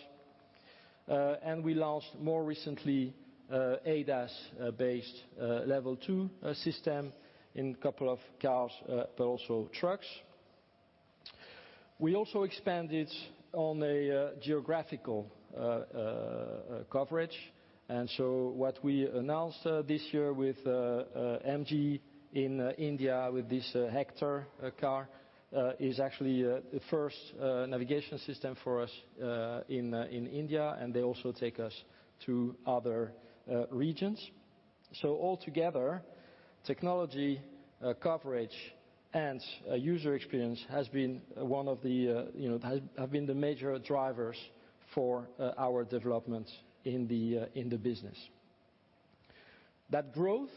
[SPEAKER 12] We launched more recently, ADAS-based Level 2 system in a couple of cars, but also trucks. We also expanded on a geographical coverage. What we announced this year with MG in India, with this Hector car, is actually the first navigation system for us in India, and they also take us to other regions. Altogether, technology coverage and user experience have been the major drivers for our development in the business. That growth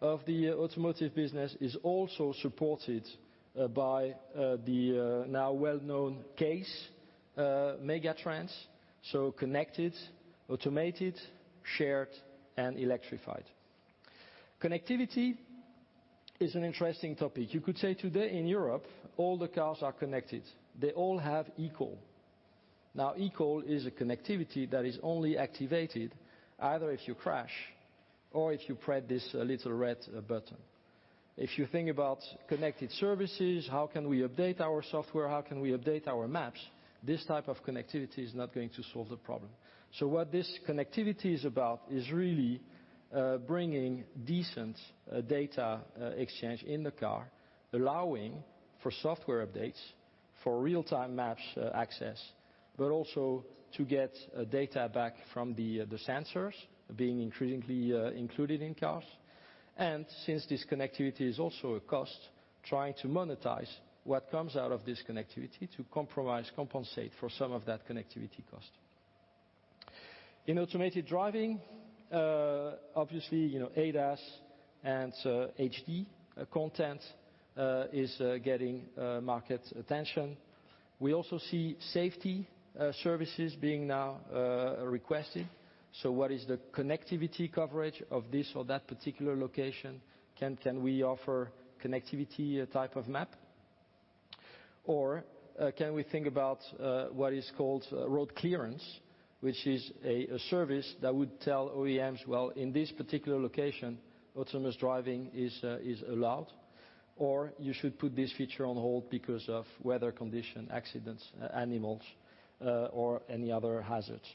[SPEAKER 12] of the automotive business is also supported by the now well-known CASE megatrends. Connected, automated, shared, and electrified. Connectivity is an interesting topic. You could say today in Europe, all the cars are connected. They all have eCall. eCall is a connectivity that is only activated either if you crash or if you press this little red button. If you think about connected services, how can we update our software? How can we update our maps? This type of connectivity is not going to solve the problem. What this connectivity is about is really bringing decent data exchange in the car, allowing for software updates, for real-time maps access, but also to get data back from the sensors being increasingly included in cars. Since this connectivity is also a cost, trying to monetize what comes out of this connectivity to compensate for some of that connectivity cost. In automated driving, obviously, ADAS and HD content is getting market attention. We also see safety services being now requested. What is the connectivity coverage of this or that particular location? Can we offer connectivity type of map? Can we think about what is called road clearance, which is a service that would tell OEMs, "Well, in this particular location, autonomous driving is allowed," or "You should put this feature on hold because of weather condition, accidents, animals, or any other hazards."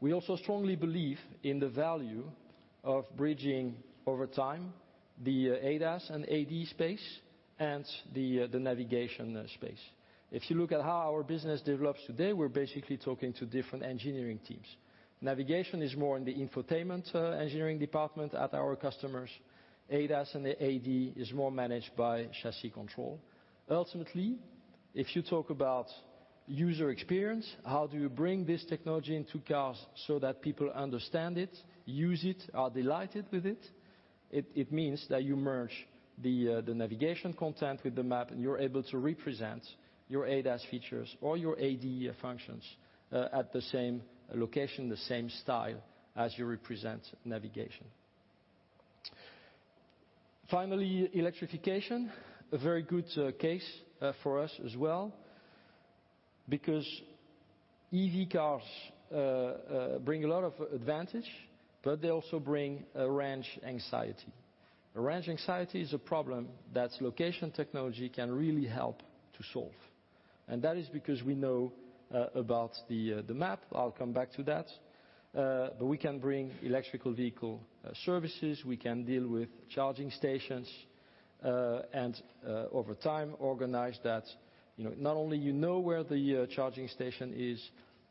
[SPEAKER 12] We also strongly believe in the value of bridging, over time, the ADAS and AD space and the navigation space. If you look at how our business develops today, we're basically talking to different engineering teams. Navigation is more in the infotainment engineering department at our customers. ADAS and AD is more managed by chassis control. Ultimately, if you talk about user experience, how do you bring this technology into cars so that people understand it, use it, are delighted with it? It means that you merge the navigation content with the map and you're able to represent your ADAS features or your AD functions at the same location, the same style as you represent navigation. Electrification, a very good case for us as well, because EV cars bring a lot of advantage, but they also bring range anxiety. Range anxiety is a problem that location technology can really help to solve. That is because we know about the map. I'll come back to that. We can bring electrical vehicle services. We can deal with charging stations, and over time, organize that not only you know where the charging station is,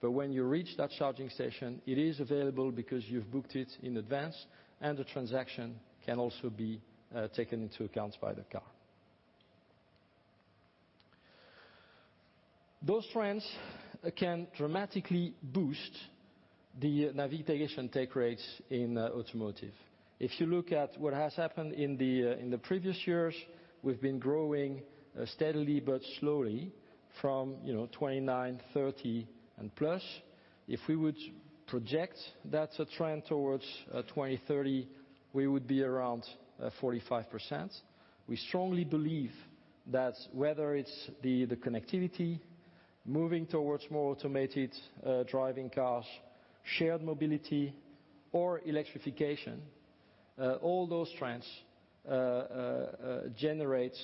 [SPEAKER 12] but when you reach that charging station, it is available because you've booked it in advance, and the transaction can also be taken into account by the car. Those trends can dramatically boost the navigation take rates in automotive. If you look at what has happened in the previous years, we've been growing steadily but slowly from 29%, 30% and plus. If we would project that trend towards 2030, we would be around 45%. We strongly believe that whether it's the connectivity, moving towards more automated driving cars, shared mobility or electrification, all those trends generate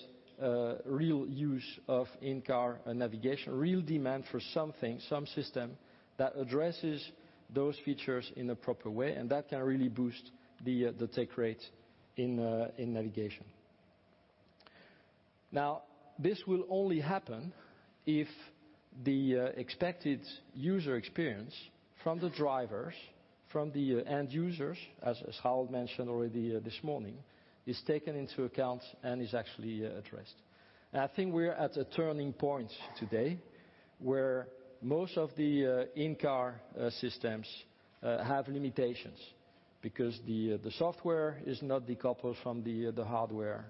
[SPEAKER 12] real use of in-car navigation, real demand for something, some system that addresses those features in a proper way, and that can really boost the take rate in navigation. This will only happen if the expected user experience from the drivers, from the end users, as Harold mentioned already this morning, is taken into account and is actually addressed. I think we're at a turning point today where most of the in-car systems have limitations because the software is not decoupled from the hardware.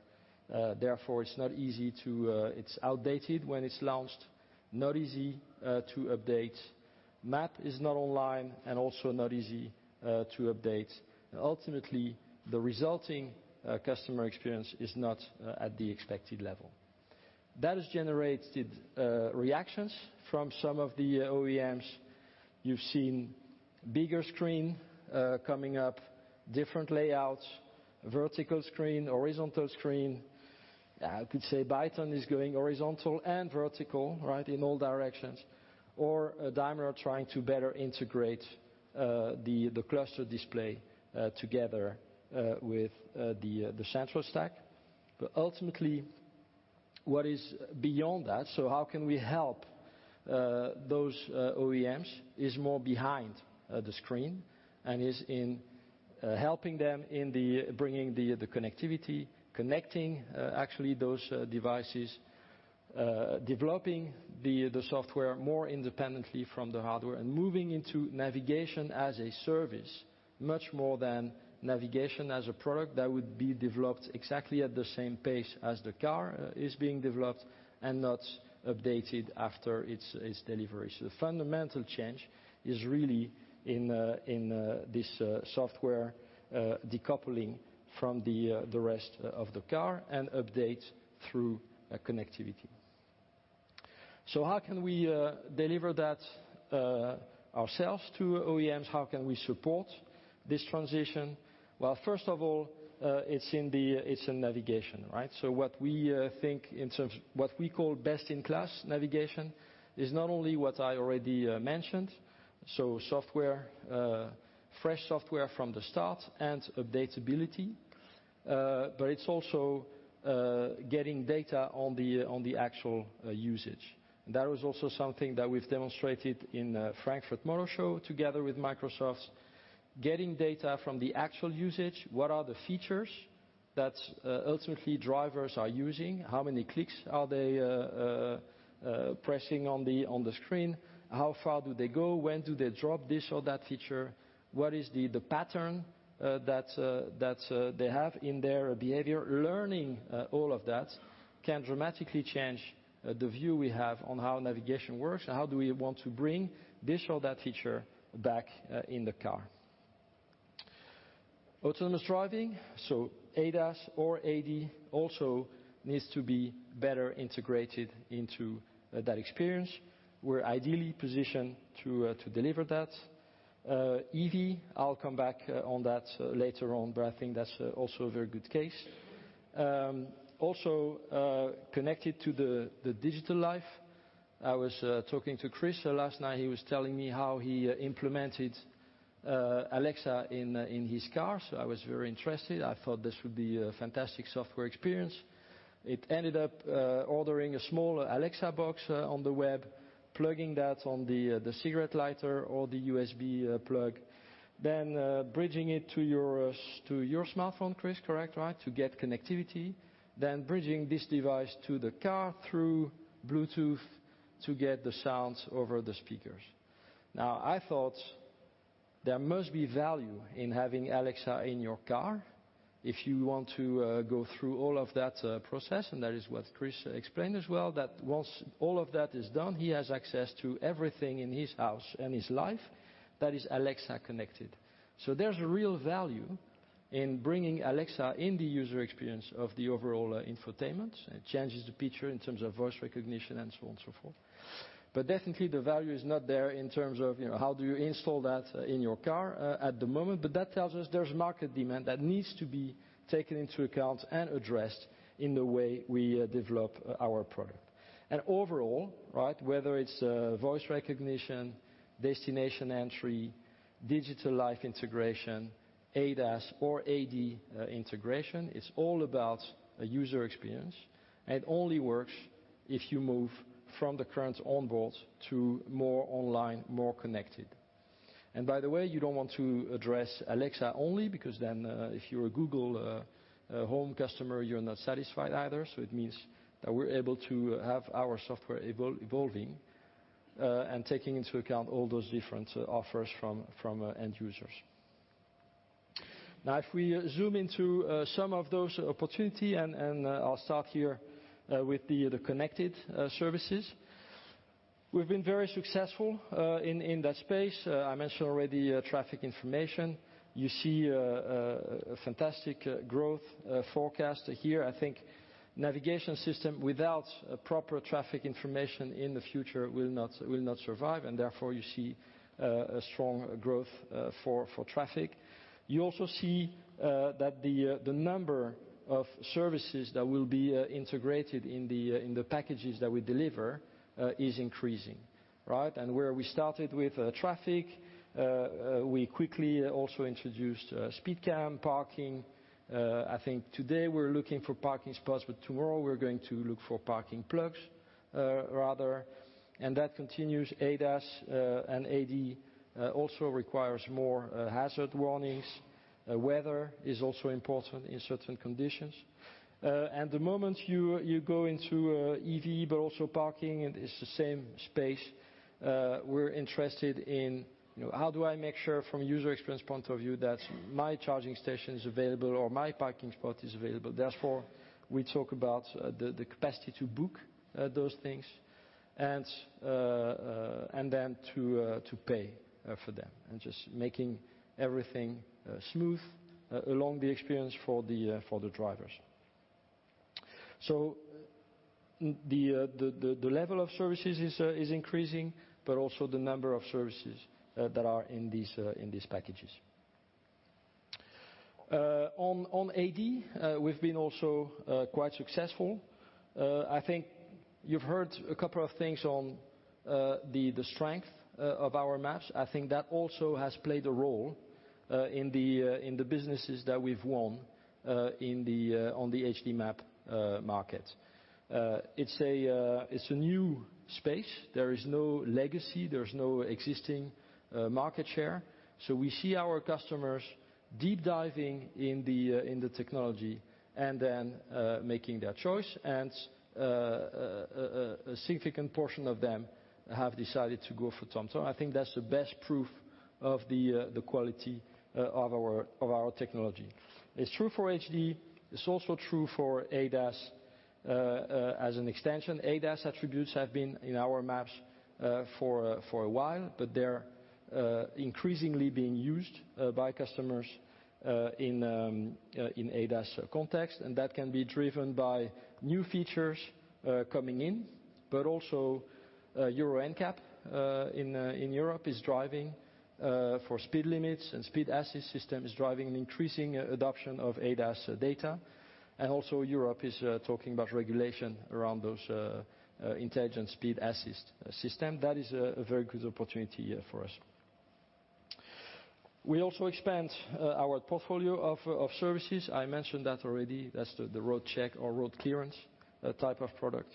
[SPEAKER 12] Therefore, it's outdated when it's launched, not easy to update. Map is not online and also not easy to update. Ultimately, the resulting customer experience is not at the expected level. That has generated reactions from some of the OEMs. You've seen bigger screen coming up, different layouts, vertical screen, horizontal screen. I could say Byton is going horizontal and vertical in all directions, or Daimler trying to better integrate the cluster display together with the central stack. Ultimately, what is beyond that, so how can we help those OEMs, is more behind the screen and is in helping them in bringing the connectivity, connecting those devices, developing the software more independently from the hardware and moving into navigation as a service, much more than navigation as a product that would be developed exactly at the same pace as the car is being developed and not updated after its delivery. The fundamental change is really in this software decoupling from the rest of the car and update through connectivity. How can we deliver that ourselves to OEMs? How can we support this transition? Well, first of all, it's in navigation. What we call best-in-class navigation is not only what I already mentioned, so fresh software from the start and updatability, but it's also getting data on the actual usage. That was also something that we've demonstrated in Frankfurt Motor Show together with Microsoft, getting data from the actual usage. What are the features that ultimately drivers are using? How many clicks are they pressing on the screen? How far do they go? When do they drop this or that feature? What is the pattern that they have in their behavior? Learning all of that can dramatically change the view we have on how navigation works and how do we want to bring this or that feature back in the car. Autonomous driving, so ADAS or AD, also needs to be better integrated into that experience. We're ideally positioned to deliver that. EV, I'll come back on that later on, I think that's also a very good case. Also, connected to the digital life. I was talking to Chris last night. He was telling me how he implemented Alexa in his car. I was very interested. I thought this would be a fantastic software experience. It ended up ordering a small Alexa box on the web, plugging that on the cigarette lighter or the USB plug, bridging it to your smartphone, Chris, correct, to get connectivity, bridging this device to the car through Bluetooth to get the sounds over the speakers. I thought there must be value in having Alexa in your car. If you want to go through all of that process, that is what Chris explained as well, that once all of that is done, he has access to everything in his house and his life that is Alexa connected. There's a real value in bringing Alexa in the user experience of the overall infotainment. It changes the picture in terms of voice recognition and so on and so forth. definitely the value is not there in terms of how do you install that in your car at the moment. that tells us there's market demand that needs to be taken into account and addressed in the way we develop our product. overall, whether it's voice recognition, destination entry, digital life integration, ADAS or AD integration, it's all about user experience, and it only works if you move from the current onboard to more online, more connected. by the way, you don't want to address Alexa only because then if you're a Google Home customer, you're not satisfied either. it means that we're able to have our software evolving, and taking into account all those different offers from end users. If we zoom into some of those opportunity, I'll start here with the connected services. We've been very successful in that space. I mentioned already traffic information. You see a fantastic growth forecast here. I think navigation system without proper traffic information in the future will not survive, and therefore you see a strong growth for traffic. You also see that the number of services that will be integrated in the packages that we deliver is increasing. Right? Where we started with traffic, we quickly also introduced speed cam, parking. I think today we're looking for parking spots, but tomorrow we're going to look for parking plugs, rather. That continues, ADAS and AD also requires more hazard warnings. Weather is also important in certain conditions. The moment you go into EV, but also parking, it's the same space, we're interested in, how do I make sure from user experience point of view that my charging station is available or my parking spot is available? Therefore, we talk about the capacity to book those things and then to pay for them, and just making everything smooth along the experience for the drivers. The level of services is increasing, but also the number of services that are in these packages. On AD, we've been also quite successful. I think you've heard a couple of things on the strength of our maps. I think that also has played a role in the businesses that we've won on the HD map market. It's a new space. There is no legacy, there's no existing market share. We see our customers deep diving in the technology and then making their choice and a significant portion of them have decided to go for TomTom. I think that's the best proof of the quality of our technology. It's true for HD, it's also true for ADAS as an extension. ADAS attributes have been in our maps for a while, but they're increasingly being used by customers in ADAS context, and that can be driven by new features coming in. Also, Euro NCAP in Europe is driving for speed limits and speed assist system is driving an increasing adoption of ADAS data. Also Europe is talking about regulation around those intelligent speed assist system. That is a very good opportunity for us. We also expand our portfolio of services. I mentioned that already. That's the road check or road clearance type of product.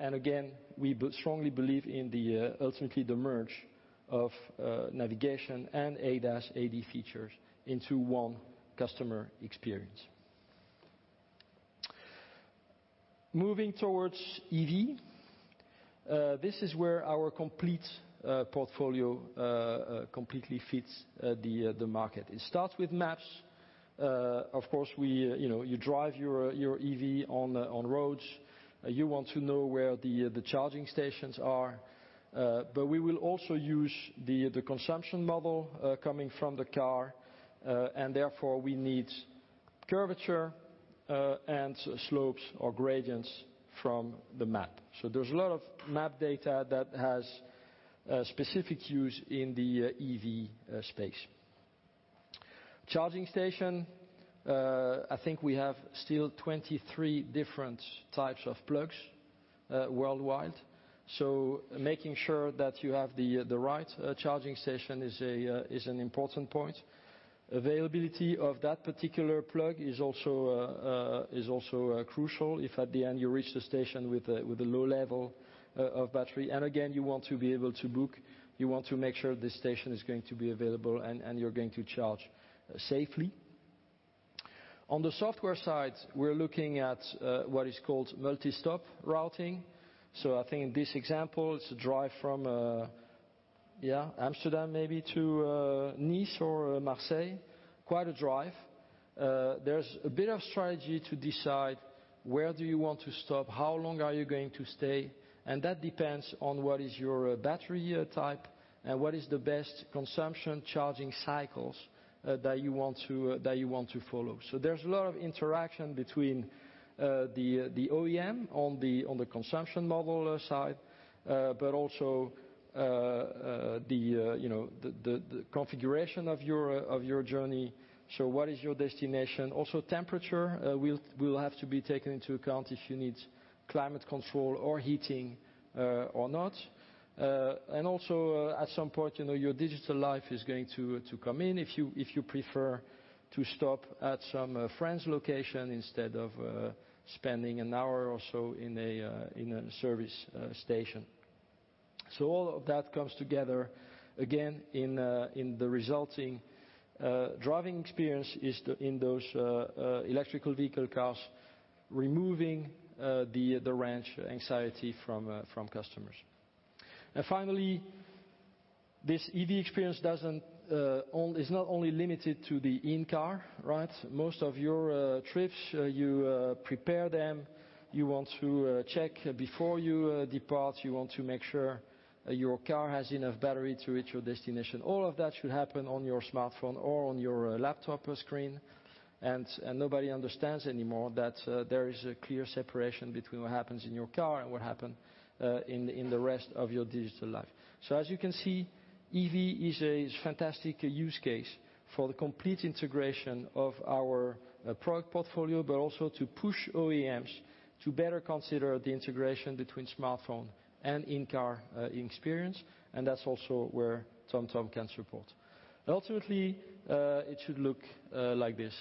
[SPEAKER 12] Again, we strongly believe in ultimately the merge of navigation and ADAS/AD features into one customer experience. Moving towards EV. This is where our complete portfolio completely fits the market. It starts with maps. Of course, you drive your EV on roads. You want to know where the charging stations are. We will also use the consumption model coming from the car, and therefore, we need curvature and slopes or gradients from the map. There's a lot of map data that has specific use in the EV space. Charging station. I think we have still 23 different types of plugs worldwide, so making sure that you have the right charging station is an important point. Availability of that particular plug is also crucial if at the end you reach the station with a low level of battery. Again, you want to be able to book, you want to make sure the station is going to be available and you're going to charge safely. On the software side, we're looking at what is called multi-stop routing. I think in this example, it's a drive from Amsterdam maybe to Nice or Marseille. Quite a drive. There's a bit of strategy to decide where do you want to stop, how long are you going to stay, and that depends on what is your battery type and what is the best consumption charging cycles that you want to follow. There's a lot of interaction between the OEM on the consumption model side, but also the configuration of your journey. What is your destination? Also, temperature will have to be taken into account if you need climate control or heating, or not. Also, at some point, your digital life is going to come in. If you prefer to stop at some friend's location instead of spending an hour or so in a service station. All of that comes together again in the resulting driving experience in those electric vehicle cars, removing the range anxiety from customers. Finally, this EV experience is not only limited to the in-car. Most of your trips, you prepare them. You want to check before you depart. You want to make sure your car has enough battery to reach your destination. All of that should happen on your smartphone or on your laptop screen. Nobody understands anymore that there is a clear separation between what happens in your car and what happens in the rest of your digital life. As you can see, EV is a fantastic use case for the complete integration of our product portfolio, but also to push OEMs to better consider the integration between smartphone and in-car experience, and that's also where TomTom can support. Ultimately, it should look like this.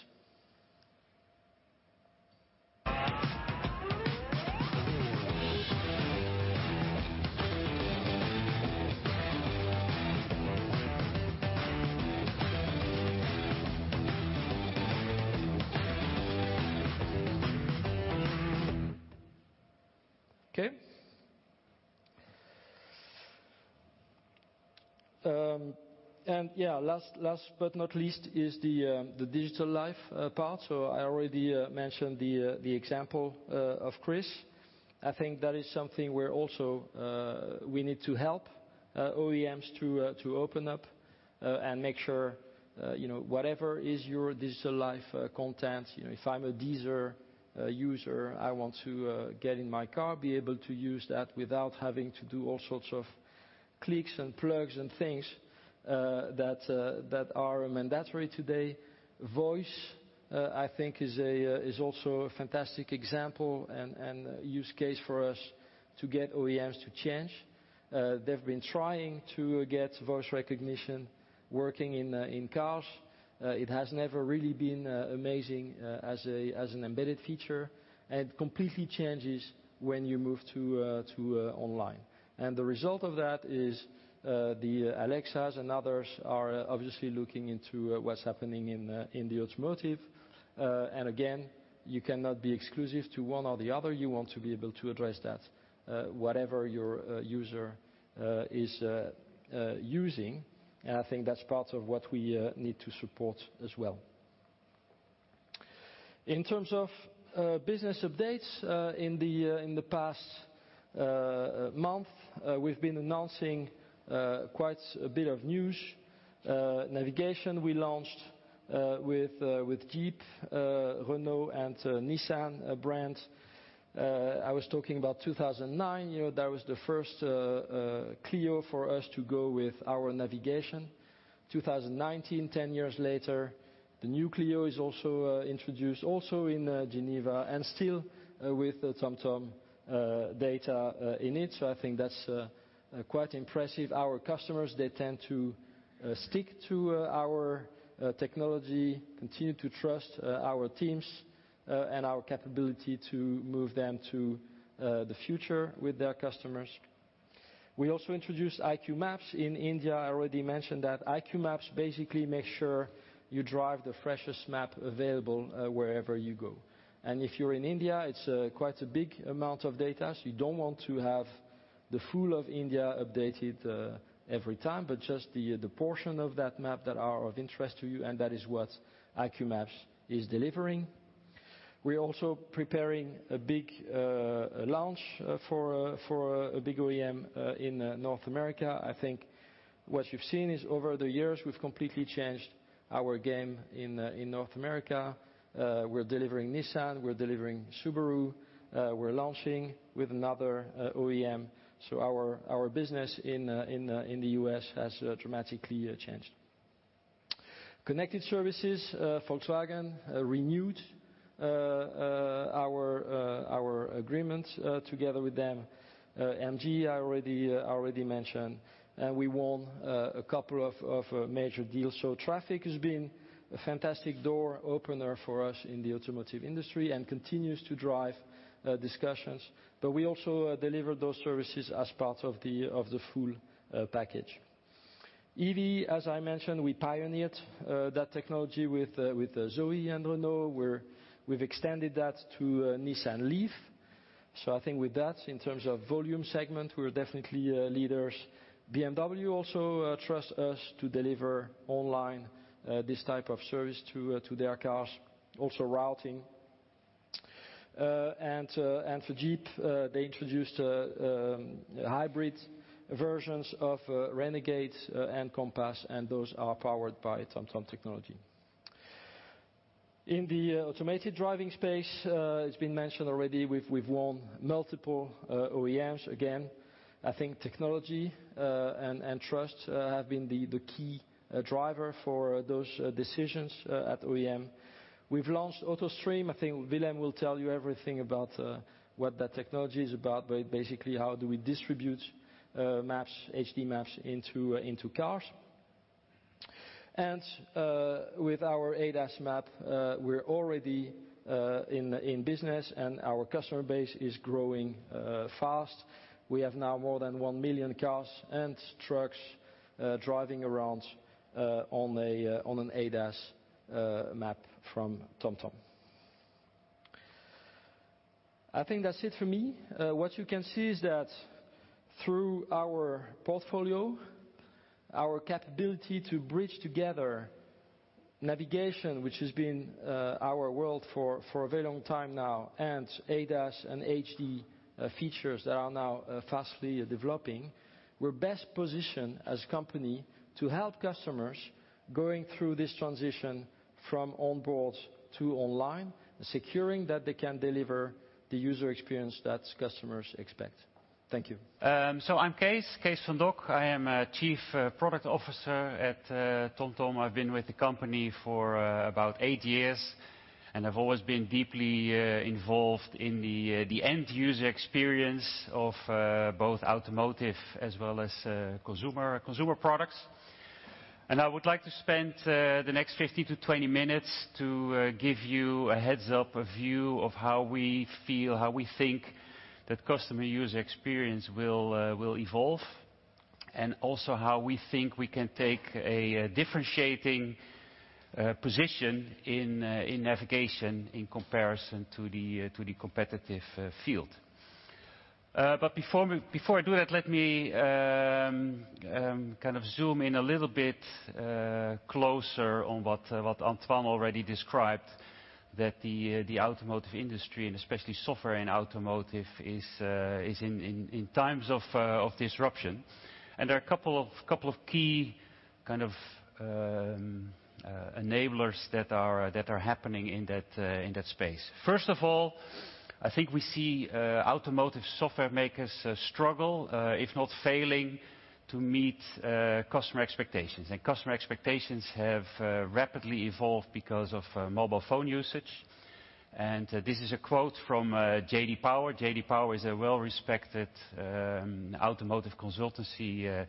[SPEAKER 12] Okay. Last but not least is the digital life part. I already mentioned the example of Chris. I think that is something where also we need to help OEMs to open up and make sure whatever is your digital life content, if I'm a Deezer user, I want to get in my car, be able to use that without having to do all sorts of clicks and plugs and things that are mandatory today. Voice, I think, is also a fantastic example and use case for us to get OEMs to change. They've been trying to get voice recognition working in cars. It has never really been amazing as an embedded feature. It completely changes when you move to online. The result of that is the Alexas and others are obviously looking into what's happening in the automotive. Again, you cannot be exclusive to one or the other. You want to be able to address that, whatever your user is using. I think that's part of what we need to support as well. In terms of business updates, in the past month, we've been announcing quite a bit of news. Navigation, we launched with Jeep, Renault, and Nissan brand. I was talking about 2009, that was the first Clio for us to go with our navigation. 2019, 10 years later, the new Clio is also introduced, also in Geneva, and still with TomTom data in it. I think that's quite impressive. Our customers, they tend to stick to our technology, continue to trust our teams, and our capability to move them to the future with their customers. We also introduced IQ Maps in India. I already mentioned that IQ Maps basically make sure you drive the freshest map available wherever you go. If you're in India, it's quite a big amount of data, you don't want to have the full of India updated every time, but just the portion of that map that are of interest to you, that is what IQ Maps is delivering. We're also preparing a big launch for a big OEM in North America. I think what you've seen is over the years, we've completely changed our game in North America. We're delivering Nissan, we're delivering Subaru, we're launching with another OEM. Our business in the U.S. has dramatically changed. Connected services, Volkswagen renewed our agreement together with them. MG, I already mentioned. We won a couple of major deals. Traffic has been a fantastic door opener for us in the automotive industry and continues to drive discussions, but we also deliver those services as part of the full package. EV, as I mentioned, we pioneered that technology with ZOE and Renault. We've extended that to Nissan LEAF. I think with that, in terms of volume segment, we're definitely leaders. BMW also trusts us to deliver online this type of service to their cars, also routing. For Jeep, they introduced hybrid versions of Renegade and Compass, and those are powered by TomTom technology. In the automated driving space, it's been mentioned already, we've won multiple OEMs. Again, I think technology and trust have been the key driver for those decisions at OEM. We've launched AutoStream. I think Willem will tell you everything about what that technology is about, but basically how do we distribute maps, HD maps into cars. With our ADAS map, we're already in business and our customer base is growing fast. We have now more than 1 million cars and trucks driving around on an ADAS map from TomTom. I think that's it for me. What you can see is that through our portfolio, our capability to bridge together navigation, which has been our world for a very long time now, and ADAS and HD features that are now fastly developing, we're best positioned as company to help customers going through this transition from onboard to online, securing that they can deliver the user experience that customers expect. Thank you.
[SPEAKER 13] I'm Kees van Dok. I am Chief Product Officer at TomTom. I've been with the company for about eight years, and I've always been deeply involved in the end user experience of both automotive as well as consumer products. I would like to spend the next 15 to 20 minutes to give you a heads up, a view of how we feel, how we think that customer user experience will evolve, and also how we think we can take a differentiating position in navigation in comparison to the competitive field. Before I do that, let me zoom in a little bit closer on what Antoine already described, that the automotive industry, and especially software in automotive, is in times of disruption. There are a couple of key kind of enablers that are happening in that space. First of all, I think we see automotive software makers struggle, if not failing, to meet customer expectations. Customer expectations have rapidly evolved because of mobile phone usage. This is a quote from J.D. Power. J.D. Power is a well-respected automotive consultancy,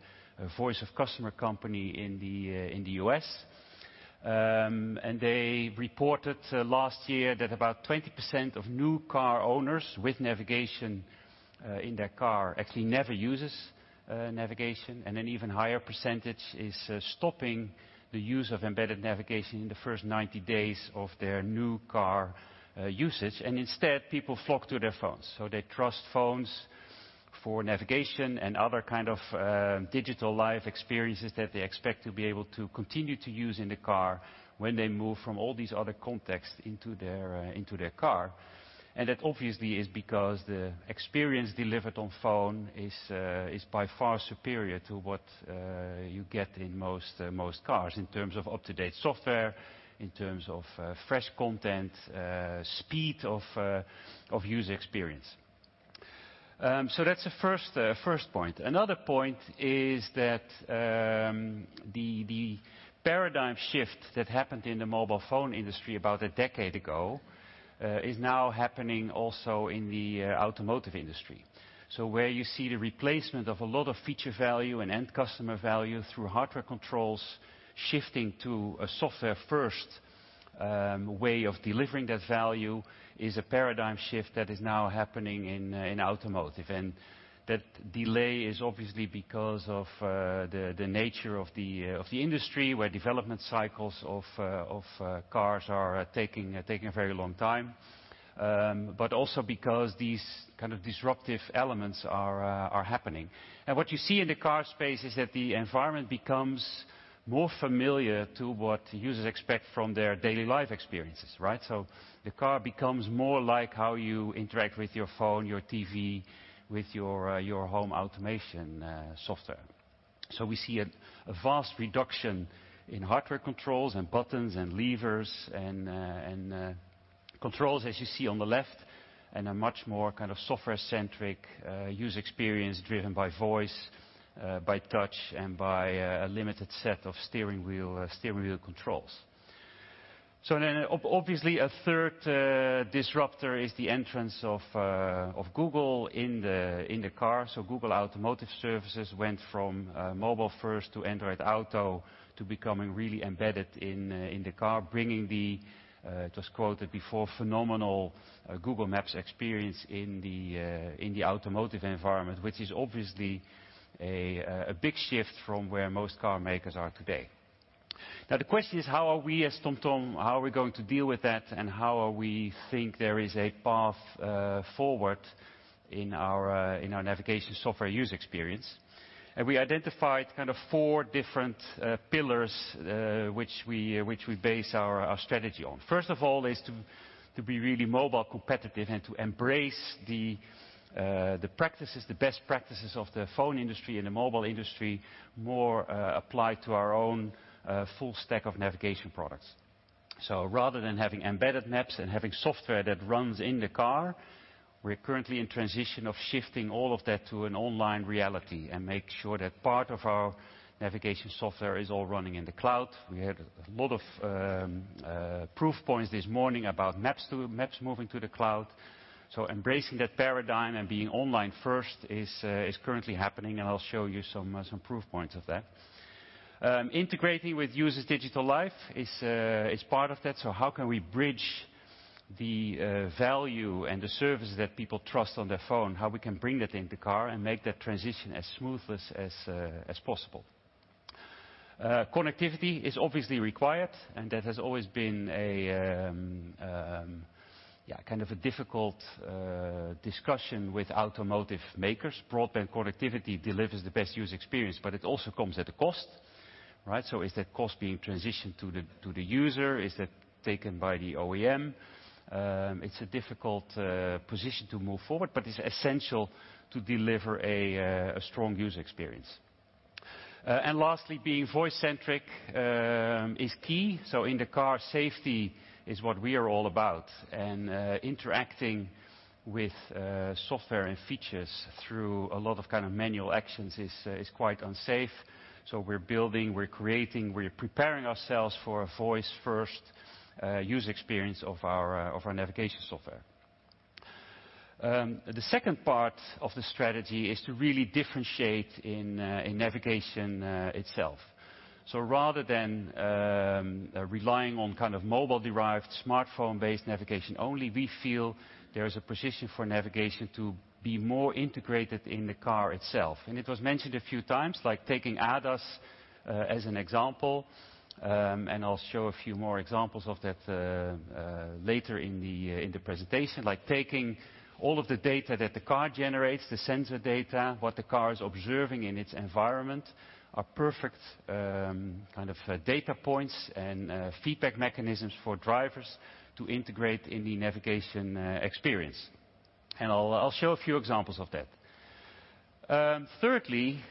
[SPEAKER 13] voice of customer company in the U.S. They reported last year that about 20% of new car owners with navigation in their car actually never uses navigation. An even higher percentage is stopping the use of embedded navigation in the first 90 days of their new car usage. Instead, people flock to their phones. They trust phones for navigation and other kind of digital life experiences that they expect to be able to continue to use in the car when they move from all these other contexts into their car. That obviously is because the experience delivered on phone is by far superior to what you get in most cars in terms of up-to-date software, in terms of fresh content, speed of user experience. That's the first point. Another point is that the paradigm shift that happened in the mobile phone industry about a decade ago is now happening also in the automotive industry. Where you see the replacement of a lot of feature value and end customer value through hardware controls, shifting to a software first way of delivering that value is a paradigm shift that is now happening in automotive. That delay is obviously because of the nature of the industry, where development cycles of cars are taking a very long time, but also because these disruptive elements are happening. What you see in the car space is that the environment becomes more familiar to what users expect from their daily life experiences, right? The car becomes more like how you interact with your phone, your TV, with your home automation software. We see a vast reduction in hardware controls and buttons and levers and controls, as you see on the left, and a much more software-centric user experience driven by voice, by touch, and by a limited set of steering wheel controls. Obviously, a third disrupter is the entrance of Google in the car. Google Automotive Services went from mobile first to Android Auto to becoming really embedded in the car, bringing the, it was quoted before, phenomenal Google Maps experience in the automotive environment, which is obviously a big shift from where most car makers are today. The question is, how are we as TomTom, how are we going to deal with that, and how are we think there is a path forward in our navigation software user experience? We identified four different pillars which we base our strategy on. First of all is to be really mobile competitive and to embrace the best practices of the phone industry and the mobile industry more applied to our own full stack of navigation products. Rather than having embedded maps and having software that runs in the car, we're currently in transition of shifting all of that to an online reality and make sure that part of our navigation software is all running in the cloud. We had a lot of proof points this morning about maps moving to the cloud. Embracing that paradigm and being online first is currently happening, and I will show you some proof points of that. Integrating with users' digital life is part of that. How can we bridge the value and the services that people trust on their phone, how we can bring that into car and make that transition as smooth as possible. Connectivity is obviously required, and that has always been a difficult discussion with automotive makers. Broadband connectivity delivers the best user experience, but it also comes at a cost. Is that cost being transitioned to the user? Is that taken by the OEM? It is a difficult position to move forward, but it is essential to deliver a strong user experience. Lastly, being voice centric is key. In the car, safety is what we are all about. Interacting with software and features through a lot of manual actions is quite unsafe. We're building, we're creating, we're preparing ourselves for a voice first user experience of our navigation software. The second part of the strategy is to really differentiate in navigation itself. Rather than relying on mobile-derived, smartphone-based navigation only, we feel there is a position for navigation to be more integrated in the car itself. It was mentioned a few times, like taking ADAS as an example, and I'll show a few more examples of that later in the presentation. Like taking all of the data that the car generates, the sensor data, what the car is observing in its environment, are perfect data points and feedback mechanisms for drivers to integrate in the navigation experience. I'll show a few examples of that. Thirdly,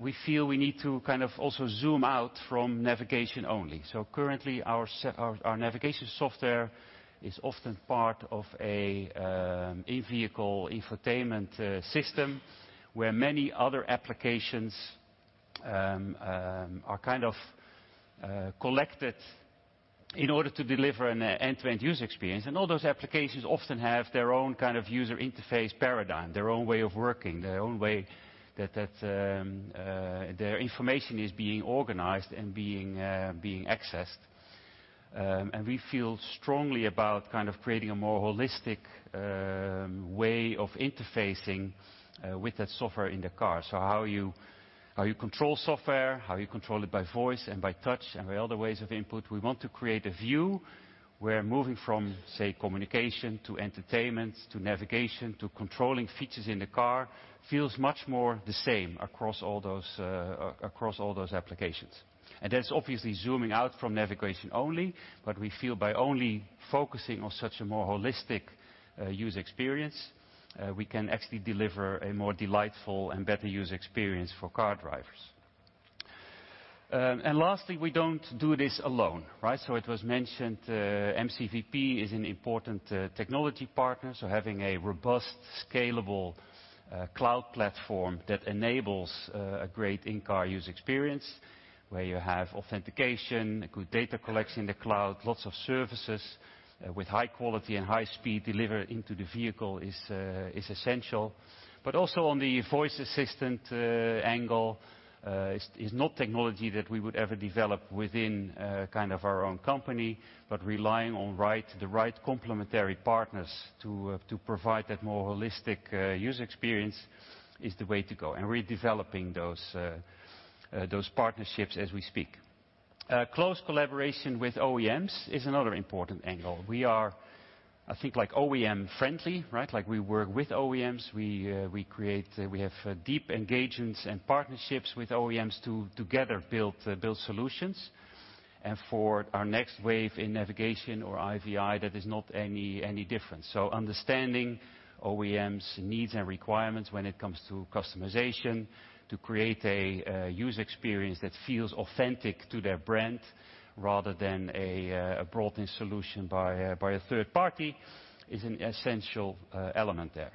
[SPEAKER 13] we feel we need to also zoom out from navigation only. Currently, our navigation software is often part of an in-vehicle infotainment system where many other applications are kind of collected in order to deliver an end-to-end user experience. All those applications often have their own user interface paradigm, their own way of working, their own way that their information is being organized and being accessed. We feel strongly about creating a more holistic way of interfacing with that software in the car. How you control software, how you control it by voice and by touch and by other ways of input. We want to create a view where moving from, say, communication to entertainment to navigation to controlling features in the car feels much more the same across all those applications. That's obviously zooming out from navigation only, but we feel by only focusing on such a more holistic user experience, we can actually deliver a more delightful and better user experience for car drivers. Lastly, we don't do this alone. It was mentioned, MCVP is an important technology partner. Having a robust, scalable cloud platform that enables a great in-car user experience where you have authentication, good data collection in the cloud, lots of services with high quality and high speed delivered into the vehicle is essential. Also on the voice assistant angle, is not technology that we would ever develop within our own company, but relying on the right complementary partners to provide that more holistic user experience is the way to go. We're developing those partnerships as we speak. Close collaboration with OEMs is another important angle. We are, I think, OEM friendly. We work with OEMs, we have deep engagements and partnerships with OEMs to together build solutions. For our next wave in navigation or IVI, that is not any different. Understanding OEMs needs and requirements when it comes to customization to create a user experience that feels authentic to their brand rather than a brought in solution by a third party is an essential element there.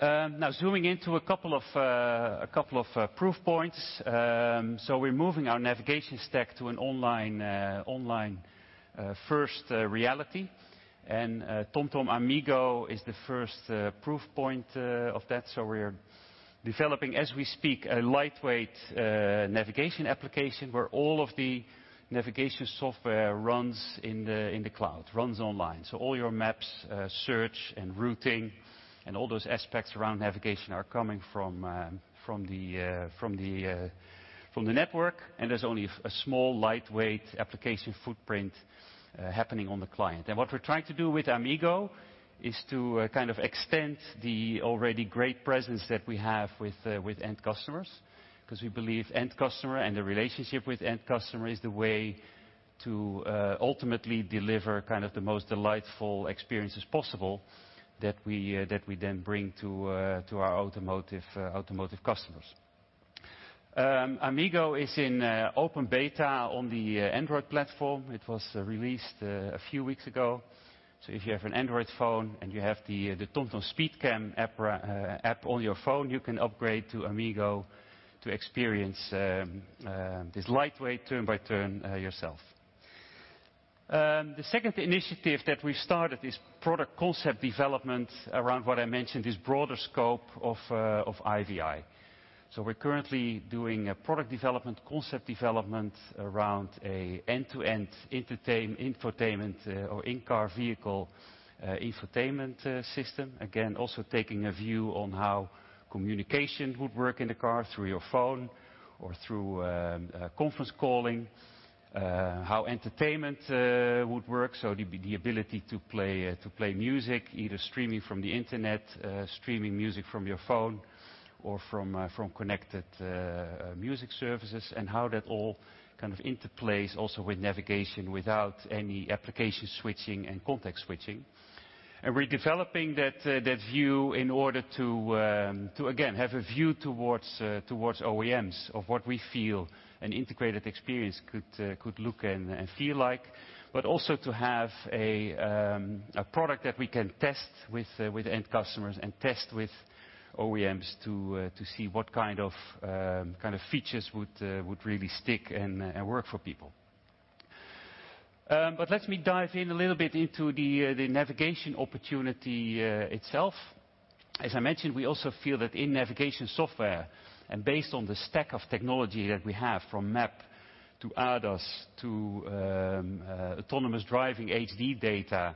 [SPEAKER 13] Now zooming into a couple of proof points. We're moving our navigation stack to an online first reality. TomTom AmiGO is the first proof point of that. We're developing, as we speak, a lightweight navigation application where all of the navigation software runs in the cloud, runs online. All your maps, search, and routing, and all those aspects around navigation are coming from the network, and there's only a small, lightweight application footprint happening on the client. What we're trying to do with AmiGO is to extend the already great presence that we have with end customers. We believe end customer and the relationship with end customer is the way to ultimately deliver the most delightful experiences possible that we then bring to our automotive customers. AmiGO is in open beta on the Android platform. It was released a few weeks ago. If you have an Android phone and you have the TomTom Speed Cam app on your phone, you can upgrade to AmiGO to experience this lightweight turn-by-turn yourself. The second initiative that we started is product concept development around what I mentioned, this broader scope of IVI. We're currently doing a product development, concept development, around an end-to-end infotainment or in-car vehicle infotainment system. Again, also taking a view on how communication would work in the car through your phone or through conference calling. How entertainment would work. The ability to play music, either streaming from the internet, streaming music from your phone, or from connected music services. How that all kind of interplays also with navigation without any application switching and context switching. We're developing that view in order to, again, have a view towards OEMs of what we feel an integrated experience could look and feel like, but also to have a product that we can test with end customers and test with OEMs to see what kind of features would really stick and work for people. Let me dive in a little bit into the navigation opportunity itself. As I mentioned, we also feel that in navigation software, based on the stack of technology that we have from map to ADAS, to autonomous driving HD data,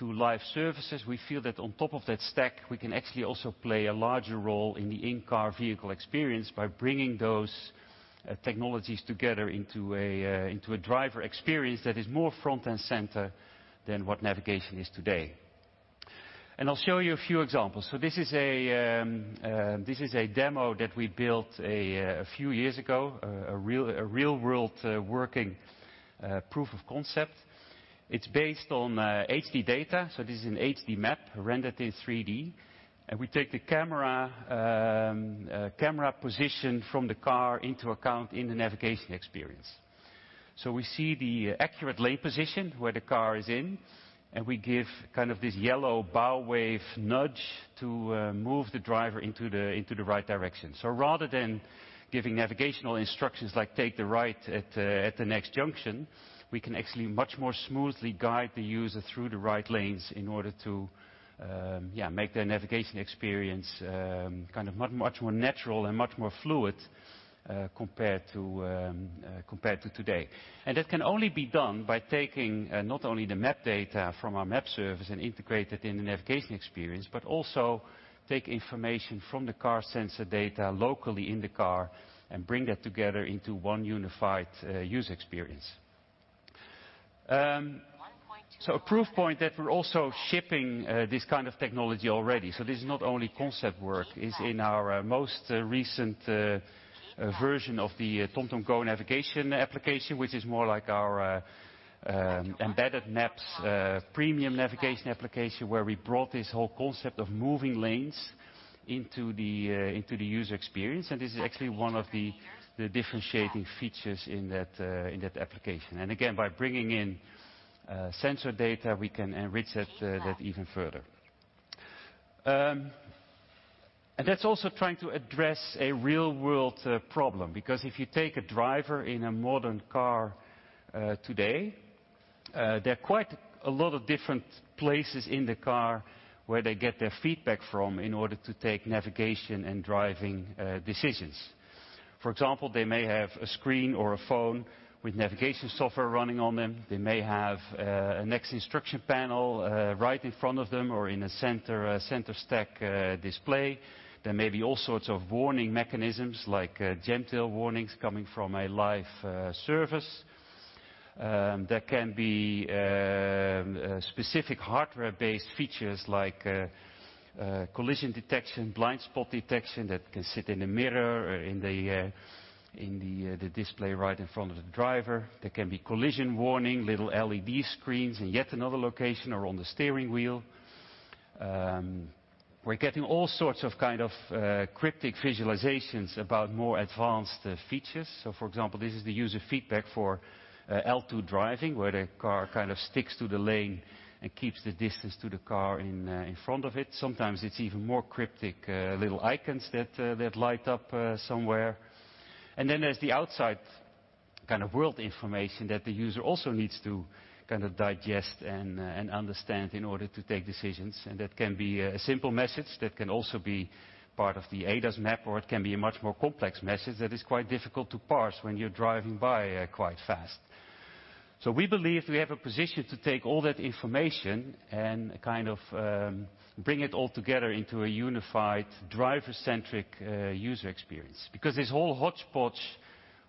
[SPEAKER 13] to live services, we feel that on top of that stack, we can actually also play a larger role in the in-car vehicle experience by bringing those technologies together into a driver experience that is more front and center than what navigation is today. I'll show you a few examples. This is a demo that we built a few years ago, a real-world working proof of concept. It's based on HD data. This is an HD map rendered in 3D. We take the camera position from the car into account in the navigation experience. We see the accurate lane position where the car is in, and we give kind of this yellow bow wave nudge to move the driver into the right direction. Rather than giving navigational instructions like, "Take the right at the next junction," we can actually much more smoothly guide the user through the right lanes in order to make their navigation experience much more natural and much more fluid, compared to today. That can only be done by taking not only the map data from our map service and integrate it in the navigation experience, but also take information from the car sensor data locally in the car and bring that together into one unified user experience.
[SPEAKER 10] 1.2 miles.
[SPEAKER 13] A proof point that we're also shipping this kind of technology already. This is not only concept work, is in our most recent version of the TomTom GO Navigation application, which is more like our embedded maps premium navigation application, where we brought this whole concept of moving lanes into the user experience. This is actually one of the differentiating features in that application. Again, by bringing in sensor data, we can enrich that even further. That's also trying to address a real-world problem, because if you take a driver in a modern car today, there are quite a lot of different places in the car where they get their feedback from in order to take navigation and driving decisions. For example, they may have a screen or a phone with navigation software running on them. They may have a next instruction panel right in front of them or in a center stack display. There may be all sorts of warning mechanisms, like gentle warnings coming from a live service. There can be specific hardware-based features like collision detection, blind spot detection that can sit in a mirror or in the display right in front of the driver. There can be collision warning, little LED screens in yet another location or on the steering wheel. We're getting all sorts of cryptic visualizations about more advanced features. For example, this is the user feedback for L2 driving, where the car kind of sticks to the lane and keeps the distance to the car in front of it. Sometimes it's even more cryptic, little icons that light up somewhere. There's the outside kind of world information that the user also needs to kind of digest and understand in order to take decisions. That can be a simple message that can also be part of the ADAS map, or it can be a much more complex message that is quite difficult to parse when you're driving by quite fast. We believe we have a position to take all that information and kind of bring it all together into a unified driver-centric user experience, because this whole hodgepodge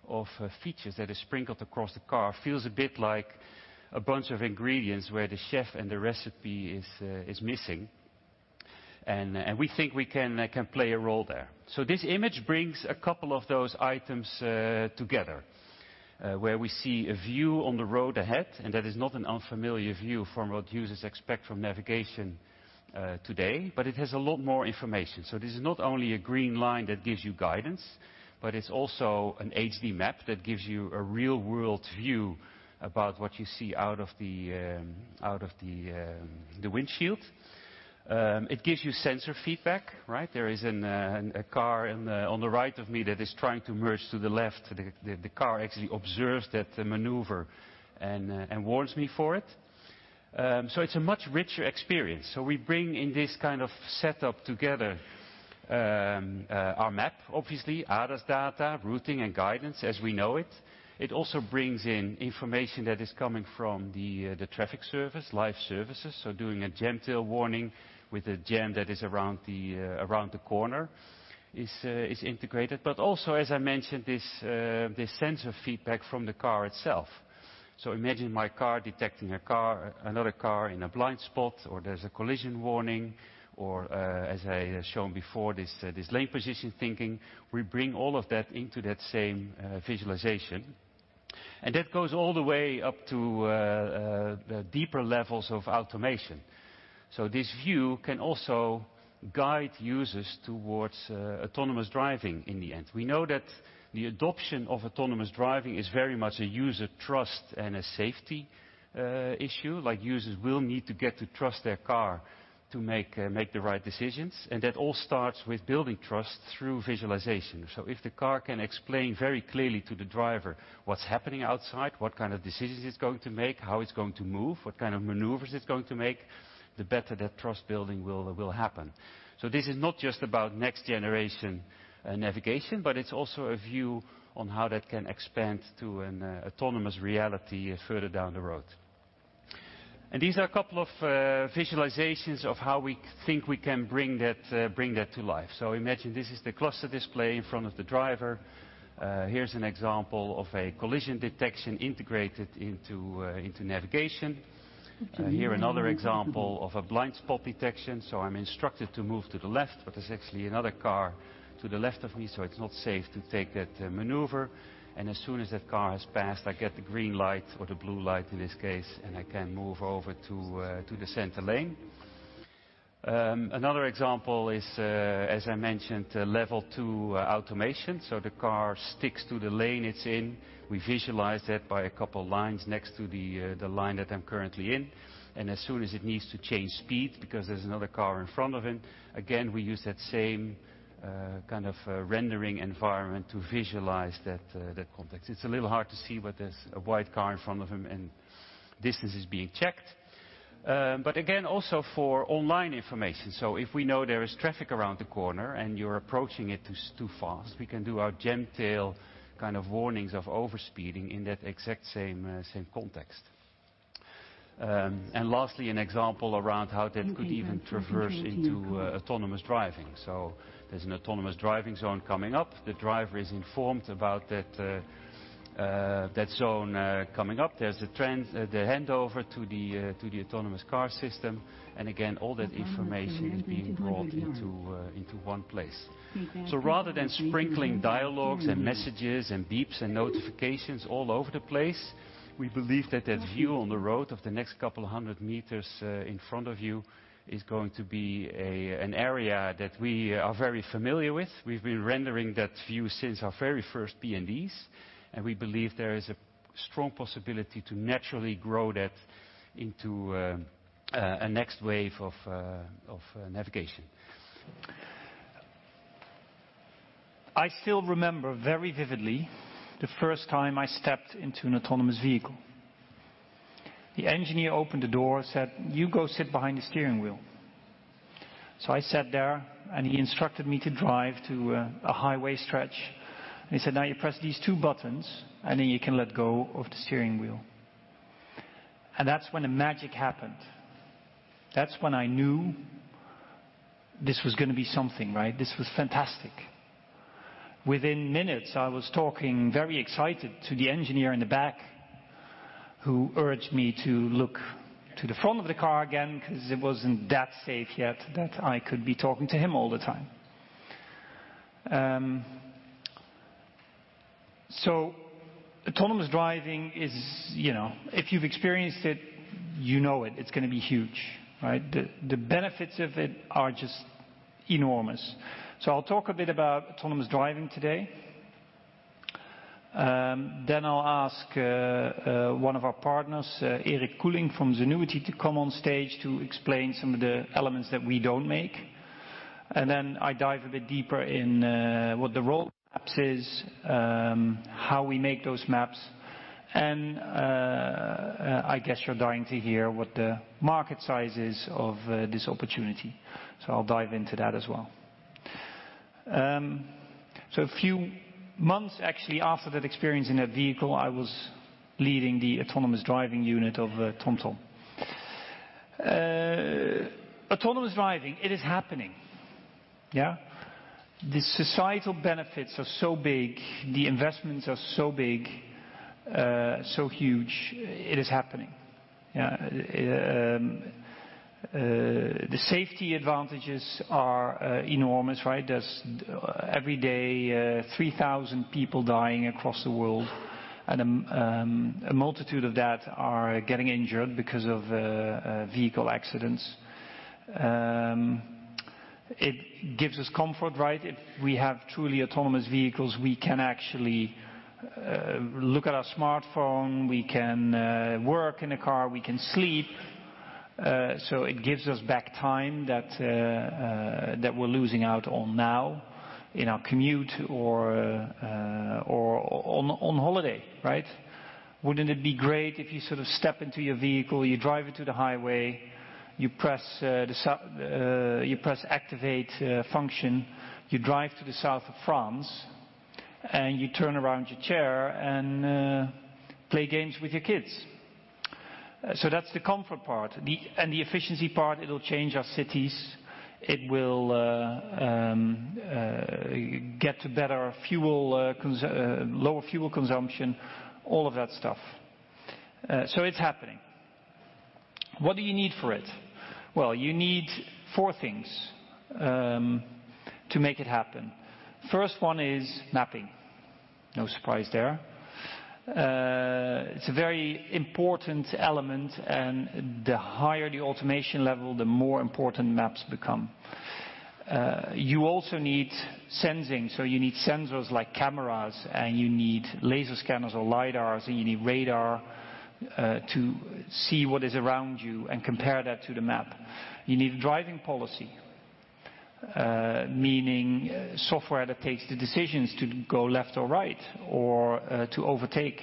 [SPEAKER 13] of features that is sprinkled across the car feels a bit like a bunch of ingredients where the chef and the recipe is missing. We think we can play a role there. This image brings a couple of those items together, where we see a view on the road ahead, and that is not an unfamiliar view from what users expect from navigation today. It has a lot more information. This is not only a green line that gives you guidance, but it's also an HD map that gives you a real-world view about what you see out of the windshield. It gives you sensor feedback. There is a car on the right of me that is trying to merge to the left. The car actually observes that maneuver and warns me for it. It's a much richer experience. We bring in this kind of setup together, our map, obviously, address data, routing and guidance as we know it. It also brings in information that is coming from the traffic service, live services. Doing a gentle warning with a jam that is around the corner is integrated. Also, as I mentioned, this sensor feedback from the car itself. Imagine my car detecting another car in a blind spot, or there's a collision warning, or as I shown before, this lane position thinking. We bring all of that into that same visualization. That goes all the way up to the deeper levels of automation. This view can also guide users towards autonomous driving in the end. We know that the adoption of autonomous driving is very much a user trust and a safety issue, like users will need to get to trust their car to make the right decisions. That all starts with building trust through visualization. If the car can explain very clearly to the driver what's happening outside, what kind of decisions it's going to make, how it's going to move, what kind of maneuvers it's going to make, the better that trust building will happen. This is not just about next-generation navigation, but it's also a view on how that can expand to an autonomous reality further down the road. These are a couple of visualizations of how we think we can bring that to life. Imagine this is the cluster display in front of the driver. Here's an example of a collision detection integrated into navigation. Here, another example of a blind spot detection. I'm instructed to move to the left, but there's actually another car to the left of me, so it's not safe to take that maneuver, and as soon as that car has passed, I get the green light or the blue light in this case, and I can move over to the center lane. Another example is, as I mentioned, level 2 automation. The car sticks to the lane it's in. We visualize that by a couple lines next to the line that I'm currently in. As soon as it needs to change speed because there's another car in front of him, again, we use that same kind of rendering environment to visualize that context. It's a little hard to see, but there's a white car in front of him and distance is being checked. Again, also for online information. If we know there is traffic around the corner and you're approaching it too fast, we can do our gentle kind of warnings of overspeeding in that exact same context. Lastly, an example around how that could even traverse into autonomous driving. There's an autonomous driving zone coming up. The driver is informed about that zone coming up. There's the handover to the autonomous car system. Again, all that information is being brought into one place. Rather than sprinkling dialogues and messages and beeps and notifications all over the place, we believe that that view on the road of the next couple of hundred meters in front of you is going to be an area that we are very familiar with. We've been rendering that view since our very first PNDs, and we believe there is a strong possibility to naturally grow that into a next wave of navigation. I still remember very vividly the first time I stepped into an autonomous vehicle. The engineer opened the door and said, "You go sit behind the steering wheel." I sat there, and he instructed me to drive to a highway stretch, and he said, "Now you press these two buttons, and then you can let go of the steering wheel." That's when the magic happened. That's when I knew this was going to be something. This was fantastic. Within minutes, I was talking very excited to the engineer in the back, who urged me to look to the front of the car again because it wasn't that safe yet that I could be talking to him all the time. Autonomous driving, if you've experienced it, you know it. It's going to be huge. The benefits of it are just enormous. I'll talk a bit about autonomous driving today. I'll ask one of our partners, Erik Koeling from Zenuity, to come on stage to explain some of the elements that we don't make. I dive a bit deeper in what the role maps is, how we make those maps, and I guess you're dying to hear what the market size is of this opportunity. I'll dive into that as well. A few months, actually, after that experience in that vehicle, I was leading the autonomous driving unit of TomTom. Autonomous driving, it is happening. Yeah. The societal benefits are so big. The investments are so big, so huge. It is happening. The safety advantages are enormous. There's every day, 3,000 people dying across the world, and a multitude of that are getting injured because of vehicle accidents.
[SPEAKER 14] It gives us comfort, right? If we have truly autonomous vehicles, we can actually look at our smartphone, we can work in a car, we can sleep. It gives us back time that we're losing out on now in our commute or on holiday. Wouldn't it be great if you step into your vehicle, you drive it to the highway, you press activate function, you drive to the south of France, and you turn around your chair and play games with your kids? That's the comfort part. The efficiency part, it'll change our cities. It will get to better fuel, lower fuel consumption, all of that stuff. It's happening. What do you need for it? Well, you need four things to make it happen. First one is mapping. No surprise there. It's a very important element, and the higher the automation level, the more important maps become. You also need sensing, so you need sensors like cameras, you need laser scanners or lidars, you need radar to see what is around you and compare that to the map. You need a driving policy, meaning software that takes the decisions to go left or right or to overtake.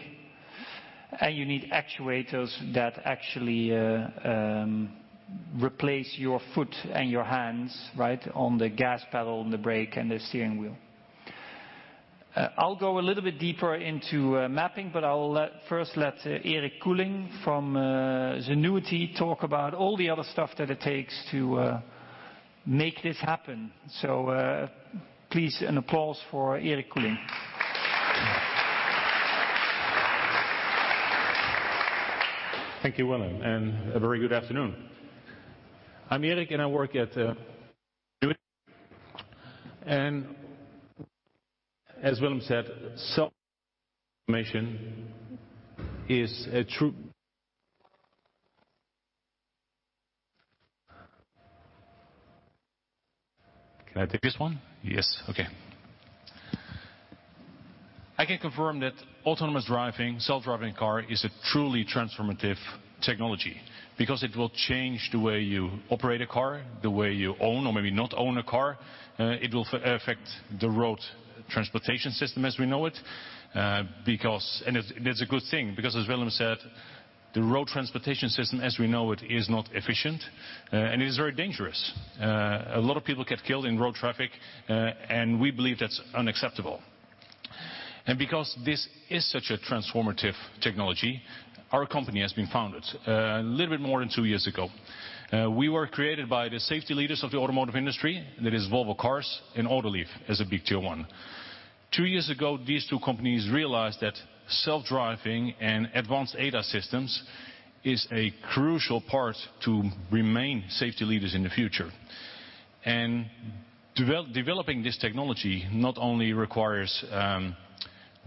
[SPEAKER 14] You need actuators that actually replace your foot and your hands on the gas pedal and the brake and the steering wheel. I'll go a little bit deeper into mapping, but I'll first let Erik Koeling from Zenuity talk about all the other stuff that it takes to make this happen. Please, an applause for Erik Koeling.
[SPEAKER 15] Thank you, Willem. A very good afternoon. I'm Erik. I work at Zenuity. As Willem said, self-driving is a true Can I take this one? Yes, okay. I can confirm that autonomous driving, self-driving car is a truly transformative technology because it will change the way you operate a car, the way you own or maybe not own a car. It will affect the road transportation system as we know it. That's a good thing because, as Willem said, the road transportation system as we know it is not efficient and is very dangerous. A lot of people get killed in road traffic, and we believe that's unacceptable. Because this is such a transformative technology, our company has been founded a little bit more than two years ago. We were created by the safety leaders of the automotive industry, that is Volvo Cars and Autoliv as a big tier 1. Two years ago, these two companies realized that self-driving and advanced ADAS systems is a crucial part to remain safety leaders in the future. Developing this technology not only requires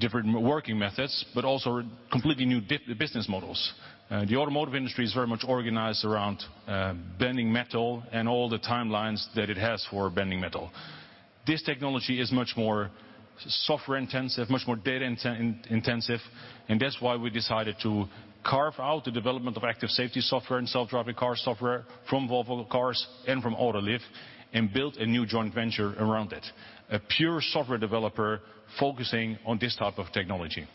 [SPEAKER 15] different working methods, but also completely new business models. The automotive industry is very much organized around bending metal and all the timelines that it has for bending metal. This technology is much more software intensive, much more data intensive, and that's why we decided to carve out the development of active safety software and self-driving car software from Volvo Cars and from Autoliv and build a new joint venture around it. A pure software developer focusing on this type of technology.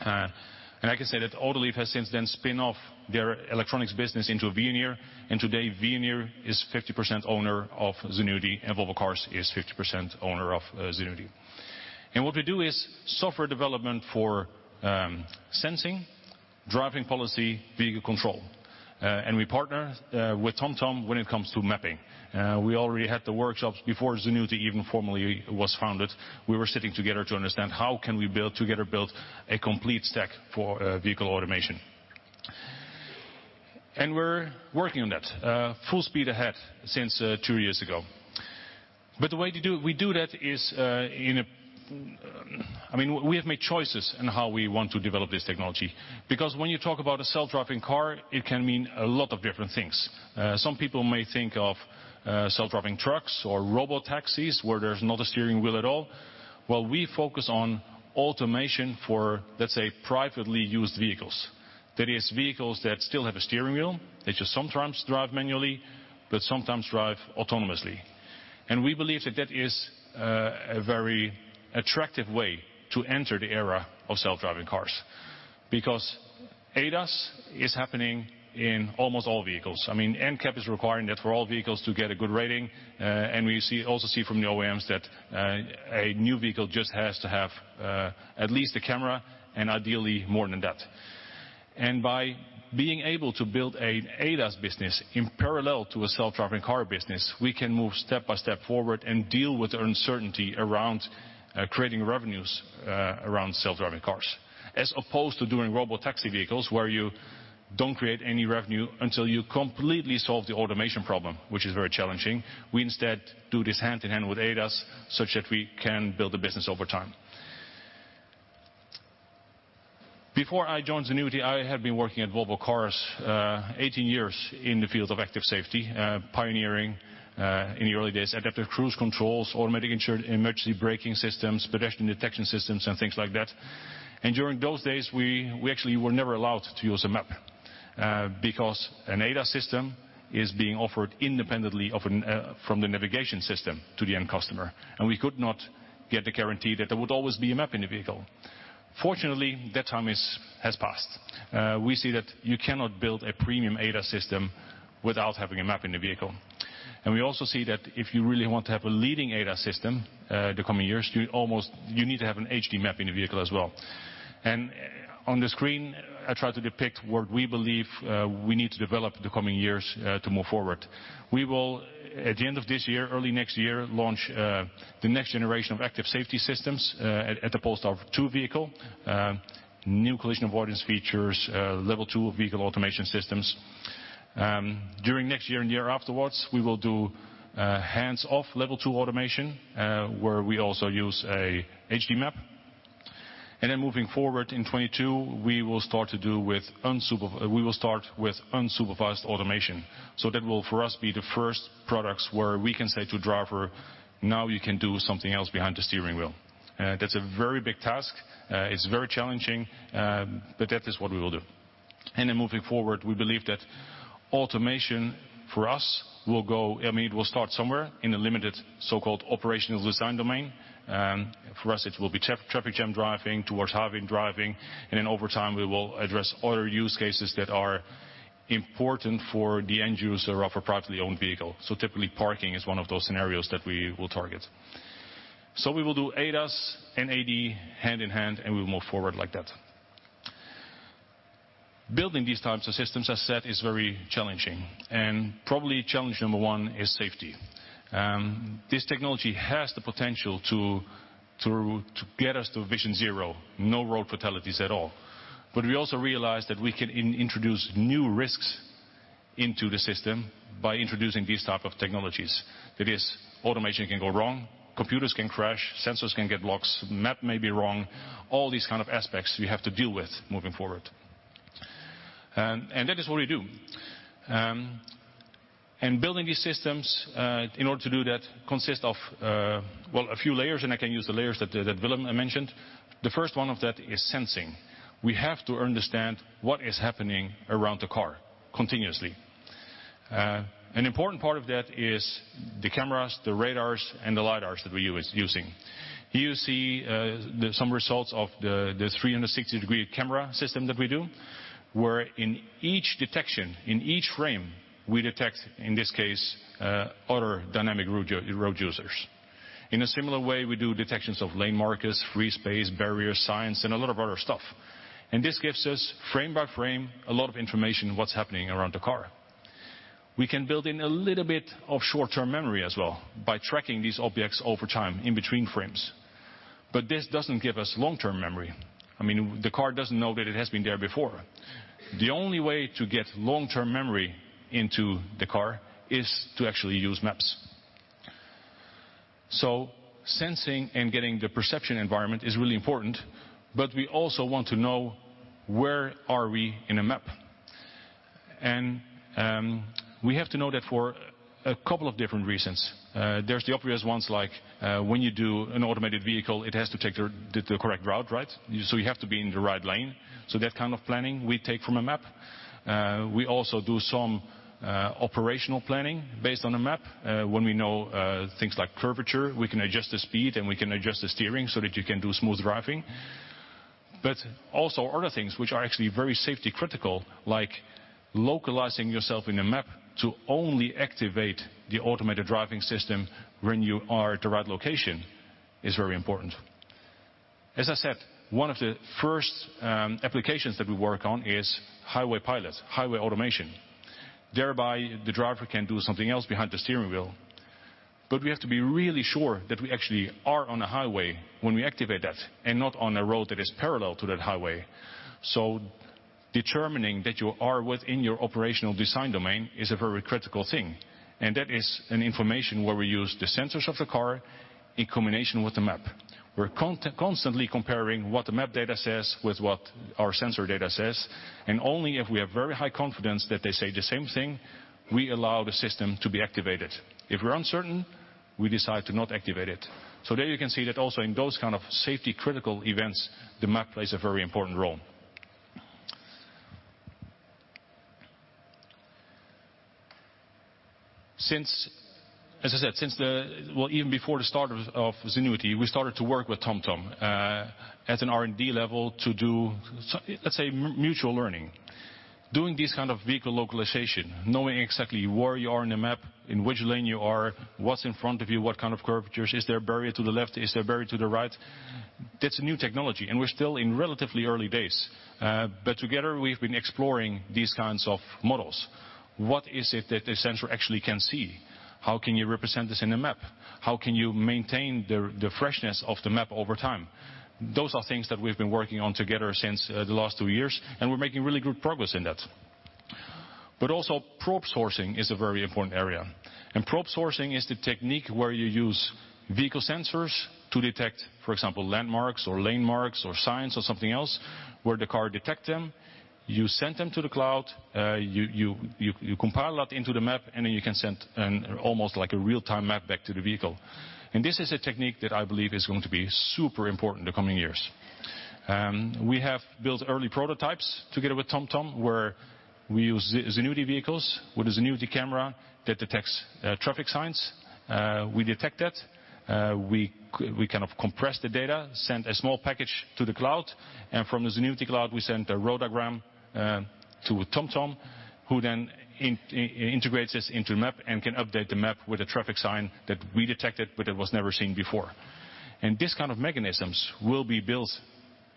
[SPEAKER 15] I can say that Autoliv has since then spin off their electronics business into Veoneer, and today Veoneer is 50% owner of Zenuity, and Volvo Cars is 50% owner of Zenuity. What we do is software development for sensing, driving policy, vehicle control. We partner with TomTom when it comes to mapping. We already had the workshops before Zenuity even formally was founded. We were sitting together to understand how can we build together, build a complete stack for vehicle automation. We're working on that full speed ahead since two years ago. The way we do that is, we have made choices in how we want to develop this technology, because when you talk about a self-driving car, it can mean a lot of different things. Some people may think of self-driving trucks or robot taxis where there's not a steering wheel at all, while we focus on automation for, let's say, privately used vehicles. That is vehicles that still have a steering wheel. They just sometimes drive manually, but sometimes drive autonomously. We believe that that is a very attractive way to enter the era of self-driving cars because ADAS is happening in almost all vehicles. NCAP is requiring that for all vehicles to get a good rating, and we also see from the OEMs that a new vehicle just has to have at least a camera and ideally more than that. By being able to build an ADAS business in parallel to a self-driving car business, we can move step by step forward and deal with the uncertainty around creating revenues around self-driving cars, as opposed to doing robot taxi vehicles where you don't create any revenue until you completely solve the automation problem, which is very challenging. We instead do this hand in hand with ADAS such that we can build a business over time. Before I joined Zenuity, I had been working at Volvo Cars 18 years in the field of active safety, pioneering in the early days, adaptive cruise controls, automatic emergency braking systems, pedestrian detection systems, and things like that. During those days, we actually were never allowed to use a map, because an ADAS system is being offered independently from the navigation system to the end customer, and we could not get the guarantee that there would always be a map in the vehicle. Fortunately, that time has passed. We see that you cannot build a premium ADAS system without having a map in the vehicle. We also see that if you really want to have a leading ADAS system the coming years, you need to have an HD map in the vehicle as well. On the screen, I try to depict what we believe we need to develop the coming years to move forward. We will, at the end of this year, early next year, launch the next generation of active safety systems at the Polestar 2 vehicle, new collision avoidance features, Level 2 vehicle automation systems. During next year and the year afterwards, we will do hands-off Level 2 automation, where we also use a HD map. Moving forward in 2022, we will start with unsupervised automation. That will, for us, be the first products where we can say to driver, "Now you can do something else behind the steering wheel." That's a very big task. It's very challenging, that is what we will do. Moving forward, we believe that automation, for us, it will start somewhere in a limited so-called operational design domain. For us, it will be traffic jam driving towards highway driving. Over time, we will address other use cases that are important for the end user of a privately owned vehicle. Typically, parking is one of those scenarios that we will target. We will do ADAS and AD hand in hand, and we will move forward like that. Building these types of systems, as I said, is very challenging, and probably challenge number one is safety. This technology has the potential to get us to Vision Zero, no road fatalities at all. We also realize that we can introduce new risks into the system by introducing these type of technologies. That is, automation can go wrong, computers can crash, sensors can get blocks, map may be wrong. All these kind of aspects we have to deal with moving forward. That is what we do. Building these systems, in order to do that, consists of a few layers, and I can use the layers that Willem mentioned. The first one of that is sensing. We have to understand what is happening around the car continuously. An important part of that is the cameras, the radars, and the lidars that we are using. Here you see some results of the 360-degree camera system that we do, where in each detection, in each frame, we detect, in this case, other dynamic road users. In a similar way, we do detections of lane markers, free space, barriers, signs, and a lot of other stuff. This gives us frame by frame a lot of information of what's happening around the car. We can build in a little bit of short-term memory as well by tracking these objects over time in between frames. This doesn't give us long-term memory. The car doesn't know that it has been there before. The only way to get long-term memory into the car is to actually use maps. Sensing and getting the perception environment is really important, but we also want to know where are we in a map. We have to know that for a couple of different reasons. There's the obvious ones like when you do an automated vehicle, it has to take the correct route, right? You have to be in the right lane. That kind of planning we take from a map. We also do some operational planning based on a map. When we know things like curvature, we can adjust the speed, and we can adjust the steering so that you can do smooth driving. Also other things which are actually very safety critical, like localizing yourself in a map to only activate the automated driving system when you are at the right location is very important. As I said, one of the first applications that we work on is highway pilots, highway automation. Thereby, the driver can do something else behind the steering wheel. We have to be really sure that we actually are on a highway when we activate that and not on a road that is parallel to that highway. Determining that you are within your operational design domain is a very critical thing, and that is an information where we use the sensors of the car in combination with the map. We're constantly comparing what the map data says with what our sensor data says, and only if we have very high confidence that they say the same thing, we allow the system to be activated. If we're uncertain, we decide to not activate it. There you can see that also in those kind of safety critical events, the map plays a very important role. As I said, even before the start of Zenuity, we started to work with TomTom at an R&D level to do, let's say, mutual learning. Doing this kind of vehicle localization, knowing exactly where you are in a map, in which lane you are, what's in front of you, what kind of curvatures, is there a barrier to the left, is there a barrier to the right, that's a new technology, and we're still in relatively early days. Together we've been exploring these kinds of models. What is it that a sensor actually can see? How can you represent this in a map? How can you maintain the freshness of the map over time? Those are things that we've been working on together since the last two years, and we're making really good progress in that. Also crowdsourcing is a very important area. Crowdsourcing is the technique where you use vehicle sensors to detect, for example, landmarks or lane marks or signs or something else, where the car detect them, you send them to the cloud, you compile that into the map, and then you can send an almost real-time map back to the vehicle. This is a technique that I believe is going to be super important in the coming years. We have built early prototypes together with TomTom, where we use Zenuity vehicles with a Zenuity camera that detects traffic signs. We detect that, we kind of compress the data, send a small package to the cloud, and from the Zenuity cloud, we send a Roadagram to TomTom, who then integrates this into the map and can update the map with a traffic sign that we detected, but it was never seen before. This kind of mechanisms will be built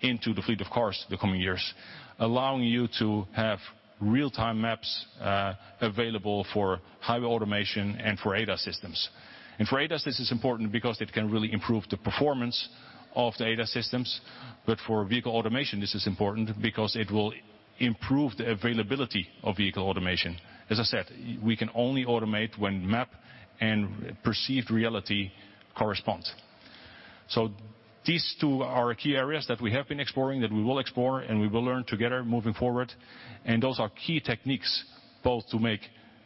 [SPEAKER 15] into the fleet of cars the coming years, allowing you to have real-time maps available for highway automation and for ADAS systems. For ADAS, this is important because it can really improve the performance of the ADAS systems. For vehicle automation, this is important because it will improve the availability of vehicle automation. As I said, we can only automate when map and perceived reality correspond. These two are key areas that we have been exploring, that we will explore, and we will learn together moving forward. Those are key techniques both to make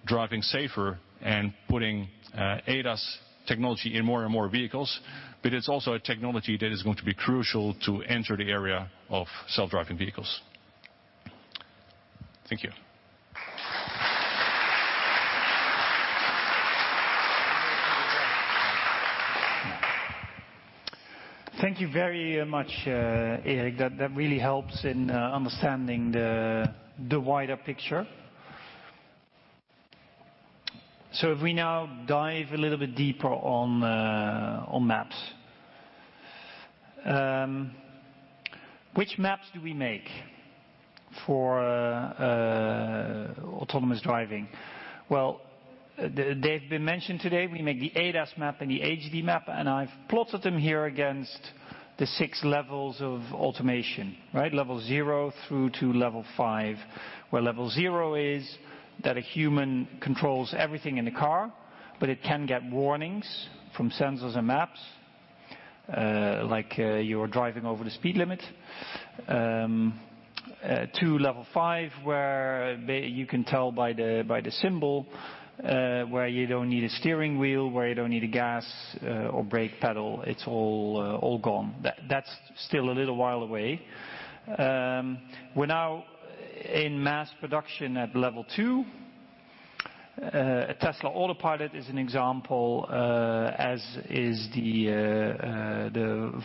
[SPEAKER 15] driving safer and putting ADAS technology in more and more vehicles. It's also a technology that is going to be crucial to enter the area of self-driving vehicles. Thank you.
[SPEAKER 14] Thank you very much, Erik. That really helps in understanding the wider picture. If we now dive a little bit deeper on maps. Which maps do we make for autonomous driving? Well, they've been mentioned today. We make the ADAS map and the HD map, and I've plotted them here against the six levels of automation, right? Level 0 through to level 5, where level 0 is that a human controls everything in the car, but it can get warnings from sensors and maps, like you're driving over the speed limit, to level 5, where you can tell by the symbol, where you don't need a steering wheel, where you don't need a gas or brake pedal. It's all gone. That's still a little while away. We're now in mass production at level 2. Tesla Autopilot is an example, as is the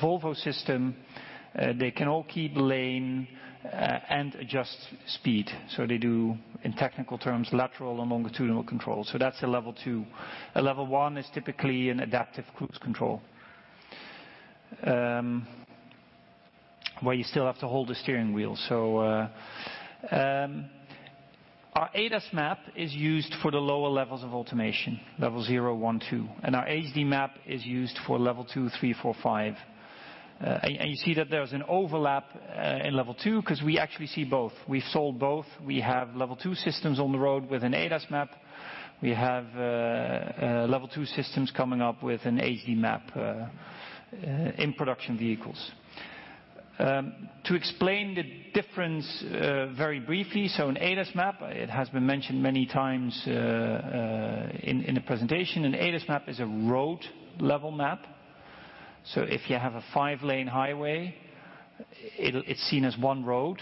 [SPEAKER 14] Volvo system. They can all keep lane and adjust speed. They do, in technical terms, lateral and longitudinal control. That's a level 2. A level 1 is typically an adaptive cruise control, where you still have to hold the steering wheel. Our ADAS map is used for the lower levels of automation, level 0, 1, 2. Our HD map is used for level 2, 3, 4, 5. You see that there's an overlap in level 2 because we actually see both. We've sold both. We have level 2 systems on the road with an ADAS map. We have level 2 systems coming up with an HD map in production vehicles. To explain the difference very briefly, an ADAS map, it has been mentioned many times in the presentation. An ADAS map is a road level map. If you have a five-lane highway, it's seen as one road.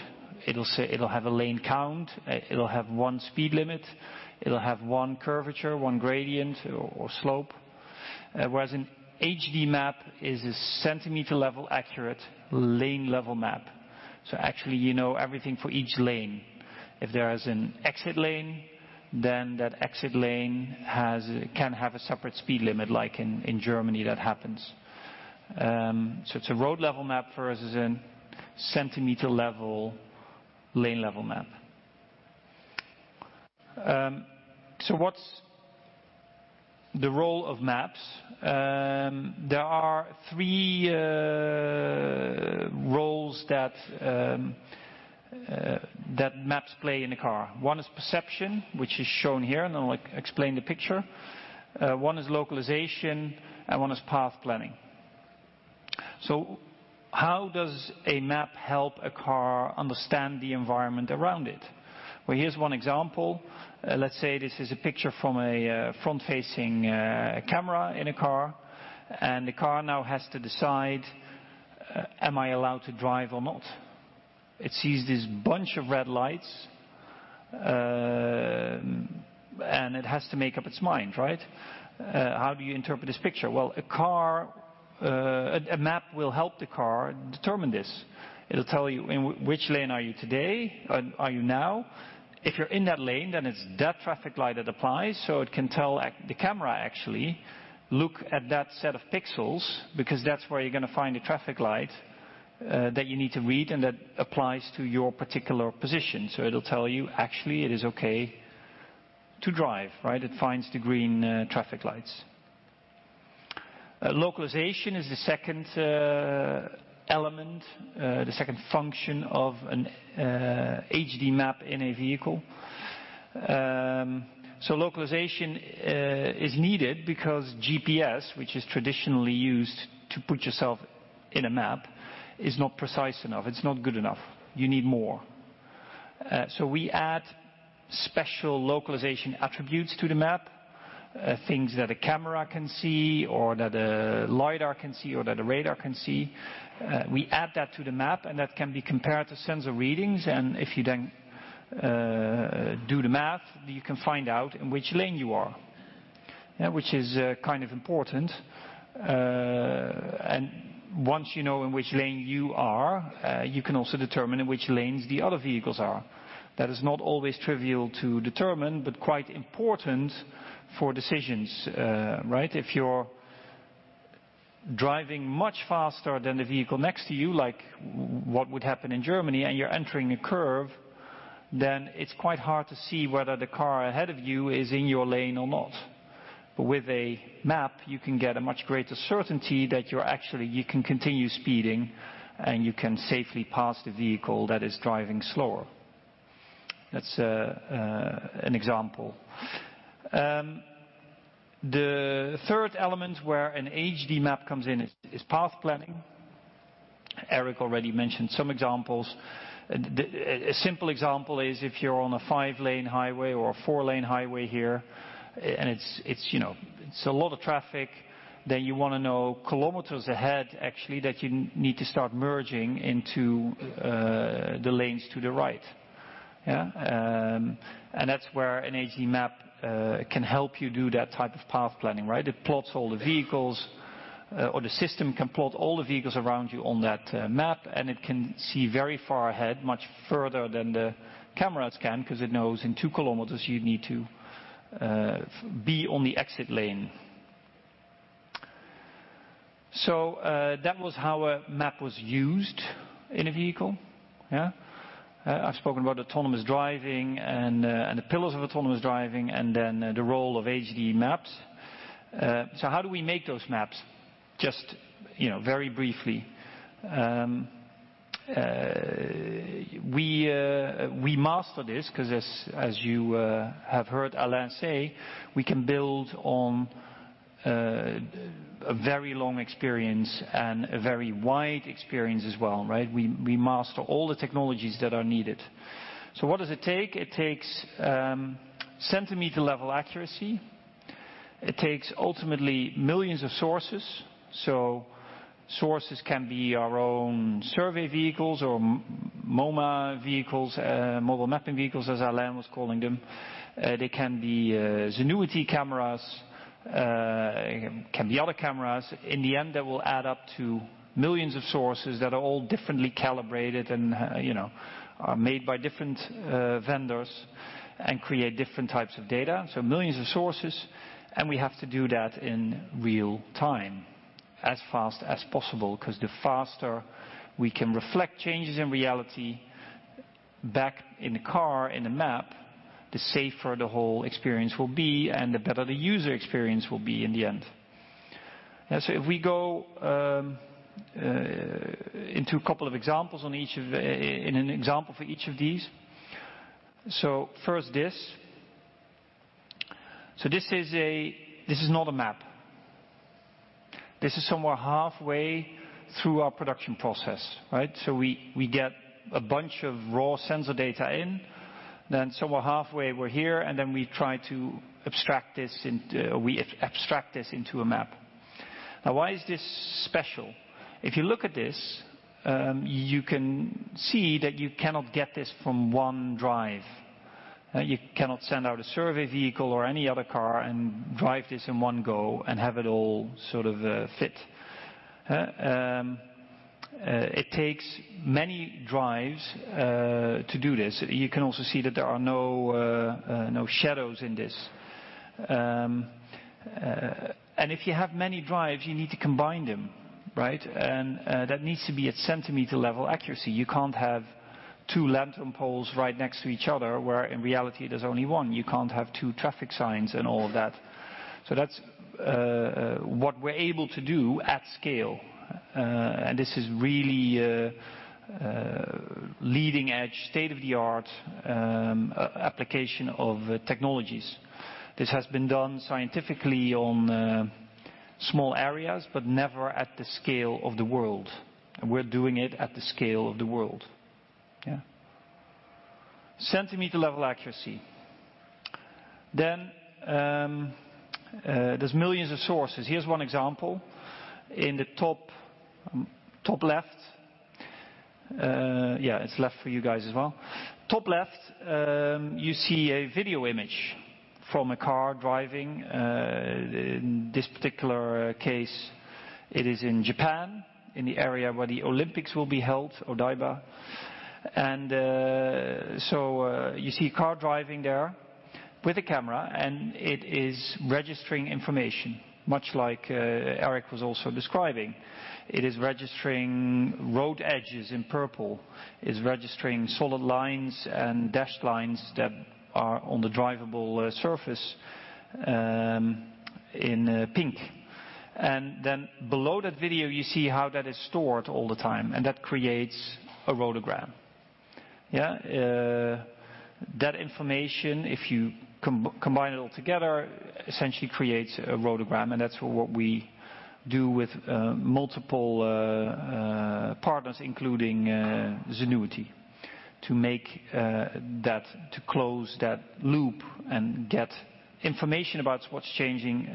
[SPEAKER 14] It'll have a lane count. It'll have one speed limit. It'll have one curvature, one gradient or slope. Whereas an HD map is a centimeter level accurate lane level map. Actually, you know everything for each lane. If there is an exit lane, then that exit lane can have a separate speed limit, like in Germany that happens. It's a road level map versus a centimeter level lane level map. What's the role of maps? There are three roles that maps play in a car. One is perception, which is shown here, and I'll explain the picture. One is localization, and one is path planning. How does a map help a car understand the environment around it? Well, here's one example. Let's say this is a picture from a front-facing camera in a car, the car now has to decide, am I allowed to drive or not? It sees this bunch of red lights, it has to make up its mind, right? How do you interpret this picture? Well, a map will help the car determine this. It'll tell you in which lane are you today, are you now. If you're in that lane, it's that traffic light that applies. It can tell the camera, actually, look at that set of pixels, because that's where you're going to find the traffic light that you need to read, that applies to your particular position. It'll tell you, actually, it is okay to drive, right? It finds the green traffic lights. Localization is the second element, the second function of an HD map in a vehicle. Localization is needed because GPS, which is traditionally used to put yourself in a map, is not precise enough. It's not good enough. You need more. We add special localization attributes to the map, things that a camera can see, or that a lidar can see, or that a radar can see. We add that to the map, and that can be compared to sensor readings. If you then do the math, you can find out in which lane you are. Which is kind of important. Once you know in which lane you are, you can also determine in which lanes the other vehicles are. That is not always trivial to determine, but quite important for decisions, right? If you're driving much faster than the vehicle next to you, like what would happen in Germany, and you're entering a curve, then it's quite hard to see whether the car ahead of you is in your lane or not. With a map, you can get a much greater certainty that you can continue speeding, and you can safely pass the vehicle that is driving slower. That's an example. The third element where an HD map comes in is path planning. Erik already mentioned some examples. A simple example is if you're on a five-lane highway or a four-lane highway here, and it's a lot of traffic, then you want to know kilometers ahead, actually, that you need to start merging into the lanes to the right. That's where an HD map can help you do that type of path planning, right? It plots all the vehicles, or the system can plot all the vehicles around you on that map, and it can see very far ahead, much further than the cameras can, because it knows in two kilometers you'd need to be on the exit lane. That was how a map was used in a vehicle. I've spoken about autonomous driving and the pillars of autonomous driving, and then the role of HD maps. How do we make those maps? Just very briefly. We master this because, as you have heard Alain say, we can build on a very long experience and a very wide experience as well, right? We master all the technologies that are needed. What does it take? It takes centimeter-level accuracy. It takes, ultimately, millions of sources. Sources can be our own survey vehicles or MoMa vehicles, mobile mapping vehicles, as Alain was calling them. They can be Zenuity cameras, can be other cameras. In the end, that will add up to millions of sources that are all differently calibrated and are made by different vendors and create different types of data. Millions of sources, and we have to do that in real time, as fast as possible, because the faster we can reflect changes in reality back in the car, in the map, the safer the whole experience will be and the better the user experience will be in the end. If we go into an example for each of these. First this. This is not a map. This is somewhere halfway through our production process, right? We get a bunch of raw sensor data in, then somewhere halfway we're here, and then we abstract this into a map. Now, why is this special? If you look at this, you can see that you cannot get this from one drive. You cannot send out a survey vehicle or any other car and drive this in one go and have it all sort of fit. It takes many drives to do this. You can also see that there are no shadows in this. If you have many drives, you need to combine them, right? That needs to be at centimeter-level accuracy. You can't have two lamp poles right next to each other where in reality there's only one. You can't have two traffic signs and all of that. That's what we're able to do at scale. This is really a leading edge, state-of-the-art application of technologies. This has been done scientifically on small areas, but never at the scale of the world. We're doing it at the scale of the world. Centimeter-level accuracy. There's millions of sources. Here's one example. In the top left, it's left for you guys as well. Top left, you see a video image from a car driving. In this particular case, it is in Japan, in the area where the Olympics will be held, Odaiba. You see a car driving there with a camera, and it is registering information, much like Erik was also describing. It is registering road edges in purple. It's registering solid lines and dashed lines that are on the drivable surface in pink. Below that video, you see how that is stored all the time, and that creates a Roadagram. Yeah. That information, if you combine it all together, essentially creates a Roadagram, and that's what we do with multiple partners, including Zenuity, to close that loop and get information about what's changing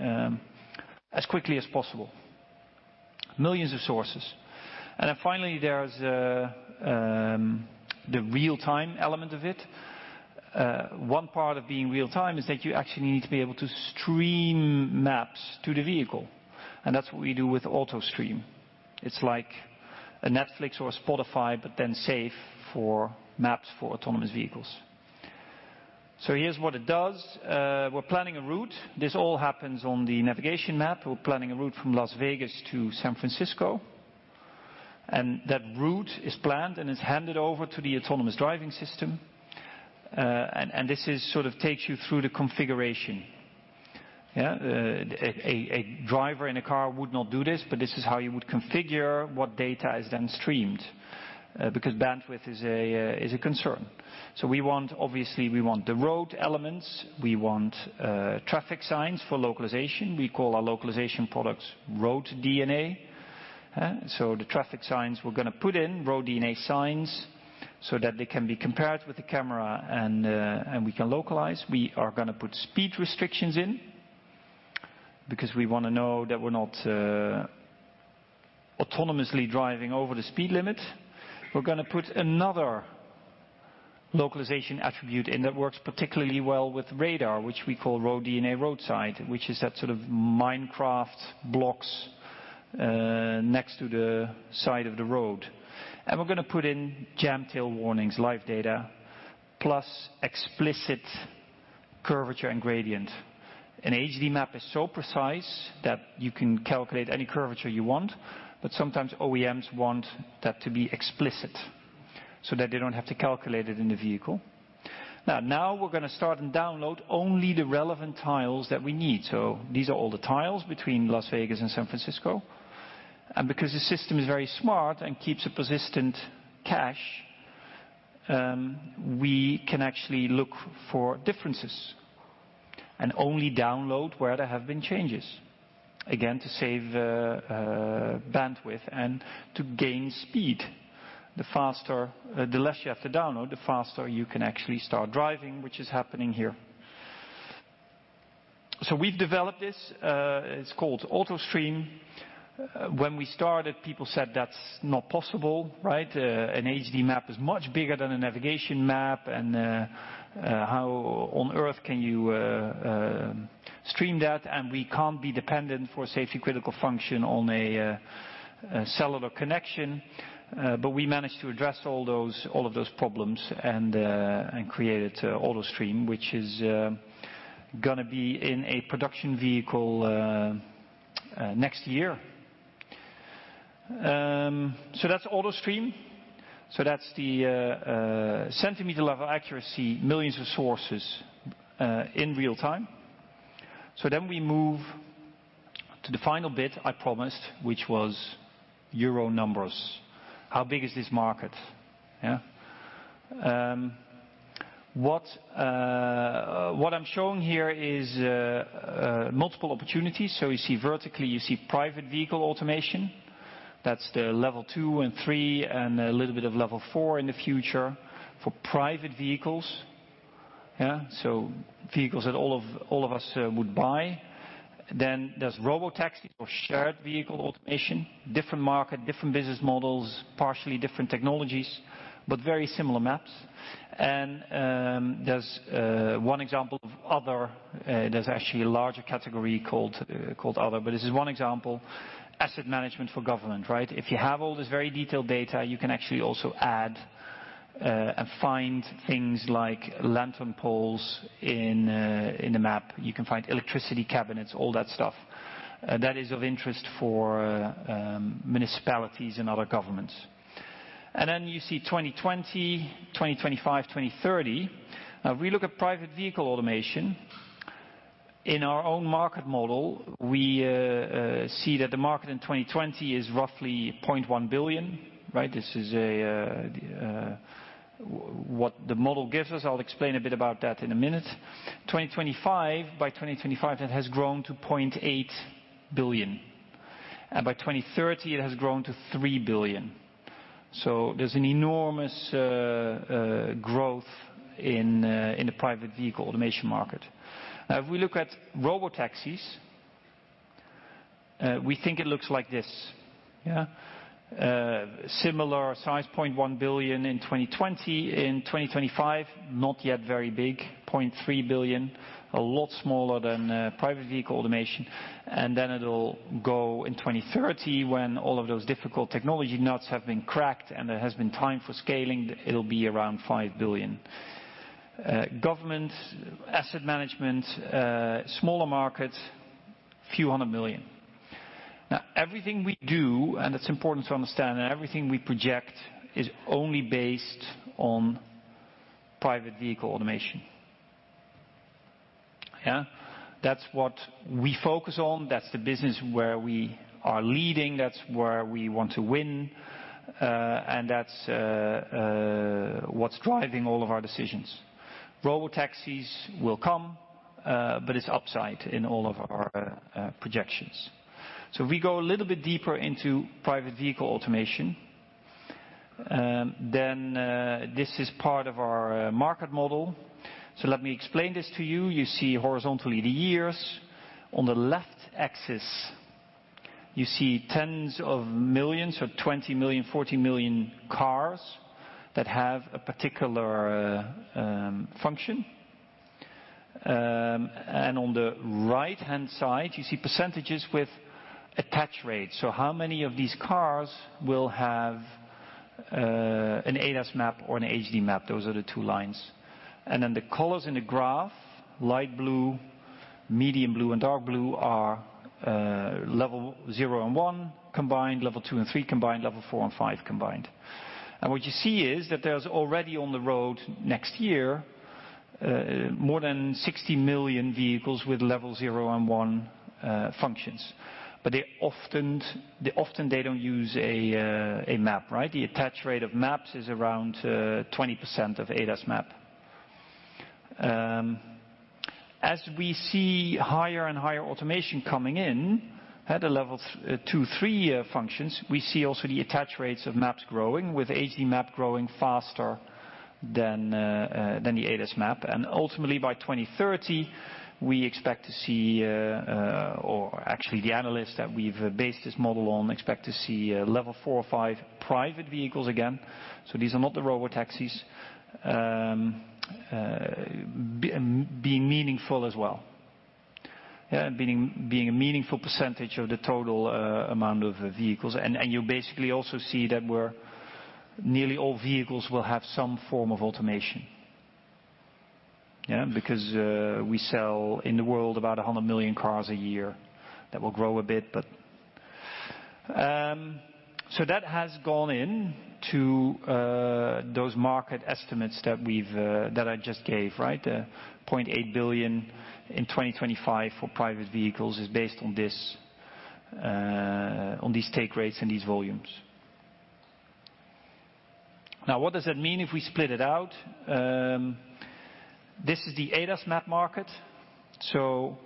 [SPEAKER 14] as quickly as possible. Millions of sources. Finally, there's the real-time element of it. One part of being real-time is that you actually need to be able to stream maps to the vehicle, and that's what we do with AutoStream. It's like a Netflix or a Spotify, but then safe for maps for autonomous vehicles. Here's what it does. We're planning a route. This all happens on the navigation map. We're planning a route from Las Vegas to San Francisco. That route is planned and is handed over to the autonomous driving system. This sort of takes you through the configuration. Yeah. A driver in a car would not do this, but this is how you would configure what data is then streamed, because bandwidth is a concern. Obviously, we want the road elements. We want traffic signs for localization. We call our localization products RoadDNA. The traffic signs we're going to put in, RoadDNA signs, so that they can be compared with the camera and we can localize. We are going to put speed restrictions in, because we want to know that we're not autonomously driving over the speed limit. We're going to put another localization attribute in that works particularly well with radar, which we call RoadDNA Roadside, which is that sort of Minecraft blocks next to the side of the road. We're going to put in jam tail warnings, live data, plus explicit curvature and gradient. An HD map is so precise that you can calculate any curvature you want, but sometimes OEMs want that to be explicit, so that they don't have to calculate it in the vehicle. We're going to start and download only the relevant tiles that we need. These are all the tiles between Las Vegas and San Francisco. Because the system is very smart and keeps a persistent cache, we can actually look for differences and only download where there have been changes, again, to save bandwidth and to gain speed. The less you have to download, the faster you can actually start driving, which is happening here. We've developed this. It's called AutoStream. When we started, people said, "That's not possible, right? An HD map is much bigger than a navigation map, and how on earth can you stream that? We can't be dependent for safety critical function on a cellular connection. We managed to address all of those problems and created AutoStream, which is going to be in a production vehicle next year. That's AutoStream. That's the centimeter level accuracy, millions of sources in real time. Then we move to the final bit I promised, which was euro numbers. How big is this market? What I'm showing here is multiple opportunities. You see vertically, you see private vehicle automation. That's the level 2 and 3, and a little bit of level 4 in the future for private vehicles. Vehicles that all of us would buy. Then there's robotaxi or shared vehicle automation. Different market, different business models, partially different technologies, but very similar maps. There's one example of Other, there's actually a larger category called Other, but this is one example. Asset management for government, right? If you have all this very detailed data, you can actually also add, and find things like lantern poles in the map. You can find electricity cabinets, all that stuff. That is of interest for municipalities and other governments. You see 2020, 2025, 2030. If we look at private vehicle automation, in our own market model, we see that the market in 2020 is roughly 0.1 billion, right? This is what the model gives us. I'll explain a bit about that in a minute. 2025, by 2025, it has grown to 0.8 billion. By 2030, it has grown to 3 billion. There's an enormous growth in the private vehicle automation market. If we look at robotaxis, we think it looks like this. Yeah. Similar size, 0.1 billion in 2020. In 2025, not yet very big, 0.3 billion. A lot smaller than private vehicle automation. It'll go in 2030 when all of those difficult technology nuts have been cracked and there has been time for scaling, it'll be around 5 billion. Government, asset management, smaller markets, EUR few hundred million. Now, everything we do, and it's important to understand, and everything we project, is only based on private vehicle automation. Yeah. That's what we focus on. That's the business where we are leading, that's where we want to win, and that's what's driving all of our decisions. Robotaxis will come, but it's upside in all of our projections. We go a little bit deeper into private vehicle automation. This is part of our market model. Let me explain this to you. You see horizontally the years. On the left axis, you see tens of millions or 20 million, 40 million cars that have a particular function. On the right-hand side, you see % with attach rates. How many of these cars will have an ADAS map or an HD map? Those are the two lines. The colors in the graph, light blue, medium blue, and dark blue are level 0 and 1 combined, level 2 and 3 combined, level 4 and 5 combined. What you see is that there's already on the road next year, more than 60 million vehicles with level 0 and 1 functions. Often they don't use a map, right? The attach rate of maps is around 20% of ADAS map. As we see higher and higher automation coming in at a level 2, 3 functions, we see also the attach rates of maps growing, with HD map growing faster than the ADAS map. Ultimately by 2030, we expect to see, or actually the analysts that we've based this model on, expect to see level 4 or 5 private vehicles again. These are not the robotaxis, being meaningful as well, being a meaningful percentage of the total amount of vehicles. You basically also see that nearly all vehicles will have some form of automation. Yeah. We sell in the world about 100 million cars a year. That will grow a bit, so that has gone in to those market estimates that I just gave, right? 0.8 billion in 2025 for private vehicles is based on these take rates and these volumes. What does that mean if we split it out? This is the ADAS map market. You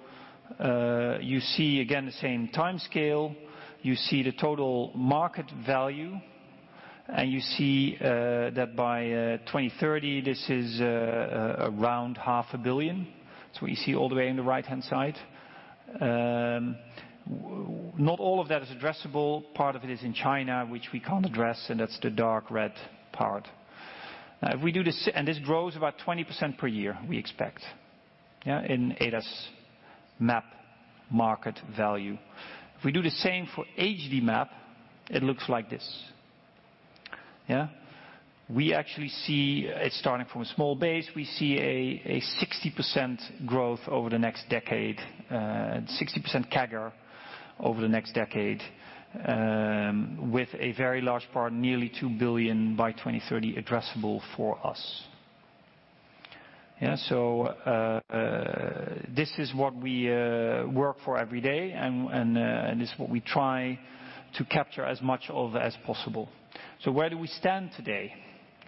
[SPEAKER 14] see, again, the same time scale. You see the total market value, and you see that by 2030, this is around EUR half a billion. That's what you see all the way in the right-hand side. Not all of that is addressable. Part of it is in China, which we can't address, and that's the dark red part. This grows about 20% per year, we expect, yeah, in ADAS map market value. We do the same for HD map, it looks like this. Yeah. We actually see it starting from a small base. We see a 60% growth over the next decade, 60% CAGR over the next decade, with a very large part, nearly 2 billion by 2030, addressable for us. Yeah. This is what we work for every day, and this is what we try to capture as much of as possible. Where do we stand today?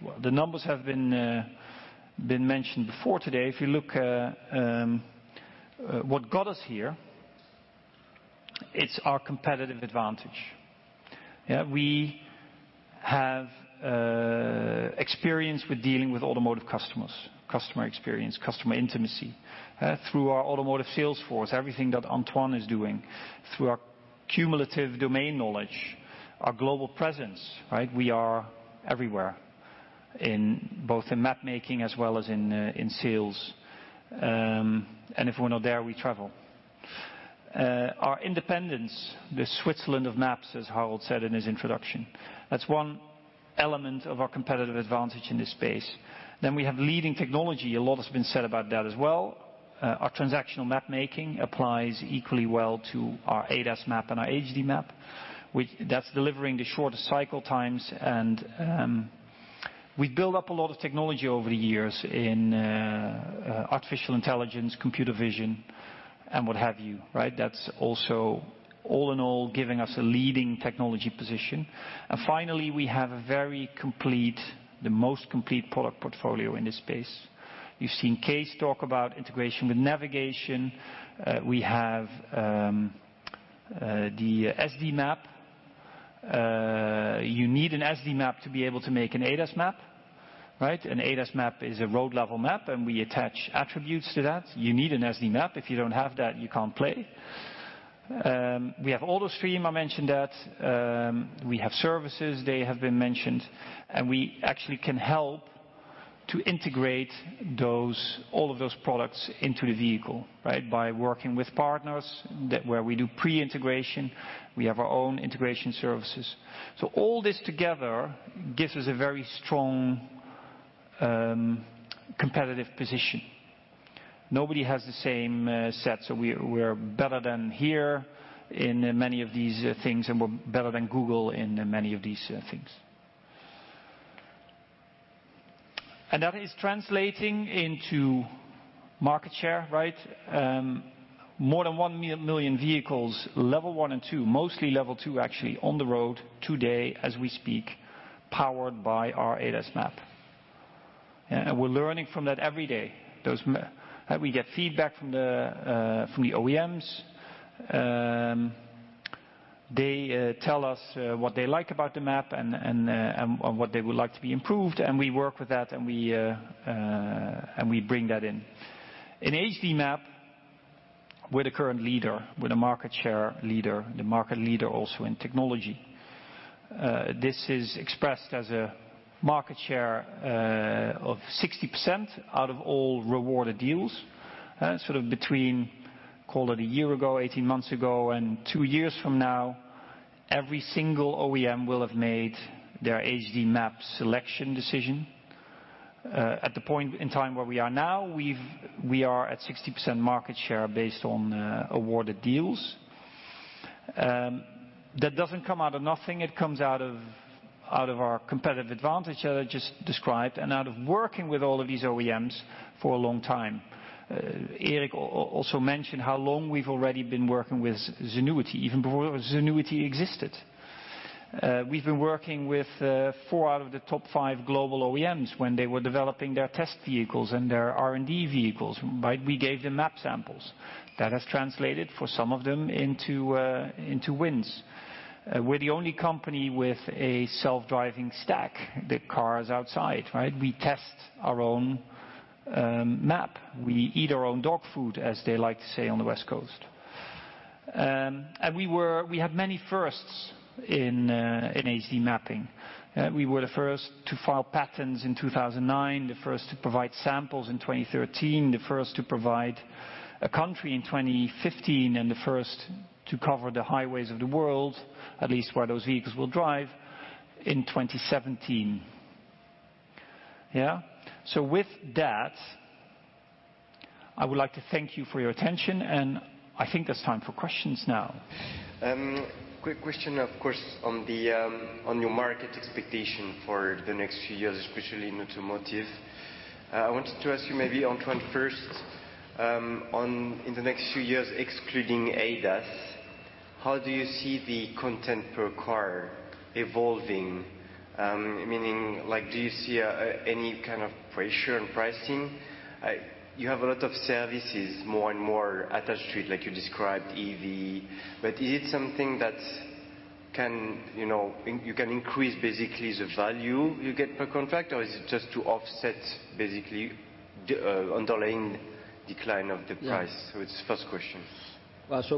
[SPEAKER 14] Well, the numbers have been mentioned before today. If you look what got us here, it's our competitive advantage. Yeah. We have experience with dealing with automotive customers, customer experience, customer intimacy. Through our automotive sales force, everything that Antoine is doing. Through our cumulative domain knowledge, our global presence, right? We are everywhere, both in mapmaking as well as in sales. If we're not there, we travel. Our independence, the Switzerland of maps, as Harold said in his introduction. That's one element of our competitive advantage in this space. We have leading technology. A lot has been said about that as well. Our transactional mapmaking applies equally well to our ADAS map and our HD map. That's delivering the shortest cycle times and we've built up a lot of technology over the years in artificial intelligence, computer vision, and what have you, right? That's also all in all, giving us a leading technology position. Finally, we have a very complete, the most complete product portfolio in this space. You've seen Kees talk about integration with navigation. We have the SD map. You need an SD map to be able to make an ADAS map, right? An ADAS map is a road-level map, and we attach attributes to that. You need an SD map. If you don't have that, you can't play. We have AutoStream, I mentioned that. We have services, they have been mentioned, and we actually can help to integrate all of those products into the vehicle, right? By working with partners where we do pre-integration, we have our own integration services. All this together gives us a very strong competitive position. Nobody has the same set. We're better than HERE in many of these things. We're better than Google in many of these things. That is translating into market share, right? More than 1 million vehicles, level 1 and 2, mostly level 2 actually, on the road today as we speak, powered by our ADAS map. We're learning from that every day. We get feedback from the OEMs. They tell us what they like about the map and what they would like to be improved. We work with that. We bring that in. In HD map, we're the current leader. We're the market share leader, the market leader also in technology. This is expressed as a market share of 60% out of all rewarded deals, sort of between call it a year ago, 18 months ago, and two years from now. Every single OEM will have made their HD map selection decision. At the point in time where we are now, we are at 60% market share based on awarded deals. That doesn't come out of nothing. It comes out of our competitive advantage that I just described and out of working with all of these OEMs for a long time. Erik also mentioned how long we've already been working with Zenuity, even before Zenuity existed. We've been working with four out of the top five global OEMs when they were developing their test vehicles and their R&D vehicles. We gave them map samples. That has translated for some of them into wins. We're the only company with a self-driving stack. The car is outside. We test our own map. We eat our own dog food, as they like to say on the West Coast. We had many firsts in HD mapping. We were the first to file patents in 2009, the first to provide samples in 2013, the first to provide a country in 2015, and the first to cover the highways of the world, at least where those vehicles will drive, in 2017. Yeah. With that, I would like to thank you for your attention, and I think that's time for questions now.
[SPEAKER 4] Quick question, of course, on your market expectation for the next few years, especially in automotive. I wanted to ask you maybe, Antoine, first, in the next few years, excluding ADAS, how do you see the content per car evolving? Meaning, do you see any kind of pressure on pricing? You have a lot of services, more and more attached to it, like you described EV. Is it something that you can increase basically the value you get per contract, or is it just to offset basically underlying decline of the price? It's first question.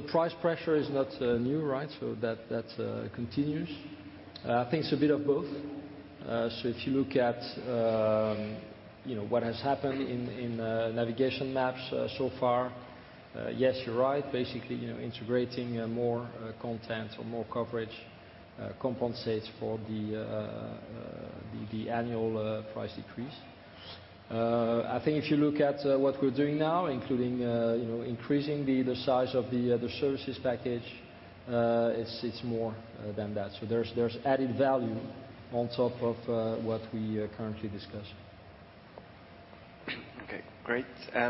[SPEAKER 12] Price pressure is not new, right? That continues. I think it's a bit of both. If you look at what has happened in navigation maps so far, yes, you're right. Basically, integrating more content or more coverage compensates for the annual price decrease. I think if you look at what we're doing now, including increasing the size of the services package, it's more than that. There's added value on top of what we currently discuss.
[SPEAKER 4] Okay, great.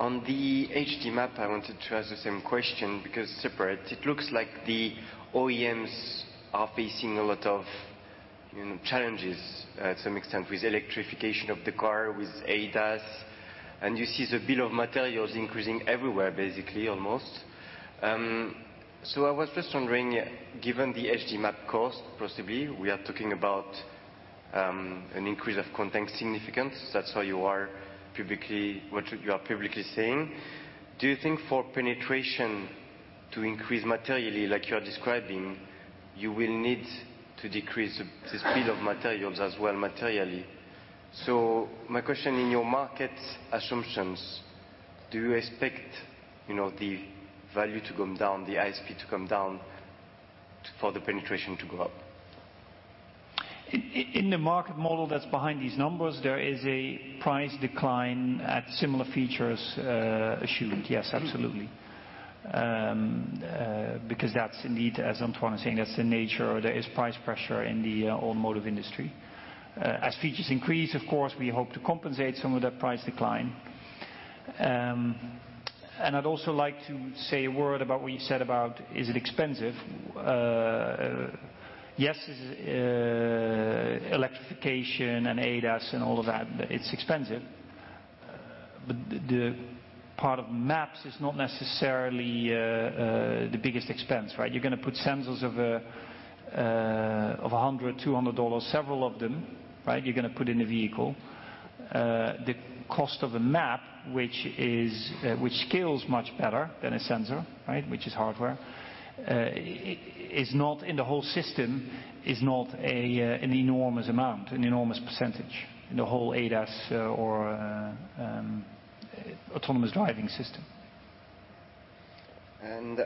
[SPEAKER 4] On the HD map, I wanted to ask the same question because separate, it looks like the OEMs are facing a lot of challenges to some extent with electrification of the car, with ADAS, and you see the bill of materials increasing everywhere, basically, almost. I was just wondering, given the HD map cost, possibly, we are talking about an increase of content significance. That's what you are publicly saying. Do you think for penetration to increase materially like you're describing, you will need to decrease the bill of materials as well materially? My question, in your market assumptions, do you expect the value to come down, the ASP to come down for the penetration to go up?
[SPEAKER 14] In the market model that's behind these numbers, there is a price decline at similar features assumed. Yes, absolutely. Because that's indeed, as Antoine is saying, that's the nature. There is price pressure in the automotive industry. As features increase, of course, we hope to compensate some of that price decline. I'd also like to say a word about what you said about, is it expensive? Yes, electrification and ADAS and all of that, it's expensive. The part of maps is not necessarily the biggest expense, right? You're going to put sensors of EUR 100, EUR 200, several of them, you're going to put in a vehicle. The cost of a map, which scales much better than a sensor, which is hardware, in the whole system, is not an enormous amount, an enormous percentage in the whole ADAS or autonomous driving system.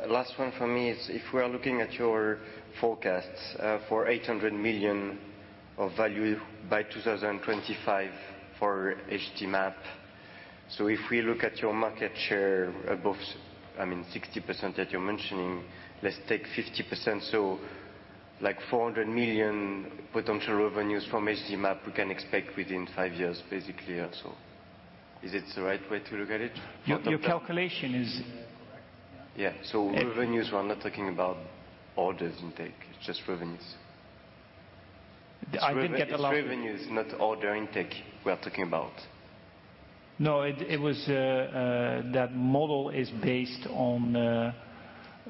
[SPEAKER 4] Last one from me is if we are looking at your forecasts for 800 million of value by 2025 for HD map. If we look at your market share above, I mean, 60% that you are mentioning, let's take 50%. Like 400 million potential revenues from HD map we can expect within five years, basically also. Is it the right way to look at it?
[SPEAKER 14] Your calculation is-
[SPEAKER 4] Correct, yeah. Yeah. Revenues, we're not talking about orders intake, it's just revenues.
[SPEAKER 14] I didn't get the last-
[SPEAKER 4] It's revenues, not order intake we are talking about.
[SPEAKER 14] No, that model is based on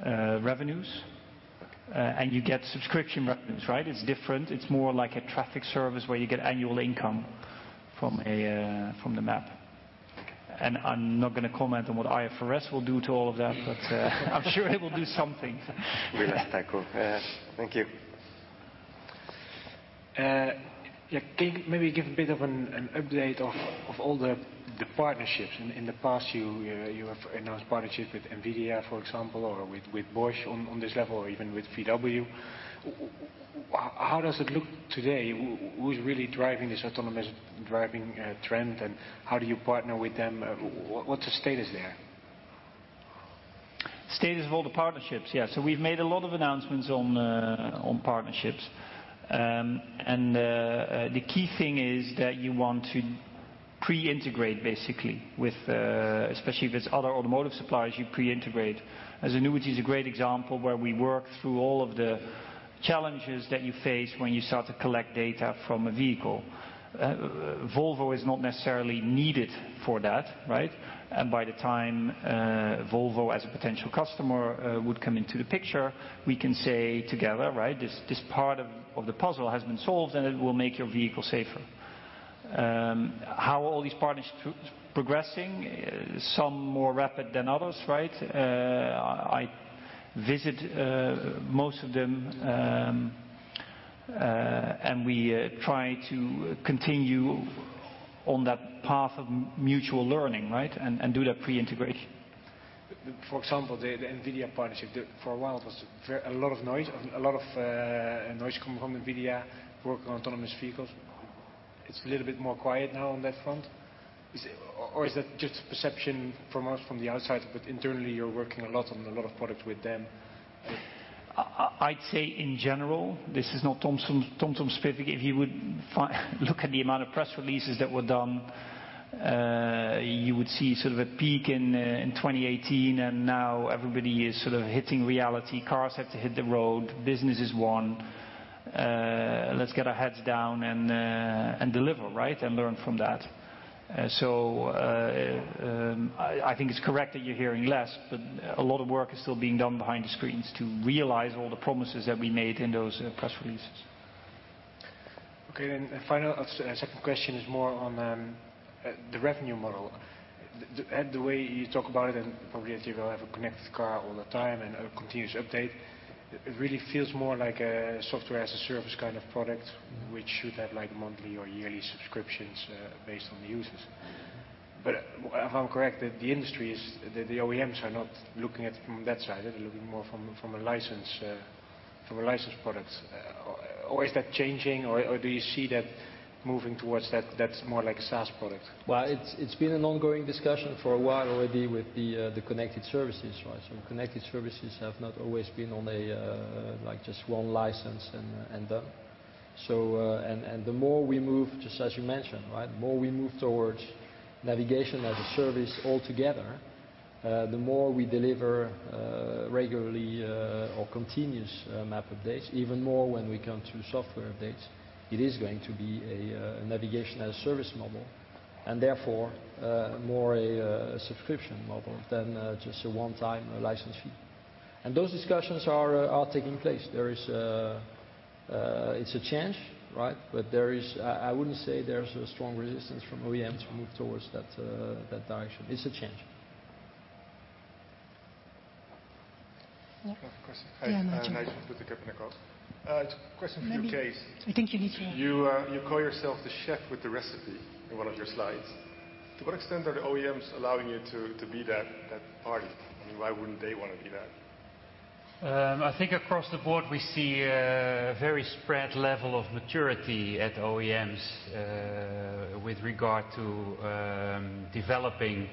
[SPEAKER 14] revenues.
[SPEAKER 4] Okay.
[SPEAKER 14] You get subscription revenues, right? It's different. It's more like a traffic service where you get annual income from the map.
[SPEAKER 4] Okay.
[SPEAKER 14] I'm not going to comment on what IFRS will do to all of that, but I'm sure it will do something.
[SPEAKER 4] Thank you.
[SPEAKER 5] Can you maybe give a bit of an update of all the partnerships? In the past, you have announced partnership with NVIDIA, for example, or with Bosch on this level, or even with VW. How does it look today? Who's really driving this autonomous driving trend, and how do you partner with them? What's the status there?
[SPEAKER 14] Status of all the partnerships. Yeah. We've made a lot of announcements on partnerships. The key thing is that you want to pre-integrate, basically, especially if it's other automotive suppliers, you pre-integrate. Zenuity is a great example where we work through all of the challenges that you face when you start to collect data from a vehicle. Volvo is not necessarily needed for that. By the time Volvo, as a potential customer, would come into the picture, we can say together, "This part of the puzzle has been solved, and it will make your vehicle safer." How are all these partners progressing? Some more rapid than others. I visit most of them, and we try to continue on that path of mutual learning and do that pre-integration.
[SPEAKER 5] For example, the NVIDIA partnership, for a while, it was a lot of noise. A lot of noise coming from NVIDIA working on autonomous vehicles. It's a little bit more quiet now on that front. Is that just perception from us from the outside, but internally you're working a lot on a lot of products with them?
[SPEAKER 14] I'd say in general, this is not TomTom specific. If you would look at the amount of press releases that were done, you would see sort of a peak in 2018. Now everybody is sort of hitting reality. Cars have to hit the road. Business is one. Let's get our heads down and deliver, and learn from that. I think it's correct that you're hearing less, but a lot of work is still being done behind the screens to realize all the promises that we made in those press releases.
[SPEAKER 5] Final, second question is more on the revenue model. The way you talk about it, and probably that you will have a connected car all the time and a continuous update, it really feels more like a software as a service kind of product, which should have monthly or yearly subscriptions based on the users. If I'm correct, the OEMs are not looking at it from that side. They're looking more from a license product. Is that changing, or do you see that moving towards that's more like a SaaS product?
[SPEAKER 14] Well, it's been an ongoing discussion for a while already with the connected services. Connected services have not always been on just one license and done. The more we move, just as you mentioned, the more we move towards navigation as a service altogether, the more we deliver regularly or continuous map updates, even more when we come to software updates. It is going to be a navigation as a service model, and therefore, more a subscription model than just a one-time license fee. Those discussions are taking place. It's a change, but I wouldn't say there's a strong resistance from OEMs to move towards that direction. It's a change.
[SPEAKER 16] Yeah. I have a question. Yeah, Nigel. Nigel with the Capital Coast. Question for Kees. Maybe, I think you call yourself the chef with the recipe in one of your slides. To what extent are the OEMs allowing you to be that party? I mean, why wouldn't they want to be that?
[SPEAKER 13] I think across the board, we see a very spread level of maturity at OEMs with regard to developing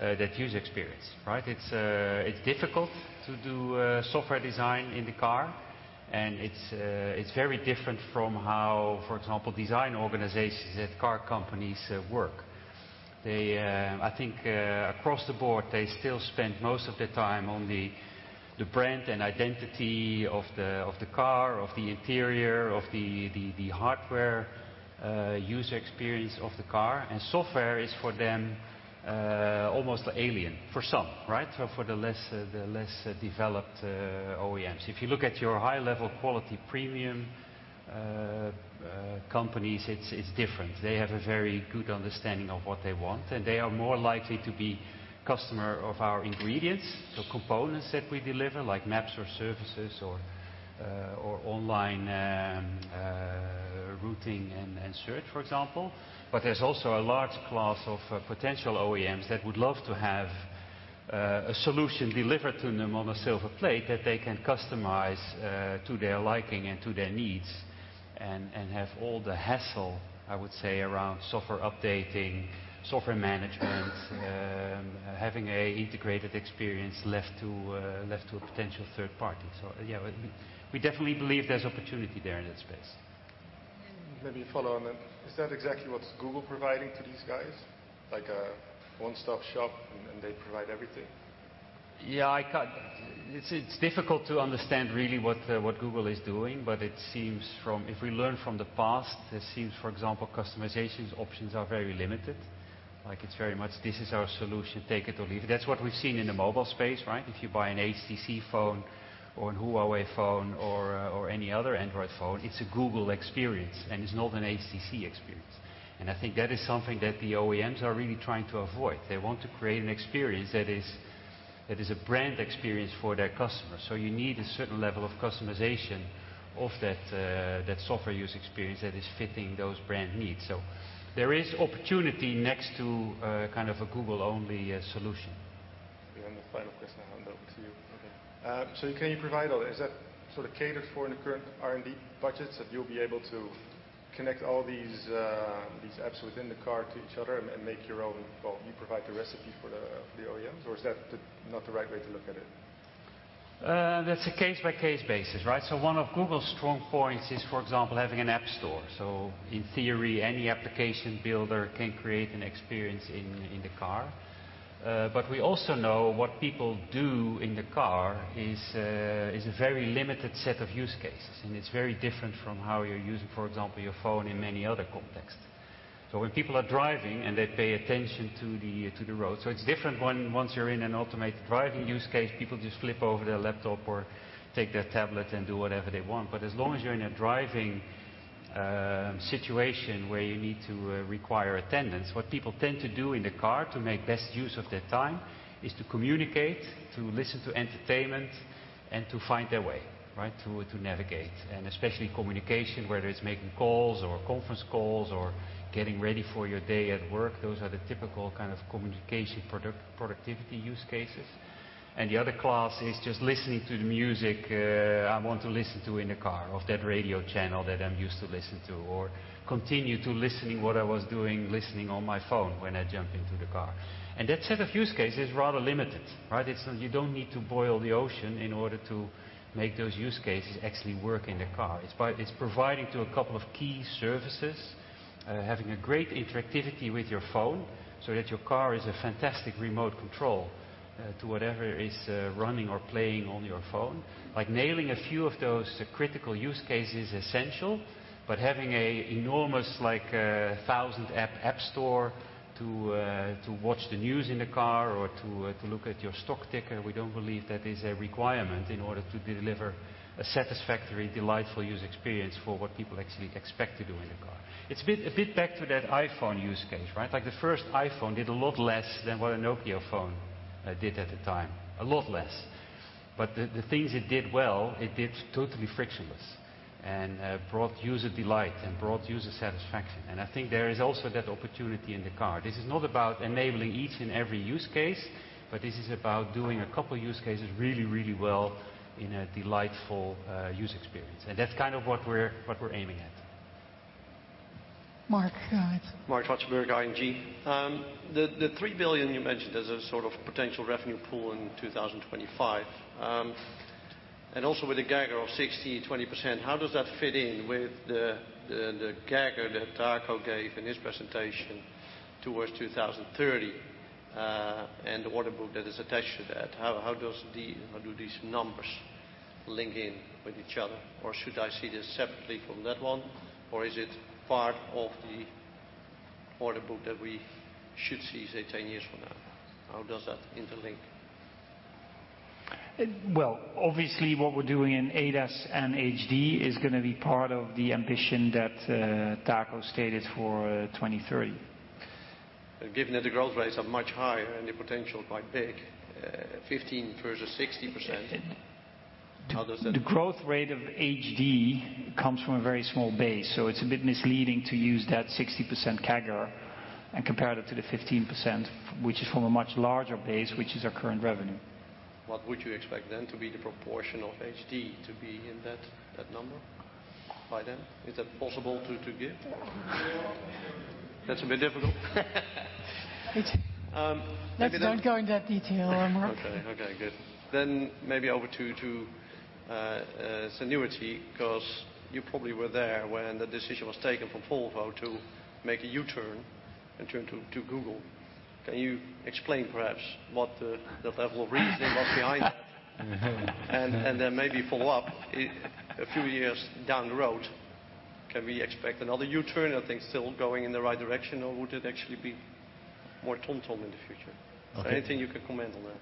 [SPEAKER 13] that user experience. It's difficult to do software design in the car, and it's very different from how, for example, design organizations at car companies work. I think, across the board, they still spend most of their time on the brand and identity of the car, of the interior, of the hardware, user experience of the car. Software is, for them, almost alien. For some. For the less developed OEMs. If you look at your high-level quality premium companies, it's different. They have a very good understanding of what they want, and they are more likely to be customer of our ingredients. Components that we deliver, like maps or services or online routing and search, for example. There's also a large class of potential OEMs that would love to have. A solution delivered to them on a silver plate that they can customize to their liking and to their needs, and have all the hassle, I would say, around software updating, software management, having an integrated experience left to a potential third party. Yeah, we definitely believe there's opportunity there in that space.
[SPEAKER 16] Maybe a follow on then. Is that exactly what Google providing to these guys? Like a one-stop shop, and they provide everything?
[SPEAKER 13] Yeah, it's difficult to understand really what Google is doing, but if we learn from the past, it seems, for example, customization options are very limited. It's very much, "This is our solution, take it or leave it." That's what we've seen in the mobile space, right? If you buy an HTC phone or a Huawei phone or any other Android phone, it's a Google experience, and it's not an HTC experience. I think that is something that the OEMs are really trying to avoid. They want to create an experience that is a brand experience for their customers. You need a certain level of customization of that software use experience that is fitting those brand needs. There is opportunity next to a Google-only solution.
[SPEAKER 16] The final question, and then over to you.
[SPEAKER 14] Okay.
[SPEAKER 16] Can you provide, or is that sort of catered for in the current R&D budgets, that you'll be able to connect all these apps within the car to each other and make your own, well, you provide the recipe for the OEMs, or is that not the right way to look at it?
[SPEAKER 13] That's a case-by-case basis, right? One of Google's strong points is, for example, having an app store. In theory, any application builder can create an experience in the car. We also know what people do in the car is a very limited set of use cases. It's very different from how you're using, for example, your phone in many other contexts. When people are driving, and they pay attention to the road, it's different once you're in an automated driving use case, people just flip over their laptop or take their tablet and do whatever they want. As long as you're in a driving situation where you need to require attendance, what people tend to do in the car to make best use of their time is to communicate, to listen to entertainment, and to find their way, right, to navigate. Especially communication, whether it's making calls or conference calls or getting ready for your day at work, those are the typical kind of communication productivity use cases. The other class is just listening to the music I want to listen to in the car, or that radio channel that I'm used to listening to, or continue to listening what I was doing, listening on my phone when I jump into the car. That set of use cases is rather limited, right? You don't need to boil the ocean in order to make those use cases actually work in the car. It's providing to a couple of key services, having a great interactivity with your phone so that your car is a fantastic remote control to whatever is running or playing on your phone. Nailing a few of those critical use cases essential. Having an enormous thousand-app app store to watch the news in the car or to look at your stock ticker, we don't believe that is a requirement in order to deliver a satisfactory, delightful use experience for what people actually expect to do in the car. It's a bit back to that iPhone use case, right? The first iPhone did a lot less than what a Nokia phone did at the time, a lot less. The things it did well, it did totally frictionless, and brought user delight and brought user satisfaction. I think there is also that opportunity in the car. This is not about enabling each and every use case, but this is about doing a couple use cases really, really well in a delightful use experience. That's kind of what we're aiming at.
[SPEAKER 14] Marc, go ahead.
[SPEAKER 5] Marc Hesselink, ING. The 3 billion you mentioned as a sort of potential revenue pool in 2025, and also with a CAGR of 16%-20%, how does that fit in with the CAGR that Taco gave in his presentation towards 2030, and the order book that is attached to that? How do these numbers link in with each other? Should I see this separately from that one? Is it part of the order book that we should see, say, 10 years from now? How does that interlink?
[SPEAKER 13] Well, obviously what we're doing in ADAS and HD is going to be part of the ambition that Taco stated for 2030.
[SPEAKER 5] Given that the growth rates are much higher and the potential quite big, 15 versus 60%, how does that-
[SPEAKER 14] The growth rate of HD comes from a very small base. It's a bit misleading to use that 60% CAGR and compare that to the 15%, which is from a much larger base, which is our current revenue.
[SPEAKER 5] What would you expect then to be the proportion of HD to be in that number by then? Is that possible to give? That's a bit difficult?
[SPEAKER 14] Let's not go in that detail, Marc.
[SPEAKER 5] Okay, good. Maybe over to Zenuity, because you probably were there when the decision was taken from Volvo to make a U-turn and turn to Google. Can you explain perhaps what the level of reasoning was behind that? Maybe follow up, a few years down the road, can we expect another U-turn? Are things still going in the right direction, or would it actually be more TomTom in the future?
[SPEAKER 15] Okay.
[SPEAKER 5] Anything you can comment on that?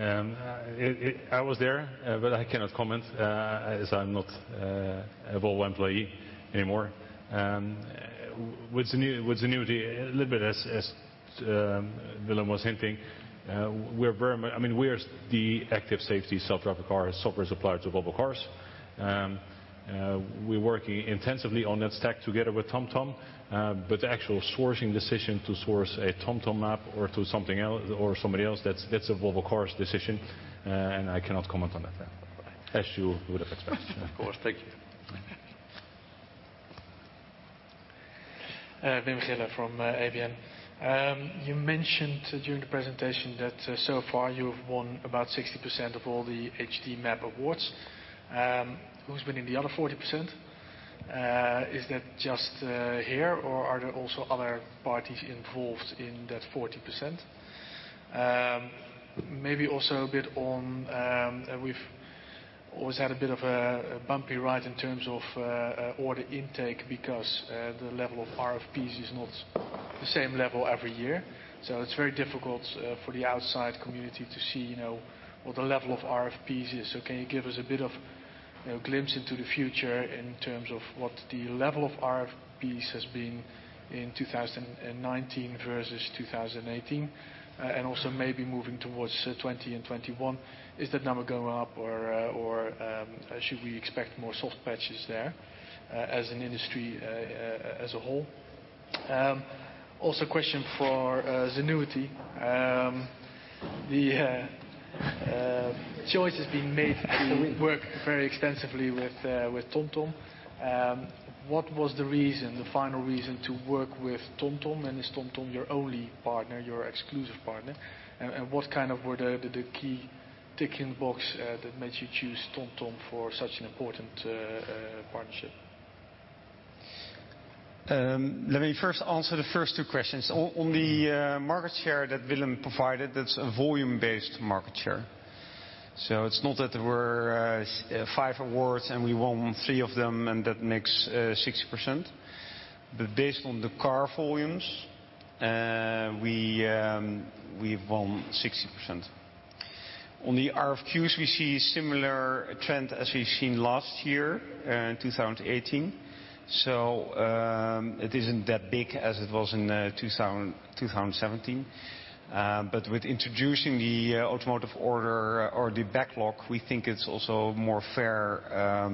[SPEAKER 15] I was there. I cannot comment, as I'm not a Volvo employee anymore. With Zenuity, a little bit as Willem was hinting, we are the active safety self-driving car software supplier to Volvo Cars. We're working intensively on that stack together with TomTom. The actual sourcing decision to source a TomTom map or to somebody else, that's a Volvo Cars decision. I cannot comment on that then.
[SPEAKER 2] As you would have expected.
[SPEAKER 6] Of course. Thank you. Wim Gille from ABN. You mentioned during the presentation that so far you've won about 60% of all the HD map awards. Who's winning the other 40%? Is that just HERE or are there also other parties involved in that 40%? Maybe also a bit on we've always had a bit of a bumpy ride in terms of order intake because the level of RFPs is not the same level every year. It's very difficult for the outside community to see what the level of RFPs is. Can you give us a bit of glimpse into the future in terms of what the level of RFPs has been in 2019 versus 2018? Also maybe moving towards 2020 and 2021. Is that number going up or should we expect more soft patches there, as an industry as a whole? Also a question for Zenuity. The choice has been made to work very extensively with TomTom. What was the reason, the final reason to work with TomTom, is TomTom your only partner, your exclusive partner? What were the key tick in the box that made you choose TomTom for such an important partnership?
[SPEAKER 2] Let me first answer the first two questions. On the market share that Willem provided, that's a volume-based market share. It's not that there were five awards and we won three of them and that makes 60%. Based on the car volumes, we've won 60%. On the RFQs, we see similar trend as we've seen last year in 2018. It isn't that big as it was in 2017. With introducing the automotive order or the backlog, we think it's also more fair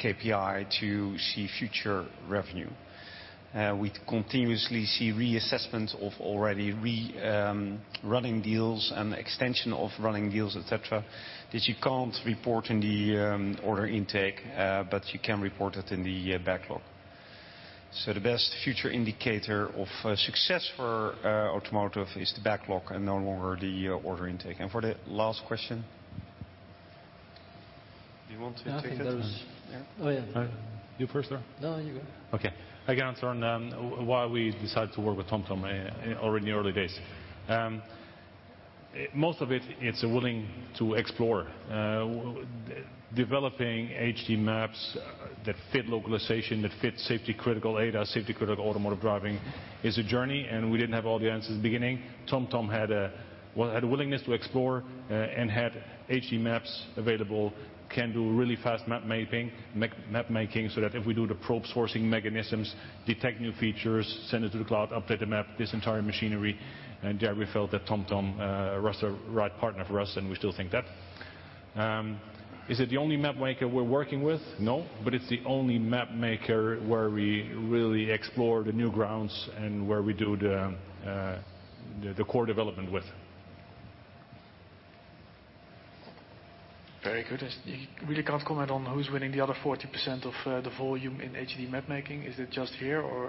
[SPEAKER 2] KPI to see future revenue. We continuously see reassessment of already running deals and extension of running deals, et cetera, that you can't report in the order intake, but you can report it in the backlog. The best future indicator of success for automotive is the backlog and no longer the order intake. For the last question, do you want to take that?
[SPEAKER 6] Oh, yeah.
[SPEAKER 15] All right. You first or?
[SPEAKER 6] No, you go.
[SPEAKER 15] Okay. I can answer on why we decided to work with TomTom already in the early days. Most of it's willing to explore. Developing HD maps that fit localization, that fit safety critical ADAS, safety critical automotive driving, is a journey, and we didn't have all the answers at the beginning. TomTom had a willingness to explore and had HD maps available, can do really fast map making, so that if we do the probe sourcing mechanisms, detect new features, send it to the cloud, update the map, this entire machinery, and there we felt that TomTom was the right partner for us, and we still think that. Is it the only map maker we're working with? No. It's the only map maker where we really explore the new grounds and where we do the core development with.
[SPEAKER 6] Very good. You really can't comment on who's winning the other 40% of the volume in HD map making. Is it just HERE or.